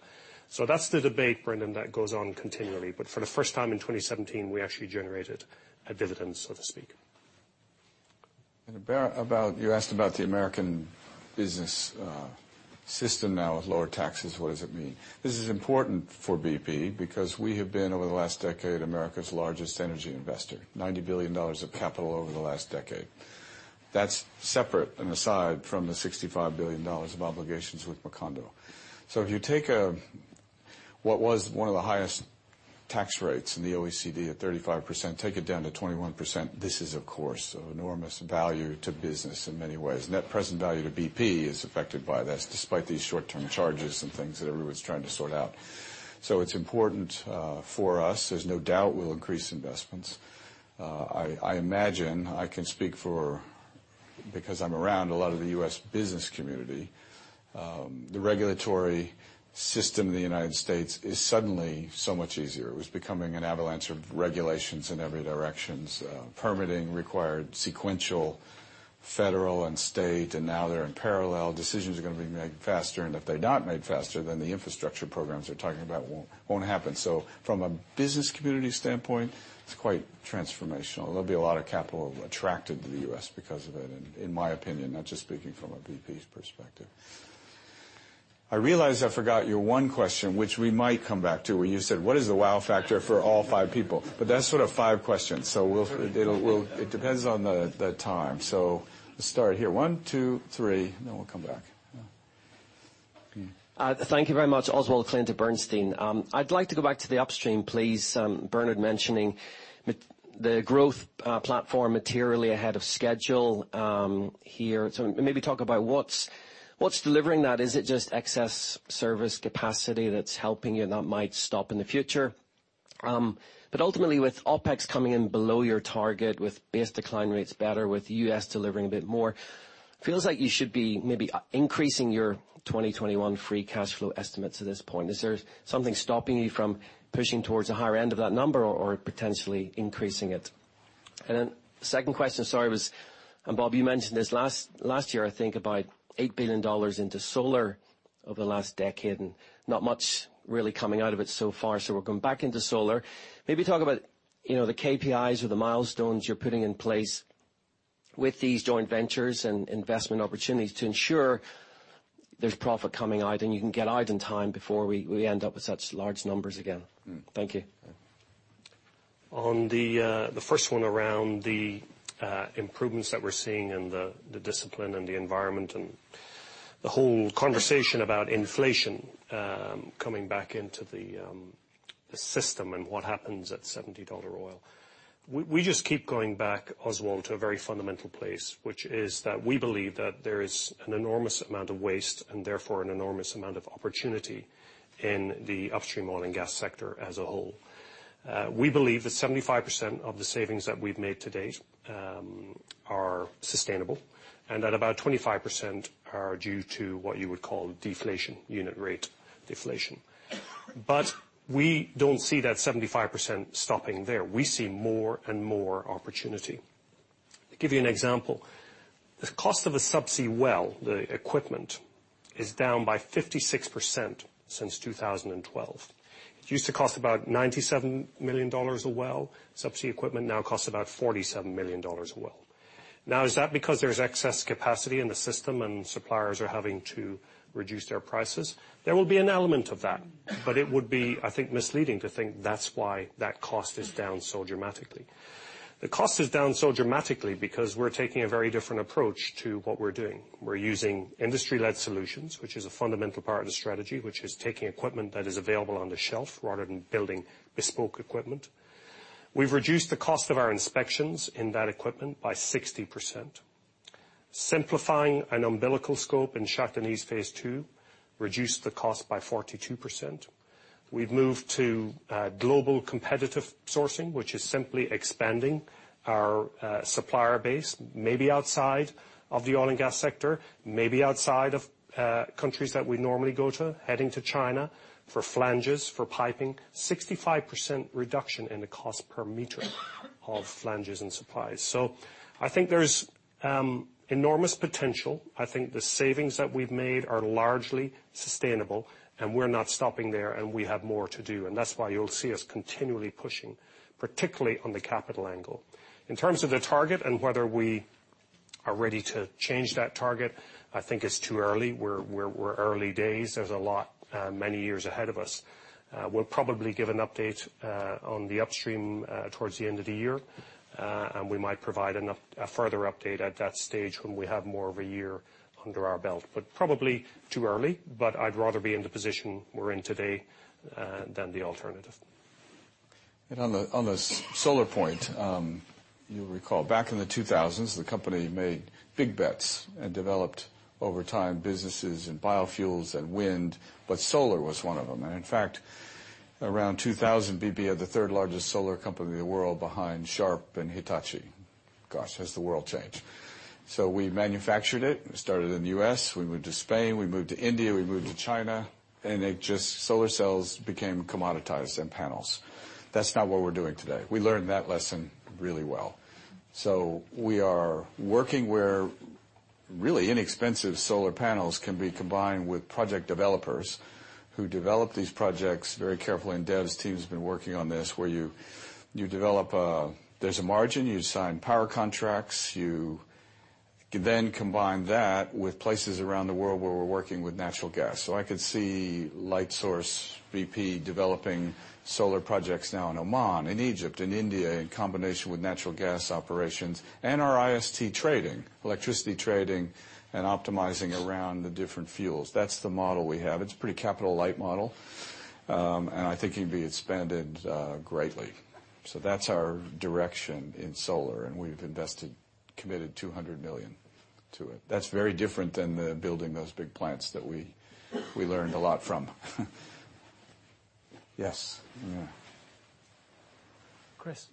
That's the debate, Brendan, that goes on continually, but for the first time in 2017, we actually generated a dividend, so to speak. You asked about the American business system now with lower taxes, what does it mean? This is important for BP because we have been, over the last decade, America's largest energy investor. $90 billion of capital over the last decade. That's separate and aside from the $65 billion of obligations with Macondo. If you take what was one of the highest tax rates in the OECD at 35%, take it down to 21%, this is, of course, of enormous value to business in many ways. Net present value to BP is affected by this, despite these short-term charges and things that everyone's trying to sort out. It's important for us. There's no doubt we'll increase investments. I imagine I can speak for, because I'm around a lot of the U.S. business community, the regulatory system in the United States is suddenly so much easier. It was becoming an avalanche of regulations in every direction. Permitting required sequential federal and state, and now they're in parallel. Decisions are going to be made faster, and if they're not made faster, then the infrastructure programs they're talking about won't happen. From a business community standpoint, it's quite transformational. There'll be a lot of capital attracted to the U.S. because of it, in my opinion, not just speaking from a BP perspective. I realize I forgot your one question, which we might come back to, when you said, "What is the wow factor for all five people?" That's sort of five questions. It depends on the time. Let's start here. One, two, three, and then we'll come back. Yeah. Thank you very much. Oswald Clint at Bernstein. I'd like to go back to the upstream, please. Bernard mentioning the growth platform materially ahead of schedule here. Maybe talk about what's delivering that. Is it just excess service capacity that's helping you that might stop in the future? Ultimately, with OpEx coming in below your target, with base decline rates better, with U.S. delivering a bit more, feels like you should be maybe increasing your 2021 free cash flow estimates at this point. Is there something stopping you from pushing towards the higher end of that number or potentially increasing it? Second question, sorry, was, and Bob, you mentioned this last year, I think, about $8 billion into solar over the last decade, and not much really coming out of it so far. We're going back into solar. Maybe talk about the KPIs or the milestones you're putting in place with these joint ventures and investment opportunities to ensure there's profit coming out, and you can get out in time before we end up with such large numbers again. Thank you. We just keep going back, Oswald Clint, to a very fundamental place, which is that we believe that there is an enormous amount of waste, and therefore, an enormous amount of opportunity in the upstream oil and gas sector as a whole. We believe that 75% of the savings that we've made to date are sustainable, and that about 25% are due to what you would call deflation, unit rate deflation. We don't see that 75% stopping there. We see more and more opportunity. To give you an example, the cost of a subsea well, the equipment, is down by 56% since 2012. It used to cost about $97 million a well. Subsea equipment now costs about $47 million a well. Is that because there's excess capacity in the system and suppliers are having to reduce their prices? There will be an element of that, but it would be, I think misleading to think that's why that cost is down so dramatically. The cost is down so dramatically because we're taking a very different approach to what we're doing. We're using industry-led solutions, which is a fundamental part of the strategy, which is taking equipment that is available on the shelf rather than building bespoke equipment. We've reduced the cost of our inspections in that equipment by 60%. Simplifying an umbilical scope in Shah Deniz Phase 2 reduced the cost by 42%. We've moved to global competitive sourcing, which is simply expanding our supplier base, maybe outside of the oil and gas sector, maybe outside of countries that we normally go to, heading to China for flanges, for piping. 65% reduction in the cost per meter of flanges and supplies. I think there's enormous potential. I think the savings that we've made are largely sustainable, and we're not stopping there, and we have more to do. That's why you'll see us continually pushing, particularly on the capital angle. In terms of the target and whether we are ready to change that target, I think it's too early. We're early days. There's a lot, many years ahead of us. We'll probably give an update on the upstream towards the end of the year, and we might provide a further update at that stage when we have more of a year under our belt. Probably too early, but I'd rather be in the position we're in today than the alternative. On the solar point, you'll recall back in the 2000s, the company made big bets and developed over time businesses in biofuels and wind, but solar was one of them. In fact, around 2000, BP had the third largest solar company in the world behind Sharp and Kyocera. Gosh, has the world changed. We manufactured it. We started in the U.S., we moved to Spain, we moved to India, we moved to China, and solar cells became commoditized and panels. That's not what we're doing today. We learned that lesson really well. We are working where really inexpensive solar panels can be combined with project developers who develop these projects very carefully, and Dev's team's been working on this, where there's a margin, you sign power contracts. Combine that with places around the world where we're working with natural gas. I could see Lightsource BP developing solar projects now in Oman, in Egypt, in India, in combination with natural gas operations and our IST trading, electricity trading, and optimizing around the different fuels. That's the model we have. It's a pretty capital light model. I think it can be expanded greatly. That's our direction in solar, and we've invested, committed $200 million to it. That's very different than building those big plants that we learned a lot from. Yes. Yeah. Chris?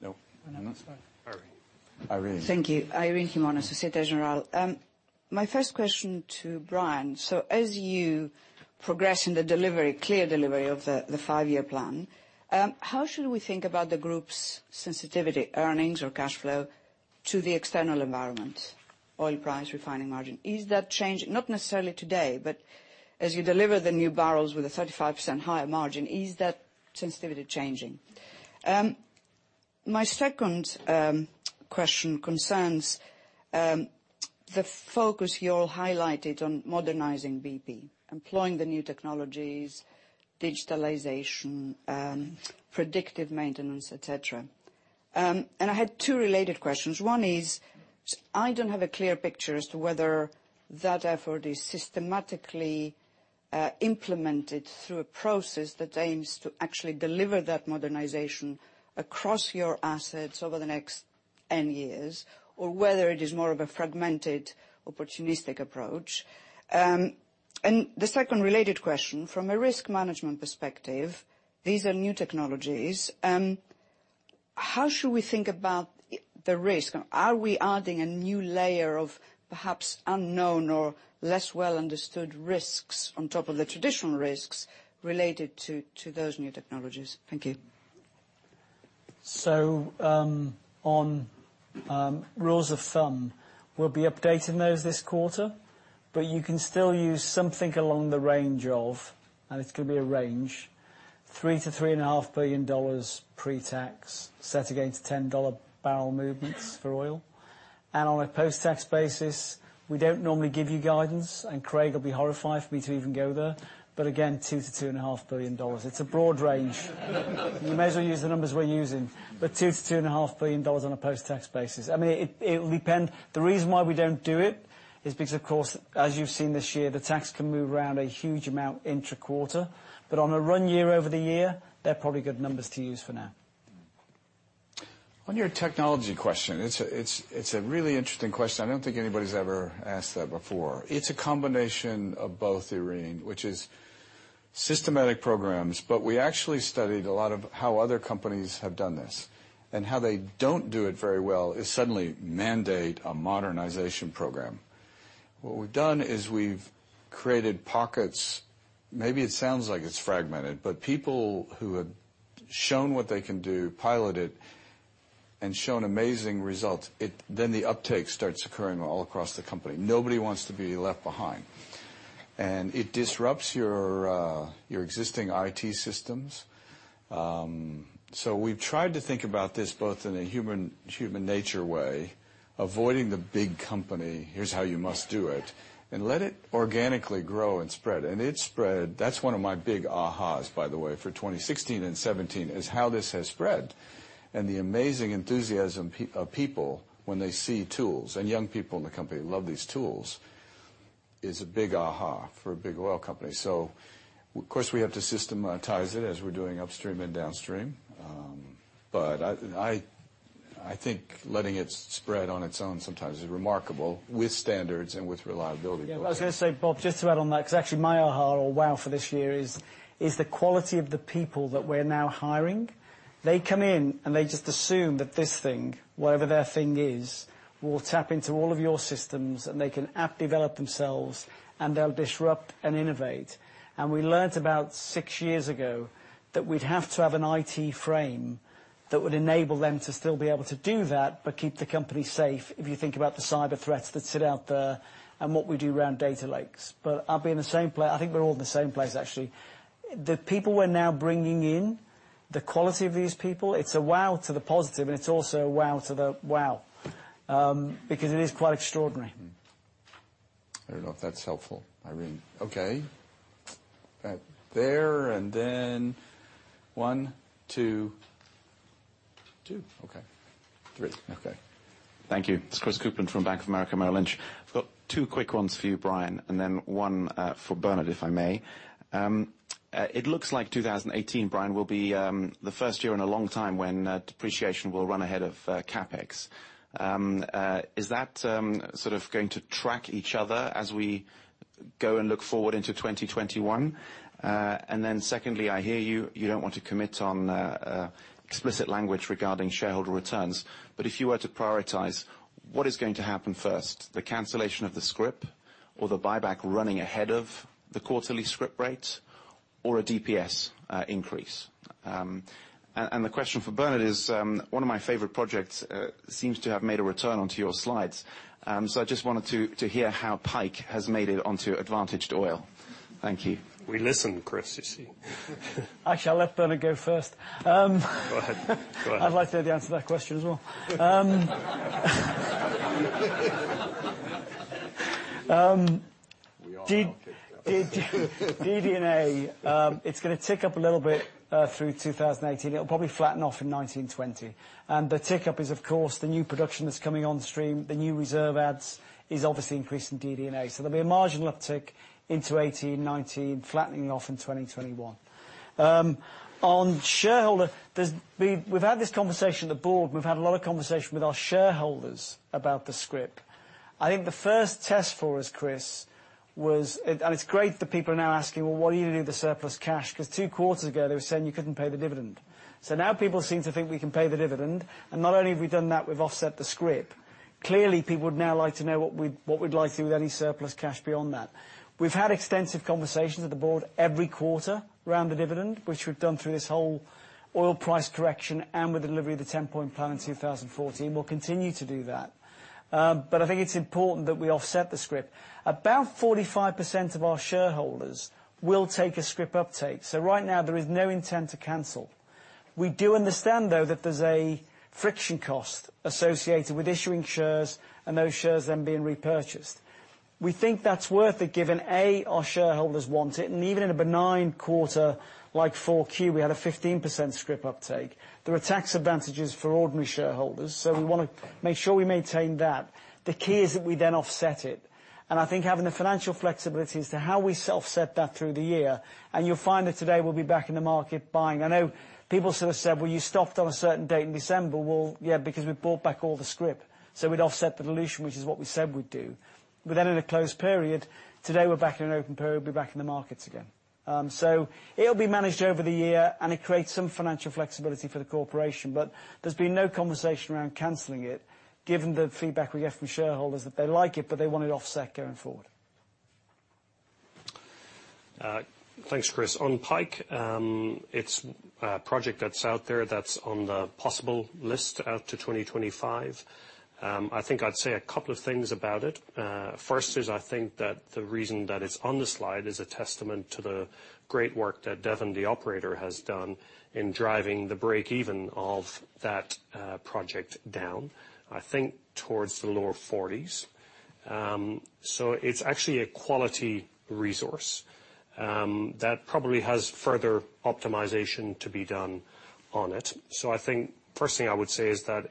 No. I'm not. Sorry. Irene. Thank you. Irene Himona, Société Générale. My first question to Brian, as you progress in the clear delivery of the five-year plan, how should we think about the group's sensitivity, earnings or cash flow to the external environment? Oil price, refining margin. Is that change, not necessarily today, but as you deliver the new barrels with a 35% higher margin, is that sensitivity changing? My second question concerns the focus you all highlighted on modernizing BP, employing the new technologies, digitalization, predictive maintenance, et cetera. I had two related questions. One is, I don't have a clear picture as to whether that effort is systematically implemented through a process that aims to actually deliver that modernization across your assets over the next N years, or whether it is more of a fragmented, opportunistic approach. The second related question, from a risk management perspective, these are new technologies, how should we think about the risk? Are we adding a new layer of perhaps unknown or less well-understood risks on top of the traditional risks related to those new technologies? Thank you. On rules of thumb, we'll be updating those this quarter, but you can still use something along the range of, and it's going to be a range, $3 billion-$3.5 billion pre-tax, set against 10-barrel movements for oil. On a post-tax basis, we don't normally give you guidance, and Craig will be horrified for me to even go there. Again, $2 billion-$2.5 billion. It's a broad range. You may as well use the numbers we're using, but $2 billion-$2.5 billion on a post-tax basis. It will depend. The reason why we don't do it is because, of course, as you've seen this year, the tax can move around a huge amount intra-quarter. On a run year over the year, they're probably good numbers to use for now. On your technology question, it's a really interesting question. I don't think anybody's ever asked that before. It's a combination of both, Irene, which is systematic programs, but we actually studied a lot of how other companies have done this. How they don't do it very well is suddenly mandate a modernization program. What we've done is we've created pockets. Maybe it sounds like it's fragmented, but people who have shown what they can do, pilot it, and shown amazing results, then the uptake starts occurring all across the company. Nobody wants to be left behind. It disrupts your existing IT systems. We've tried to think about this both in a human nature way, avoiding the big company, here's how you must do it, and let it organically grow and spread. It spread. That's one of my big ahas, by the way, for 2016 and 2017, is how this has spread. The amazing enthusiasm of people when they see tools, and young people in the company love these tools, is a big aha for a big oil company. Of course, we have to systematize it as we're doing upstream and downstream. I think letting it spread on its own sometimes is remarkable with standards and with reliability. Yeah. I was going to say, Bob, just to add on that, because actually my aha or wow for this year is the quality of the people that we're now hiring. They come in and they just assume that this thing, whatever their thing is, will tap into all of your systems and they can app develop themselves, and they'll disrupt and innovate. We learnt about six years ago that we'd have to have an IT frame that would enable them to still be able to do that, but keep the company safe, if you think about the cyber threats that sit out there and what we do around data lakes. I think we're all in the same place, actually. The people we're now bringing in, the quality of these people, it's a wow to the positive, and it's also a wow to the wow, because it is quite extraordinary. I don't know if that's helpful, Irene. Okay. There and then one, two. Okay. Three. Okay. Thank you. It's Christopher Kuplent from Bank of America Merrill Lynch. I've got two quick ones for you, Brian, and then one for Bernard, if I may. It looks like 2018, Brian, will be the first year in a long time when depreciation will run ahead of CapEx. Is that going to track each other as we go and look forward into 2021? Secondly, I hear you don't want to commit on explicit language regarding shareholder returns. If you were to prioritize, what is going to happen first, the cancellation of the scrip or the buyback running ahead of the quarterly scrip rate or a DPS increase? The question for Bernard is, one of my favorite projects seems to have made a return onto your slides. I just wanted to hear how Pike has made it onto advantaged oil. Thank you. We listen, Chris, you see. Actually, I'll let Bernard go first. Go ahead. I'd like to hear the answer to that question as well. We are now kicked up. DD&A, it's going to tick up a little bit through 2018. It'll probably flatten off in 2019, 2020. The tick up is, of course, the new production that's coming on stream. The new reserve adds is obviously increasing DD&A. There'll be a marginal uptick into 2018, 2019, flattening off in 2021. On shareholder, we've had this conversation at the board. We've had a lot of conversation with our shareholders about the scrip. I think the first test for us, Chris, and it's great that people are now asking, "What are you going to do with the surplus cash?" Two quarters ago, they were saying you couldn't pay the dividend. Now people seem to think we can pay the dividend. Not only have we done that, we've offset the scrip. Clearly, people would now like to know what we'd like to do with any surplus cash beyond that. We've had extensive conversations with the board every quarter around the dividend, which we've done through this whole oil price correction and with the delivery of the 10-point Plan in 2014. We'll continue to do that. I think it's important that we offset the scrip. About 45% of our shareholders will take a scrip uptake. Right now, there is no intent to cancel. We do understand, though, that there's a friction cost associated with issuing shares, and those shares then being repurchased. We think that's worth it given, A, our shareholders want it, and even in a benign quarter like 4Q, we had a 15% scrip uptake. There are tax advantages for ordinary shareholders, we want to make sure we maintain that. The key is that we then offset it. I think having the financial flexibility as to how we self-set that through the year, and you'll find that today we'll be back in the market buying. I know people sort of said, "You stopped on a certain date in December." Yeah, we bought back all the scrip, so we'd offset the dilution, which is what we said we'd do. In a closed period, today we're back in an open period, we'll be back in the markets again. It'll be managed over the year, and it creates some financial flexibility for the corporation. There's been no conversation around canceling it, given the feedback we get from shareholders that they like it, but they want it offset going forward. Thanks, Chris. On Pike, it's a project that's out there that's on the possible list out to 2025. First is the reason that it's on the slide is a testament to the great work that Devon, the operator, has done in driving the break even of that project down, towards the lower $40s. It's actually a quality resource that probably has further optimization to be done on it. First thing I would say is that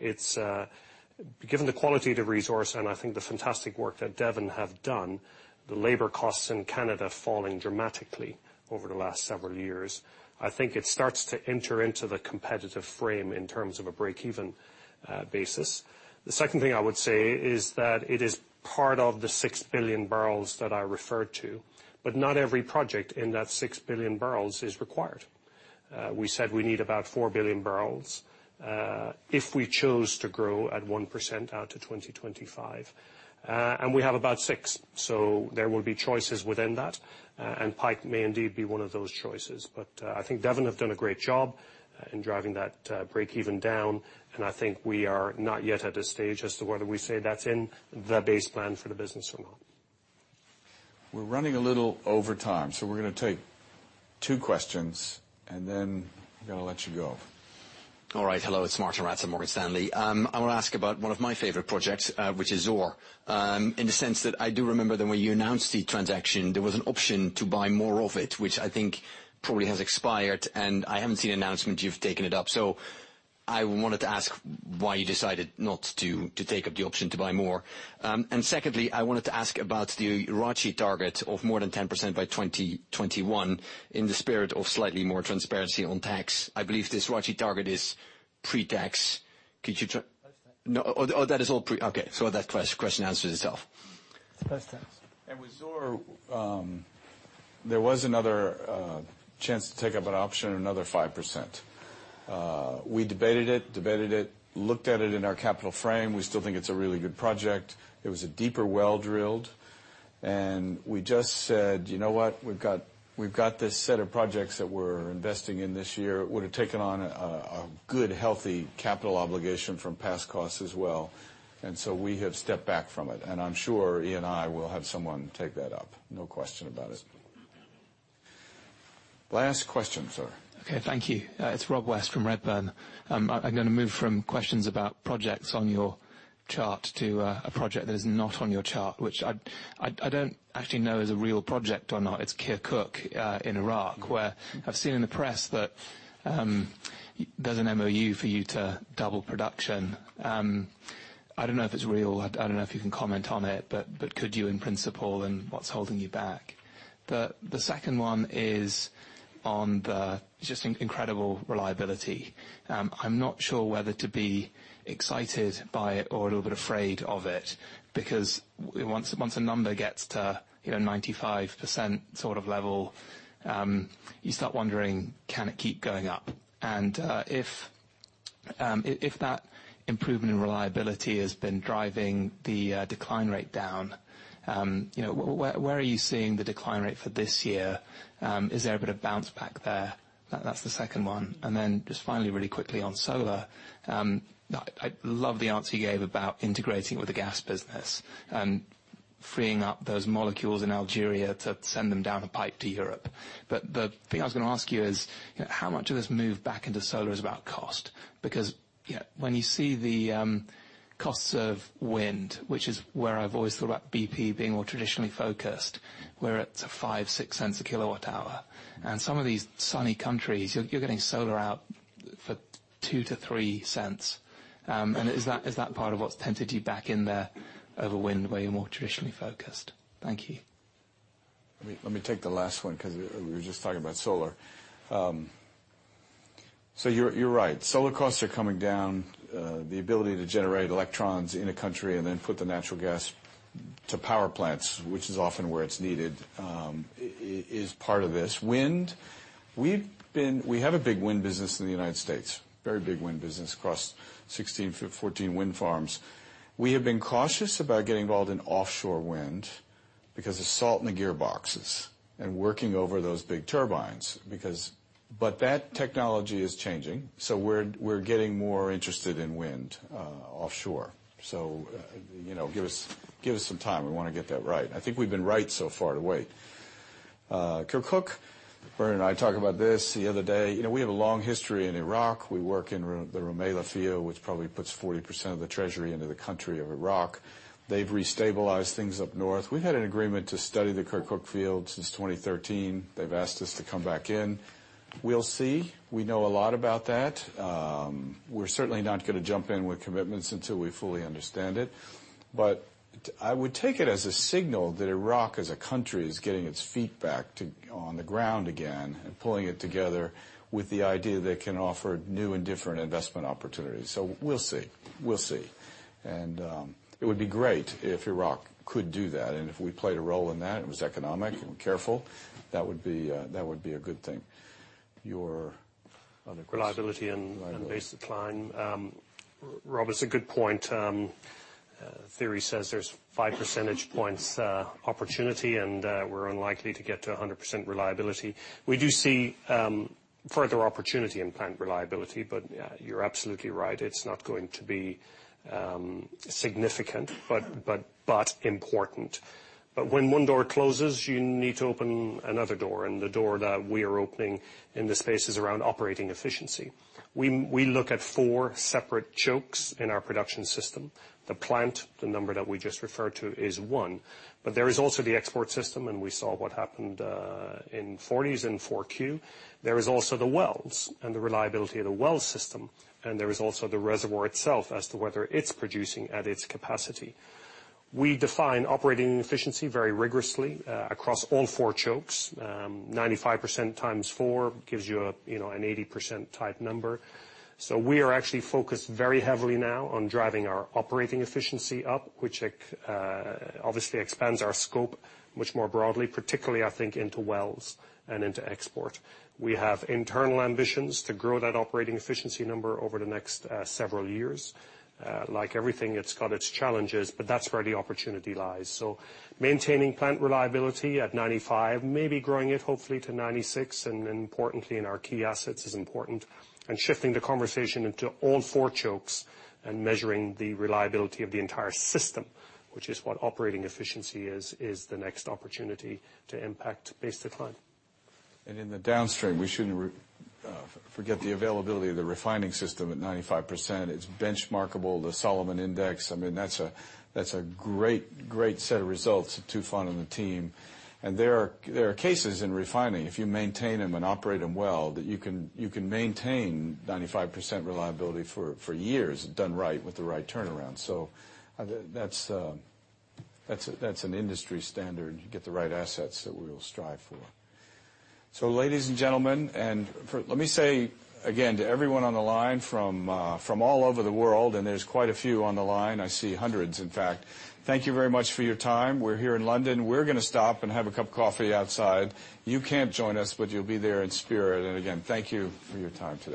given the quality of the resource and the fantastic work that Devon have done, the labor costs in Canada falling dramatically over the last several years, it starts to enter into the competitive frame in terms of a break even basis. The second thing I would say is that it is part of the 6 billion barrels that I referred to. Not every project in that 6 billion barrels is required. We said we need about 4 billion barrels if we chose to grow at 1% out to 2025. We have about 6. There will be choices within that, and Pike may indeed be one of those choices. Devon have done a great job in driving that break even down, and we are not yet at a stage as to whether we say that's in the base plan for the business or not. We're running a little over time, so we're going to take 2 questions, and then I'm going to let you go. All right. Hello, it's Martijn Rats, Morgan Stanley. I want to ask about one of my favorite projects, which is Zohr. In the sense that I do remember that when you announced the transaction, there was an option to buy more of it, which probably has expired, and I haven't seen an announcement you've taken it up. I wanted to ask why you decided not to take up the option to buy more. Secondly, I wanted to ask about the ROACE target of more than 10% by 2021, in the spirit of slightly more transparency on tax. I believe this ROACE target is pre-tax. Could you- Post-tax. No. Oh, that is all pre Okay. That question answers itself. It's post-tax. With Zohr, there was another chance to take up an option, another 5%. We debated it, looked at it in our capital frame. We still think it's a really good project. It was a deeper well-drilled. We just said, "You know what? We've got this set of projects that we're investing in this year." Would've taken on a good, healthy capital obligation from past costs as well. So we have stepped back from it. I'm sure Eni will have someone take that up, no question about it. Last question, sir. Okay, thank you. It's Rob West from Redburn. I'm going to move from questions about projects on your chart to a project that is not on your chart, which I don't actually know is a real project or not. It's Kirkuk in Iraq, where I've seen in the press that there's an MOU for you to double production. I don't know if it's real. I don't know if you can comment on it. Could you in principle, and what's holding you back? The second one is on the just incredible reliability. I'm not sure whether to be excited by it or a little bit afraid of it. Because once a number gets to 95% sort of level, you start wondering, can it keep going up? If that improvement in reliability has been driving the decline rate down, where are you seeing the decline rate for this year? Is there a bit of bounce back there? That's the second one. Then just finally, really quickly on solar. I love the answer you gave about integrating with the gas business. Freeing up those molecules in Algeria to send them down a pipe to Europe. The thing I was going to ask you is, how much of this move back into solar is about cost? Because when you see the costs of wind, which is where I've always thought about BP being more traditionally focused, we're at $0.05, $0.06 a kilowatt hour. Some of these sunny countries, you're getting solar out for $0.02 to $0.03. Is that part of what's tempted you back in there over wind, where you're more traditionally focused? Thank you. Let me take the last one, because we were just talking about solar. You're right. Solar costs are coming down. The ability to generate electrons in a country and then put the natural gas to power plants, which is often where it's needed, is part of this. Wind, we have a big wind business in the U.S., very big wind business across 16, 14 wind farms. We have been cautious about getting involved in offshore wind because of salt in the gearboxes and working over those big turbines. That technology is changing. We're getting more interested in wind offshore. Give us some time. We want to get that right. I think we've been right so far to wait. Kirkuk, Bernard and I talked about this the other day. We have a long history in Iraq. We work in the Rumaila field, which probably puts 40% of the treasury into the country of Iraq. They've restabilized things up north. We've had an agreement to study the Kirkuk field since 2013. They've asked us to come back in. We'll see. We know a lot about that. We're certainly not going to jump in with commitments until we fully understand it. I would take it as a signal that Iraq as a country is getting its feet back on the ground again and pulling it together with the idea they can offer new and different investment opportunities. We'll see. We'll see. It would be great if Iraq could do that, and if we played a role in that, and it was economic and careful, that would be a good thing. Your other question. Reliability and base decline. Reliability. Rob, it's a good point. Theory says there's five percentage points opportunity, and we're unlikely to get to 100% reliability. We do see further opportunity in plant reliability. You're absolutely right. It's not going to be significant, but important. When one door closes, you need to open another door. The door that we are opening in this space is around operating efficiency. We look at four separate chokes in our production system. The plant, the number that we just referred to is one. There is also the export system. We saw what happened in Forties and 4Q. There is also the wells and the reliability of the well system. There is also the reservoir itself as to whether it's producing at its capacity. We define operating efficiency very rigorously across all four chokes. 95% times four gives you an 80% type number. We are actually focused very heavily now on driving our operating efficiency up, which obviously expands our scope much more broadly, particularly I think into wells and into export. We have internal ambitions to grow that operating efficiency number over the next several years. Like everything, it's got its challenges, but that's where the opportunity lies. Maintaining plant reliability at 95%, maybe growing it hopefully to 96%, and importantly in our key assets is important. Shifting the conversation into all four chokes and measuring the reliability of the entire system, which is what operating efficiency is the next opportunity to impact base decline. In the Downstream, we shouldn't forget the availability of the refining system at 95%. It's benchmarkable, the Solomon Index. I mean, that's a great set of results of Tufan and the team. There are cases in refining, if you maintain them and operate them well, that you can maintain 95% reliability for years, if done right, with the right turnaround. That's an industry standard, get the right assets that we will strive for. Ladies and gentlemen, and let me say again to everyone on the line from all over the world, and there's quite a few on the line. I see hundreds, in fact. Thank you very much for your time. We're here in London. We're going to stop and have a cup of coffee outside. You can't join us, but you'll be there in spirit. Again, thank you for your time today.